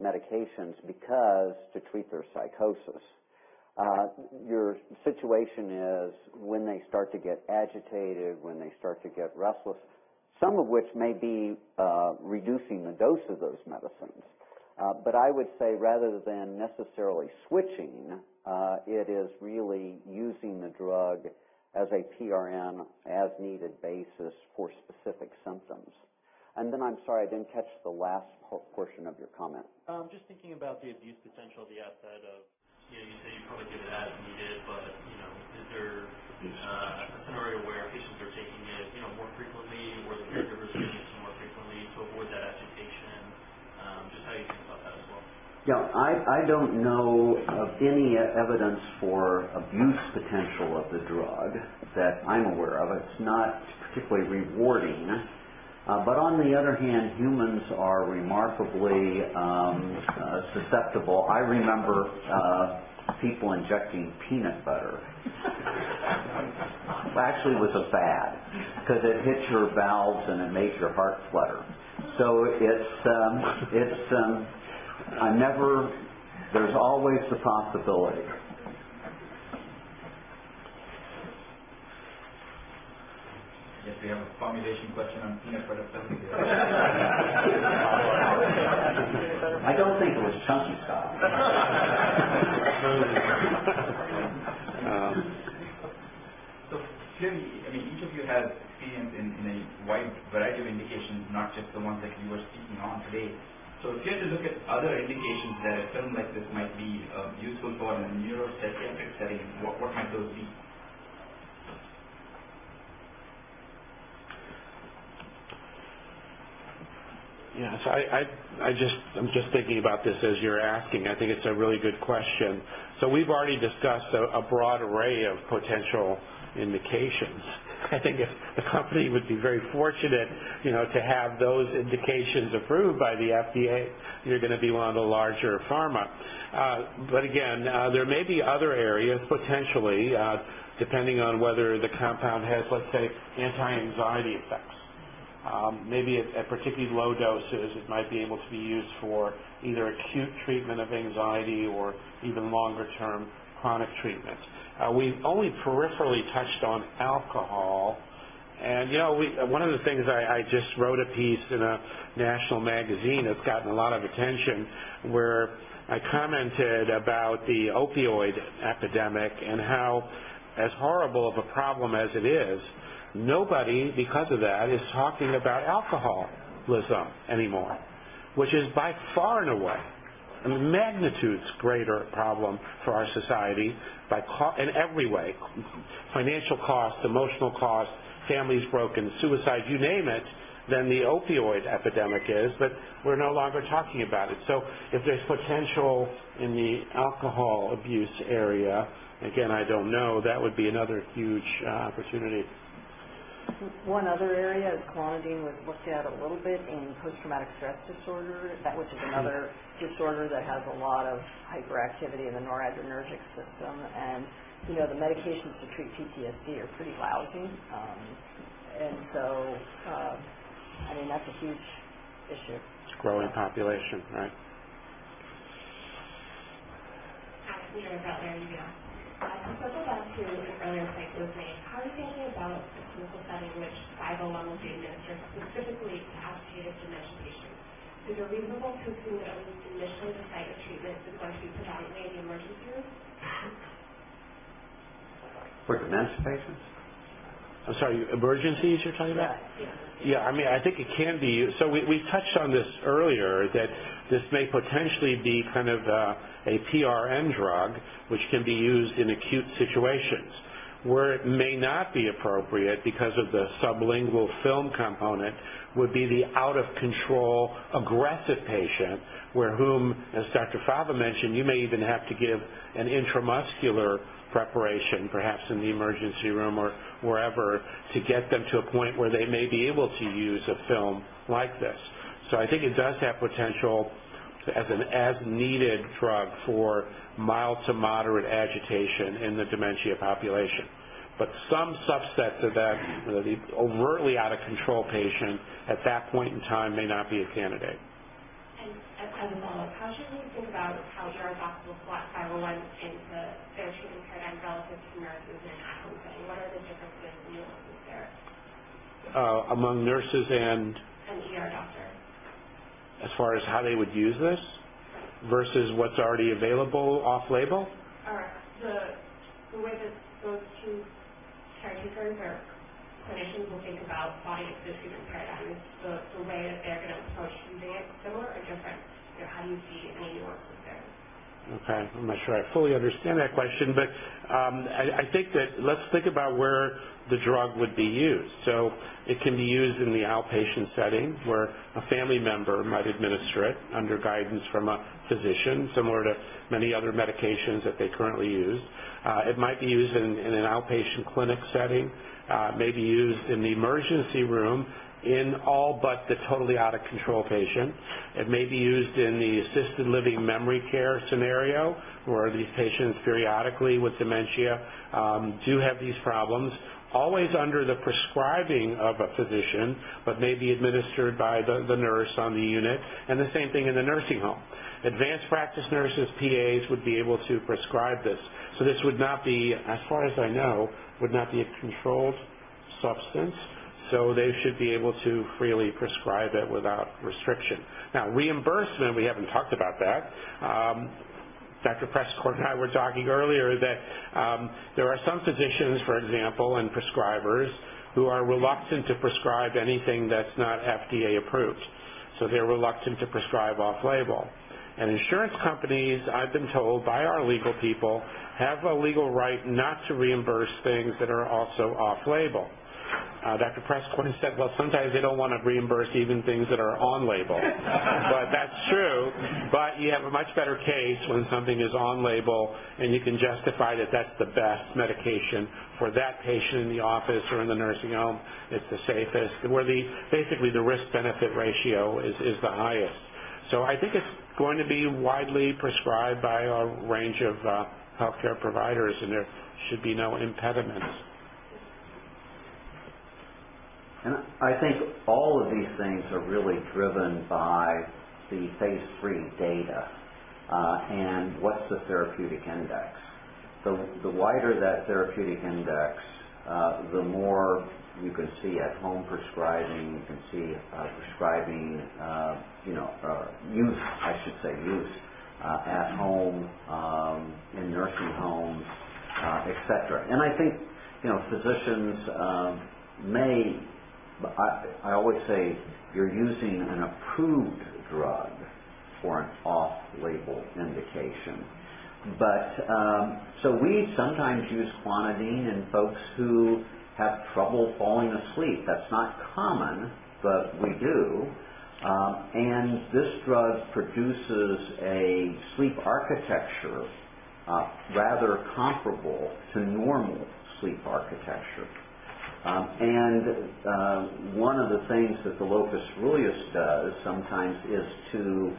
medications to treat their psychosis. Your situation is when they start to get agitated, when they start to get restless, some of which may be reducing the dose of those medicines. I would say rather than necessarily switching, it is really using the drug as a PRN as needed basis for specific symptoms. I'm sorry, I didn't catch the last portion of your comment. Thinking about the abuse potential, the asset of, you say you probably give it as needed, is there a scenario where patients are taking it more frequently or the caregivers are giving it to more frequently to avoid that agitation? Just how you think about that as well. Yeah. I don't know of any evidence for abuse potential of the drug that I'm aware of. It's not particularly rewarding. On the other hand, humans are remarkably susceptible. I remember people injecting peanut butter. It actually was a fad because it hits your valves and it makes your heart flutter. There's always the possibility. I guess we have a formulation question on peanut butter film. I don't think it was chunky style. Clearly, each of you has experience in a wide variety of indications, not just the ones that you were speaking on today. If you had to look at other indications that a film like this might be useful for in a neuropsychiatric setting, what might those be? Yes. I'm just thinking about this as you're asking. I think it's a really good question. We've already discussed a broad array of potential indications. I think if the company would be very fortunate to have those indications approved by the FDA, you're going to be one of the larger pharma. Again, there may be other areas, potentially, depending on whether the compound has, let's say, anti-anxiety effects. Maybe at particularly low doses, it might be able to be used for either acute treatment of anxiety or even longer-term chronic treatments. We've only peripherally touched on alcohol, and one of the things, I just wrote a piece in a national magazine that's gotten a lot of attention, where I commented about the opioid epidemic and how, as horrible of a problem as it is, nobody, because of that, is talking about alcoholism anymore. Which is by far and away magnitudes greater problem for our society in every way, financial cost, emotional cost, families broken, suicide, you name it, than the opioid epidemic is. We're no longer talking about it. If there's potential in the alcohol abuse area, again, I don't know, that would be another huge opportunity. One other area is clonidine was looked at a little bit in post-traumatic stress disorder, which is another disorder that has a lot of hyperactivity in the noradrenergic system. The medications to treat PTSD are pretty lousy, that's a huge issue. It's a growing population, right? Hi. Nina with Out There Media. To circle back to an earlier point that was made, how are you thinking about the clinical setting which BXCL501 will be administered specifically to agitated dementia patients? Is it reasonable to conclude that at least the initial site of treatment is going to be predominantly in the emergency room? For dementia patients? I'm sorry, emergencies you're talking about? Yes. Yeah, I think it can be used. We touched on this earlier, that this may potentially be a PRN drug, which can be used in acute situations. Where it may not be appropriate, because of the sublingual film component, would be the out-of-control aggressive patient, where whom, as Dr. Fava mentioned, you may even have to give an intramuscular preparation, perhaps in the emergency room or wherever, to get them to a point where they may be able to use a film like this. I think it does have potential as an as-needed drug for mild to moderate agitation in the dementia population. Some subsets of that, the overtly out-of-control patient, at that point in time may not be a candidate. As a follow-up, how should we think about how ER doctors will slot BXCL501 into their treatment paradigm relative to nurses in an at-home setting? What are the differences and nuances there? Among nurses and? An ER doctor. As far as how they would use this? Right. Versus what's already available off-label? The way that those two caretakers or clinicians will think about applying it to a treatment paradigm, the way that they're going to approach using it, similar or different? How do you see any nuances there? Okay. I'm not sure I fully understand that question, but let's think about where the drug would be used. It can be used in the outpatient setting, where a family member might administer it under guidance from a physician, similar to many other medications that they currently use. It might be used in an outpatient clinic setting. It may be used in the emergency room in all but the totally out-of-control patient. It may be used in the assisted living memory care scenario, where these patients periodically with dementia do have these problems, always under the prescribing of a physician, but may be administered by the nurse on the unit, and the same thing in the nursing home. Advanced practice nurses, PAs, would be able to prescribe this. This would not be, as far as I know, a controlled substance. They should be able to freely prescribe it without restriction. Reimbursement, we haven't talked about that. Dr. Preskorn and I were talking earlier that there are some physicians, for example, and prescribers who are reluctant to prescribe anything that's not FDA approved. They're reluctant to prescribe off-label. Insurance companies, I've been told by our legal people, have a legal right not to reimburse things that are also off-label. Dr. Preskorn said, "Well, sometimes they don't want to reimburse even things that are on-label." That's true, but you have a much better case when something is on-label, and you can justify that that's the best medication for that patient in the office or in the nursing home. It's the safest, where basically the risk-benefit ratio is the highest. I think it's going to be widely prescribed by a range of healthcare providers. There should be no impediments. I think all of these things are really driven by the phase III data. What's the therapeutic index? The wider that therapeutic index, the more you can see at-home prescribing. You can see use at home, in nursing homes, et cetera. I think physicians may-- I always say you're using an approved drug for an off-label indication. We sometimes use clonidine in folks who have trouble falling asleep. That's not common, but we do. This drug produces a sleep architecture rather comparable to normal sleep architecture. One of the things that the locus coeruleus does sometimes is to,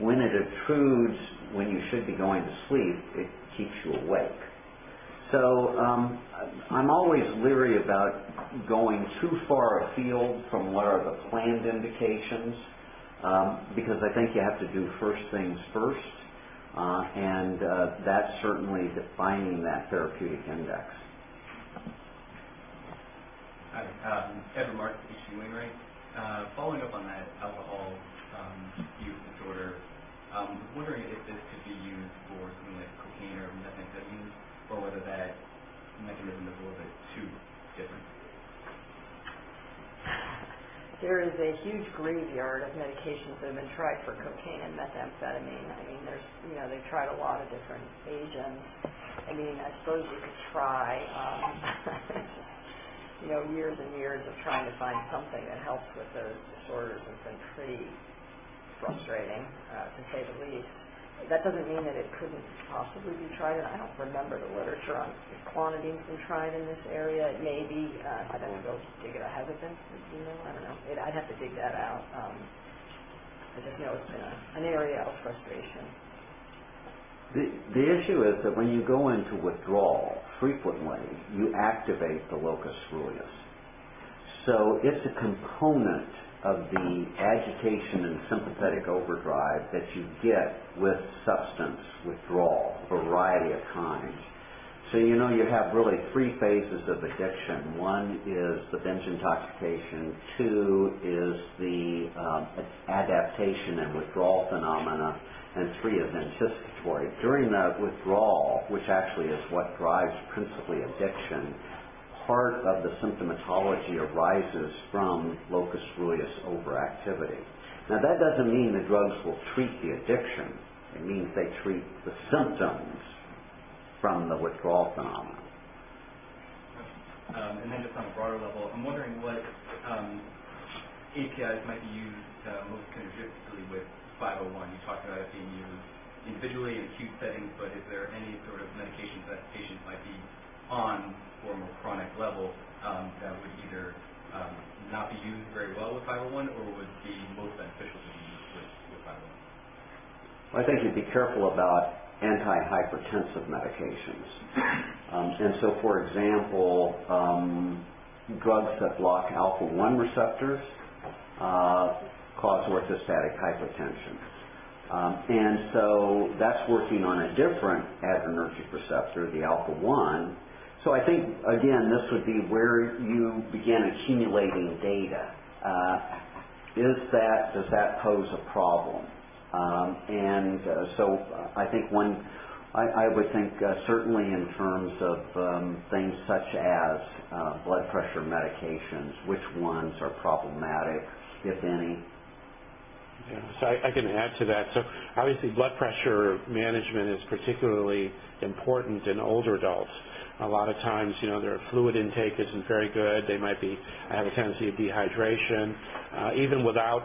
when it intrudes, when you should be going to sleep, it keeps you awake. I'm always leery about going too far afield from what are the planned indications, because I think you have to do first things first. That's certainly defining that therapeutic index. Hi. Edward, H.C. Wainwright. Following up on that alcohol use disorder, I'm wondering if this could be used for something like cocaine or methamphetamine, or whether that mechanism is a little bit too different. There is a huge graveyard of medications that have been tried for cocaine and methamphetamine. They've tried a lot of different agents. I suppose you could try. Years and years of trying to find something that helps with those disorders has been pretty frustrating, to say the least. That doesn't mean that it couldn't possibly be tried, and I don't remember the literature on if clonidine's been tried in this area. It may be. I'd have to go dig it. I haven't been. I don't know. I'd have to dig that out. Because it's been an area of frustration. The issue is that when you go into withdrawal, frequently, you activate the locus coeruleus. It's a component of the agitation and sympathetic overdrive that you get with substance withdrawal, a variety of kinds. You have really three phases of addiction. One is the binge intoxication, two is the adaptation and withdrawal phenomena, and three is anticipatory. During that withdrawal, which actually is what drives principally addiction, part of the symptomatology arises from locus coeruleus overactivity. That doesn't mean the drugs will treat the addiction. It means they treat the symptoms from the withdrawal phenomenon. Just on a broader level, I'm wondering what APIs might be used most synergistically with 501. You talked about it being used individually in acute settings, is there any sort of medications that a patient might be on for a more chronic level, that would either not be used very well with 501 or would be most beneficial to be used with 501? I think you'd be careful about antihypertensive medications. For example, drugs that block alpha-1 receptors cause orthostatic hypotension. That's working on a different adrenergic receptor, the alpha-1. I think, again, this would be where you begin accumulating data. Does that pose a problem? I would think certainly in terms of things such as blood pressure medications, which ones are problematic, if any. I can add to that. Obviously, blood pressure management is particularly important in older adults. A lot of times, their fluid intake isn't very good. They might have a tendency of dehydration. Even without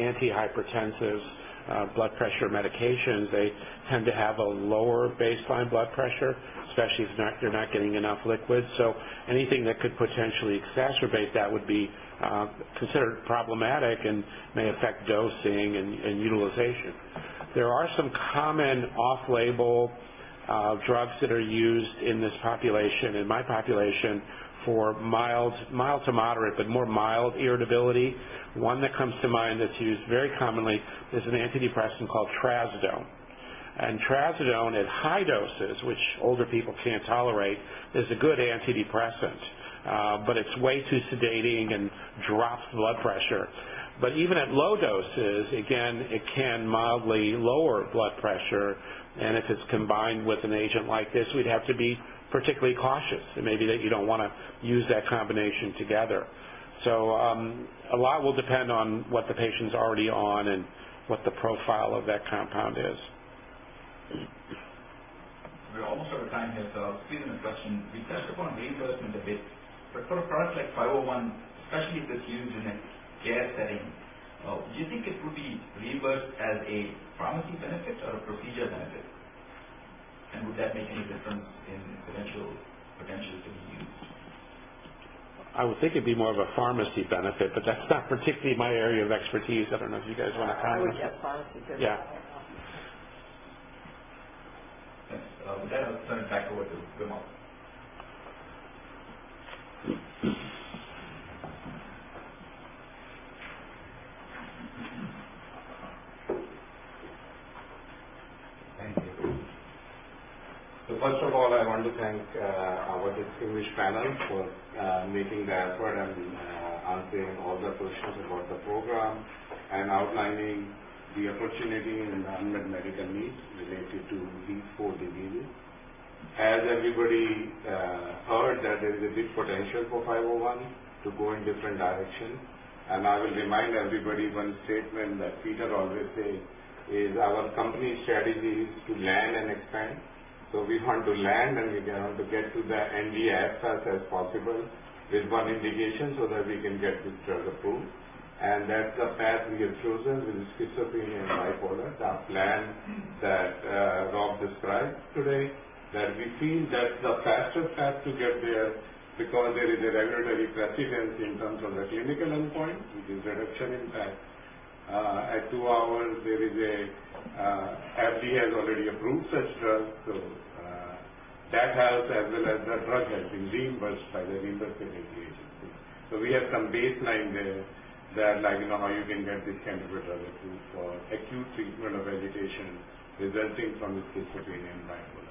antihypertensive blood pressure medications, they tend to have a lower baseline blood pressure, especially if they're not getting enough liquids. Anything that could potentially exacerbate that would be considered problematic and may affect dosing and utilization. There are some common off-label drugs that are used in this population, in my population, for mild to moderate, but more mild irritability. One that comes to mind that's used very commonly is an antidepressant called trazodone. Trazodone at high doses, which older people can't tolerate, is a good antidepressant. It's way too sedating and drops blood pressure. Even at low doses, again, it can mildly lower blood pressure, and if it's combined with an agent like this, we'd have to be particularly cautious. It may be that you don't want to use that combination together. A lot will depend on what the patient's already on and what the profile of that compound is. We're almost out of time here. I'll squeeze in a question. We touched upon reimbursement a bit. For a product like 501, especially if it's used in a care setting, do you think it would be reimbursed as a pharmacy benefit or a procedure benefit? Would that make any difference in potential for use? I would think it'd be more of a pharmacy benefit. That's not particularly my area of expertise. I don't know if you guys want to comment. I would guess pharmacy benefit. Yeah. Okay. With that, I'll turn it back over to Vimal. Thank you. First of all, I want to thank our distinguished panel for making the effort and answering all the questions about the program and outlining the opportunity and unmet medical needs related to these four diseases. As everybody heard that there is a big potential for 501 to go in different directions. I will remind everybody one statement that Peter always say is, "Our company strategy is to land and expand." We want to land, and we want to get to the NDA as fast as possible with one indication so that we can get this drug approved. That's the path we have chosen with schizophrenia and bipolar, the plan that Rob described today. That we feel that's the fastest path to get there because there is a regulatory precedent in terms of the clinical endpoint, which is reduction in fact. At two hours, FDA has already approved such drugs. That helps, as well as the drug has been reimbursed by the reimbursement agencies. We have some baseline there that you can get this kind of drug approved for acute treatment of agitation resulting from schizophrenia and bipolar.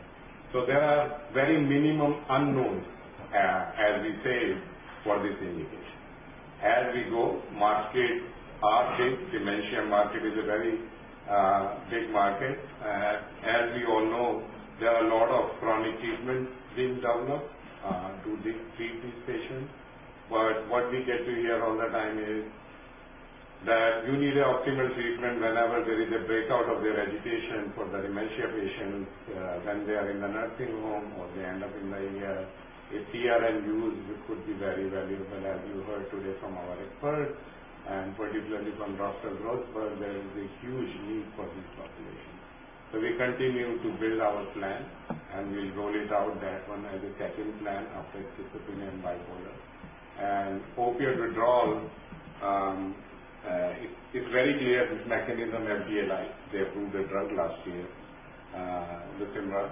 There are very minimum unknowns, as we say, for this indication. As we go, market are big. Dementia market is a very big market. As we all know, there are a lot of chronic treatments being developed to treat these patients. What we get to hear all the time is that you need optimal treatment whenever there is a breakout of their agitation for the dementia patients when they are in the nursing home or they end up in the ER. A TRN use could be very valuable, as you heard today from our experts, and particularly from Dr. George Grossberg, there is a huge need for this population. We continue to build our plan, and we'll roll it out that one as a second plan after schizophrenia and bipolar. Opiate withdrawal, it's very clear this mechanism FDA like. They approved a drug last year, Lucemyra.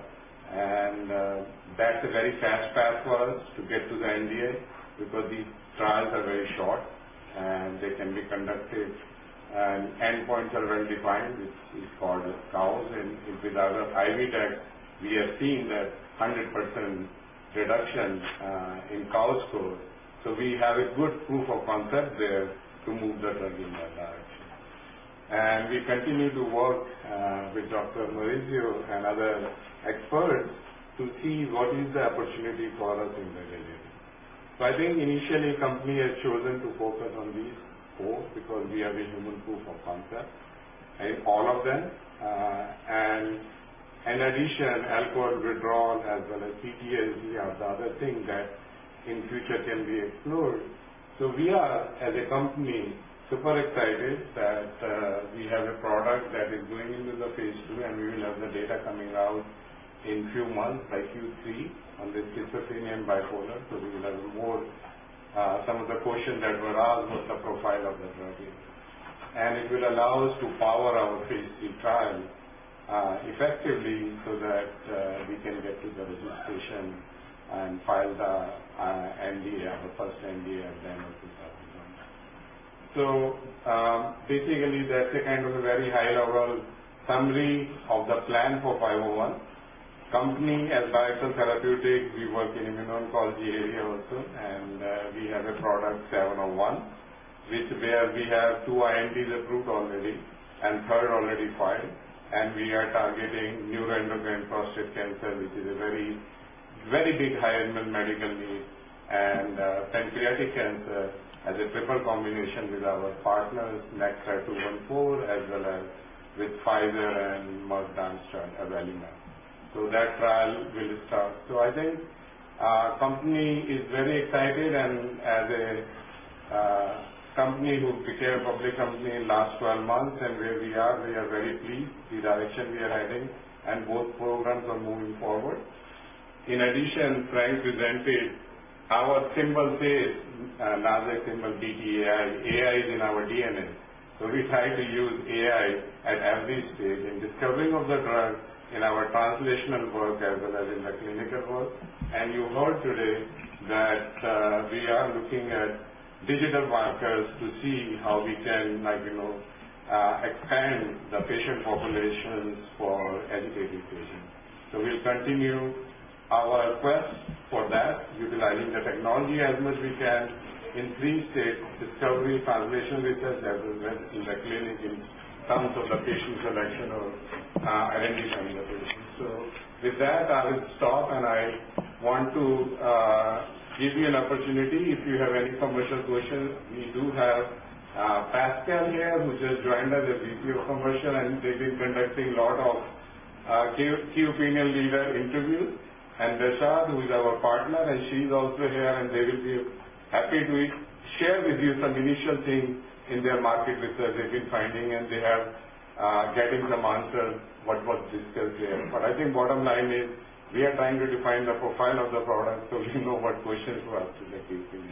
That's a very fast path for us to get to the NDA because these trials are very short, and they can be conducted, and endpoints are well-defined. It's called COWS, and with our IV dexmedetomidine, we have seen that 100% reduction in COWS score. We have a good proof of concept there to move the drug in that direction. We continue to work with Dr. Maurizio Fava and other experts to see what is the opportunity for us in that area. I think initially, company has chosen to focus on these four because we have a human proof of concept in all of them. In addition, alcohol withdrawal as well as PTSD are the other thing that in future can be explored. We are, as a company, super excited that we have a product that is going into the phase II, and we will have the data coming out in few months, by Q3, on the schizophrenia and bipolar. Some of the question that were asked was the profile of the drug is. It will allow us to power our phase II trial effectively so that we can get to the registration and file the NDA, our first NDA at the end of 2021. Basically, that's a kind of a very high-level summary of the plan for 501. Company as BioXcel Therapeutics, we work in immunology area also, and we have a product, 701. Which where we have 2 INDs approved already and third already filed. We are targeting neuroendocrine prostate cancer, which is a very big high unmet medical need. Pancreatic cancer as a triple combination with our partners, NKTR-214, as well as with Pfizer and Merck's avelumab. That trial will start. I think our company is very excited, and as a company who became public company in last 12 months and where we are, we are very pleased the direction we are heading, and both programs are moving forward. In addition, Frank presented our symbol says, Nasdaq symbol, BTAI. AI is in our DNA. We try to use AI at every stage in discovering of the drug, in our translational work, as well as in the clinical work. You heard today that we are looking at digital markers to see how we can expand the patient populations for agitated patients. We'll continue our quest for that, utilizing the technology as much we can in 3 states of discovery, translation research, as well as in the clinic in terms of the patient selection or identifying the patient. With that, I will stop, and I want to give you an opportunity, if you have any commercial questions. We do have Pascal here, who's just joined us as VP of Commercial, and they've been conducting lot of key opinion leader interviews. [Dasha], who is our partner, and she's also here, and they will be happy to share with you some initial things in their market research they've been finding, and they have gotten some answers what was discussed here. I think bottom line is we are trying to define the profile of the product so we know what questions to ask in the future.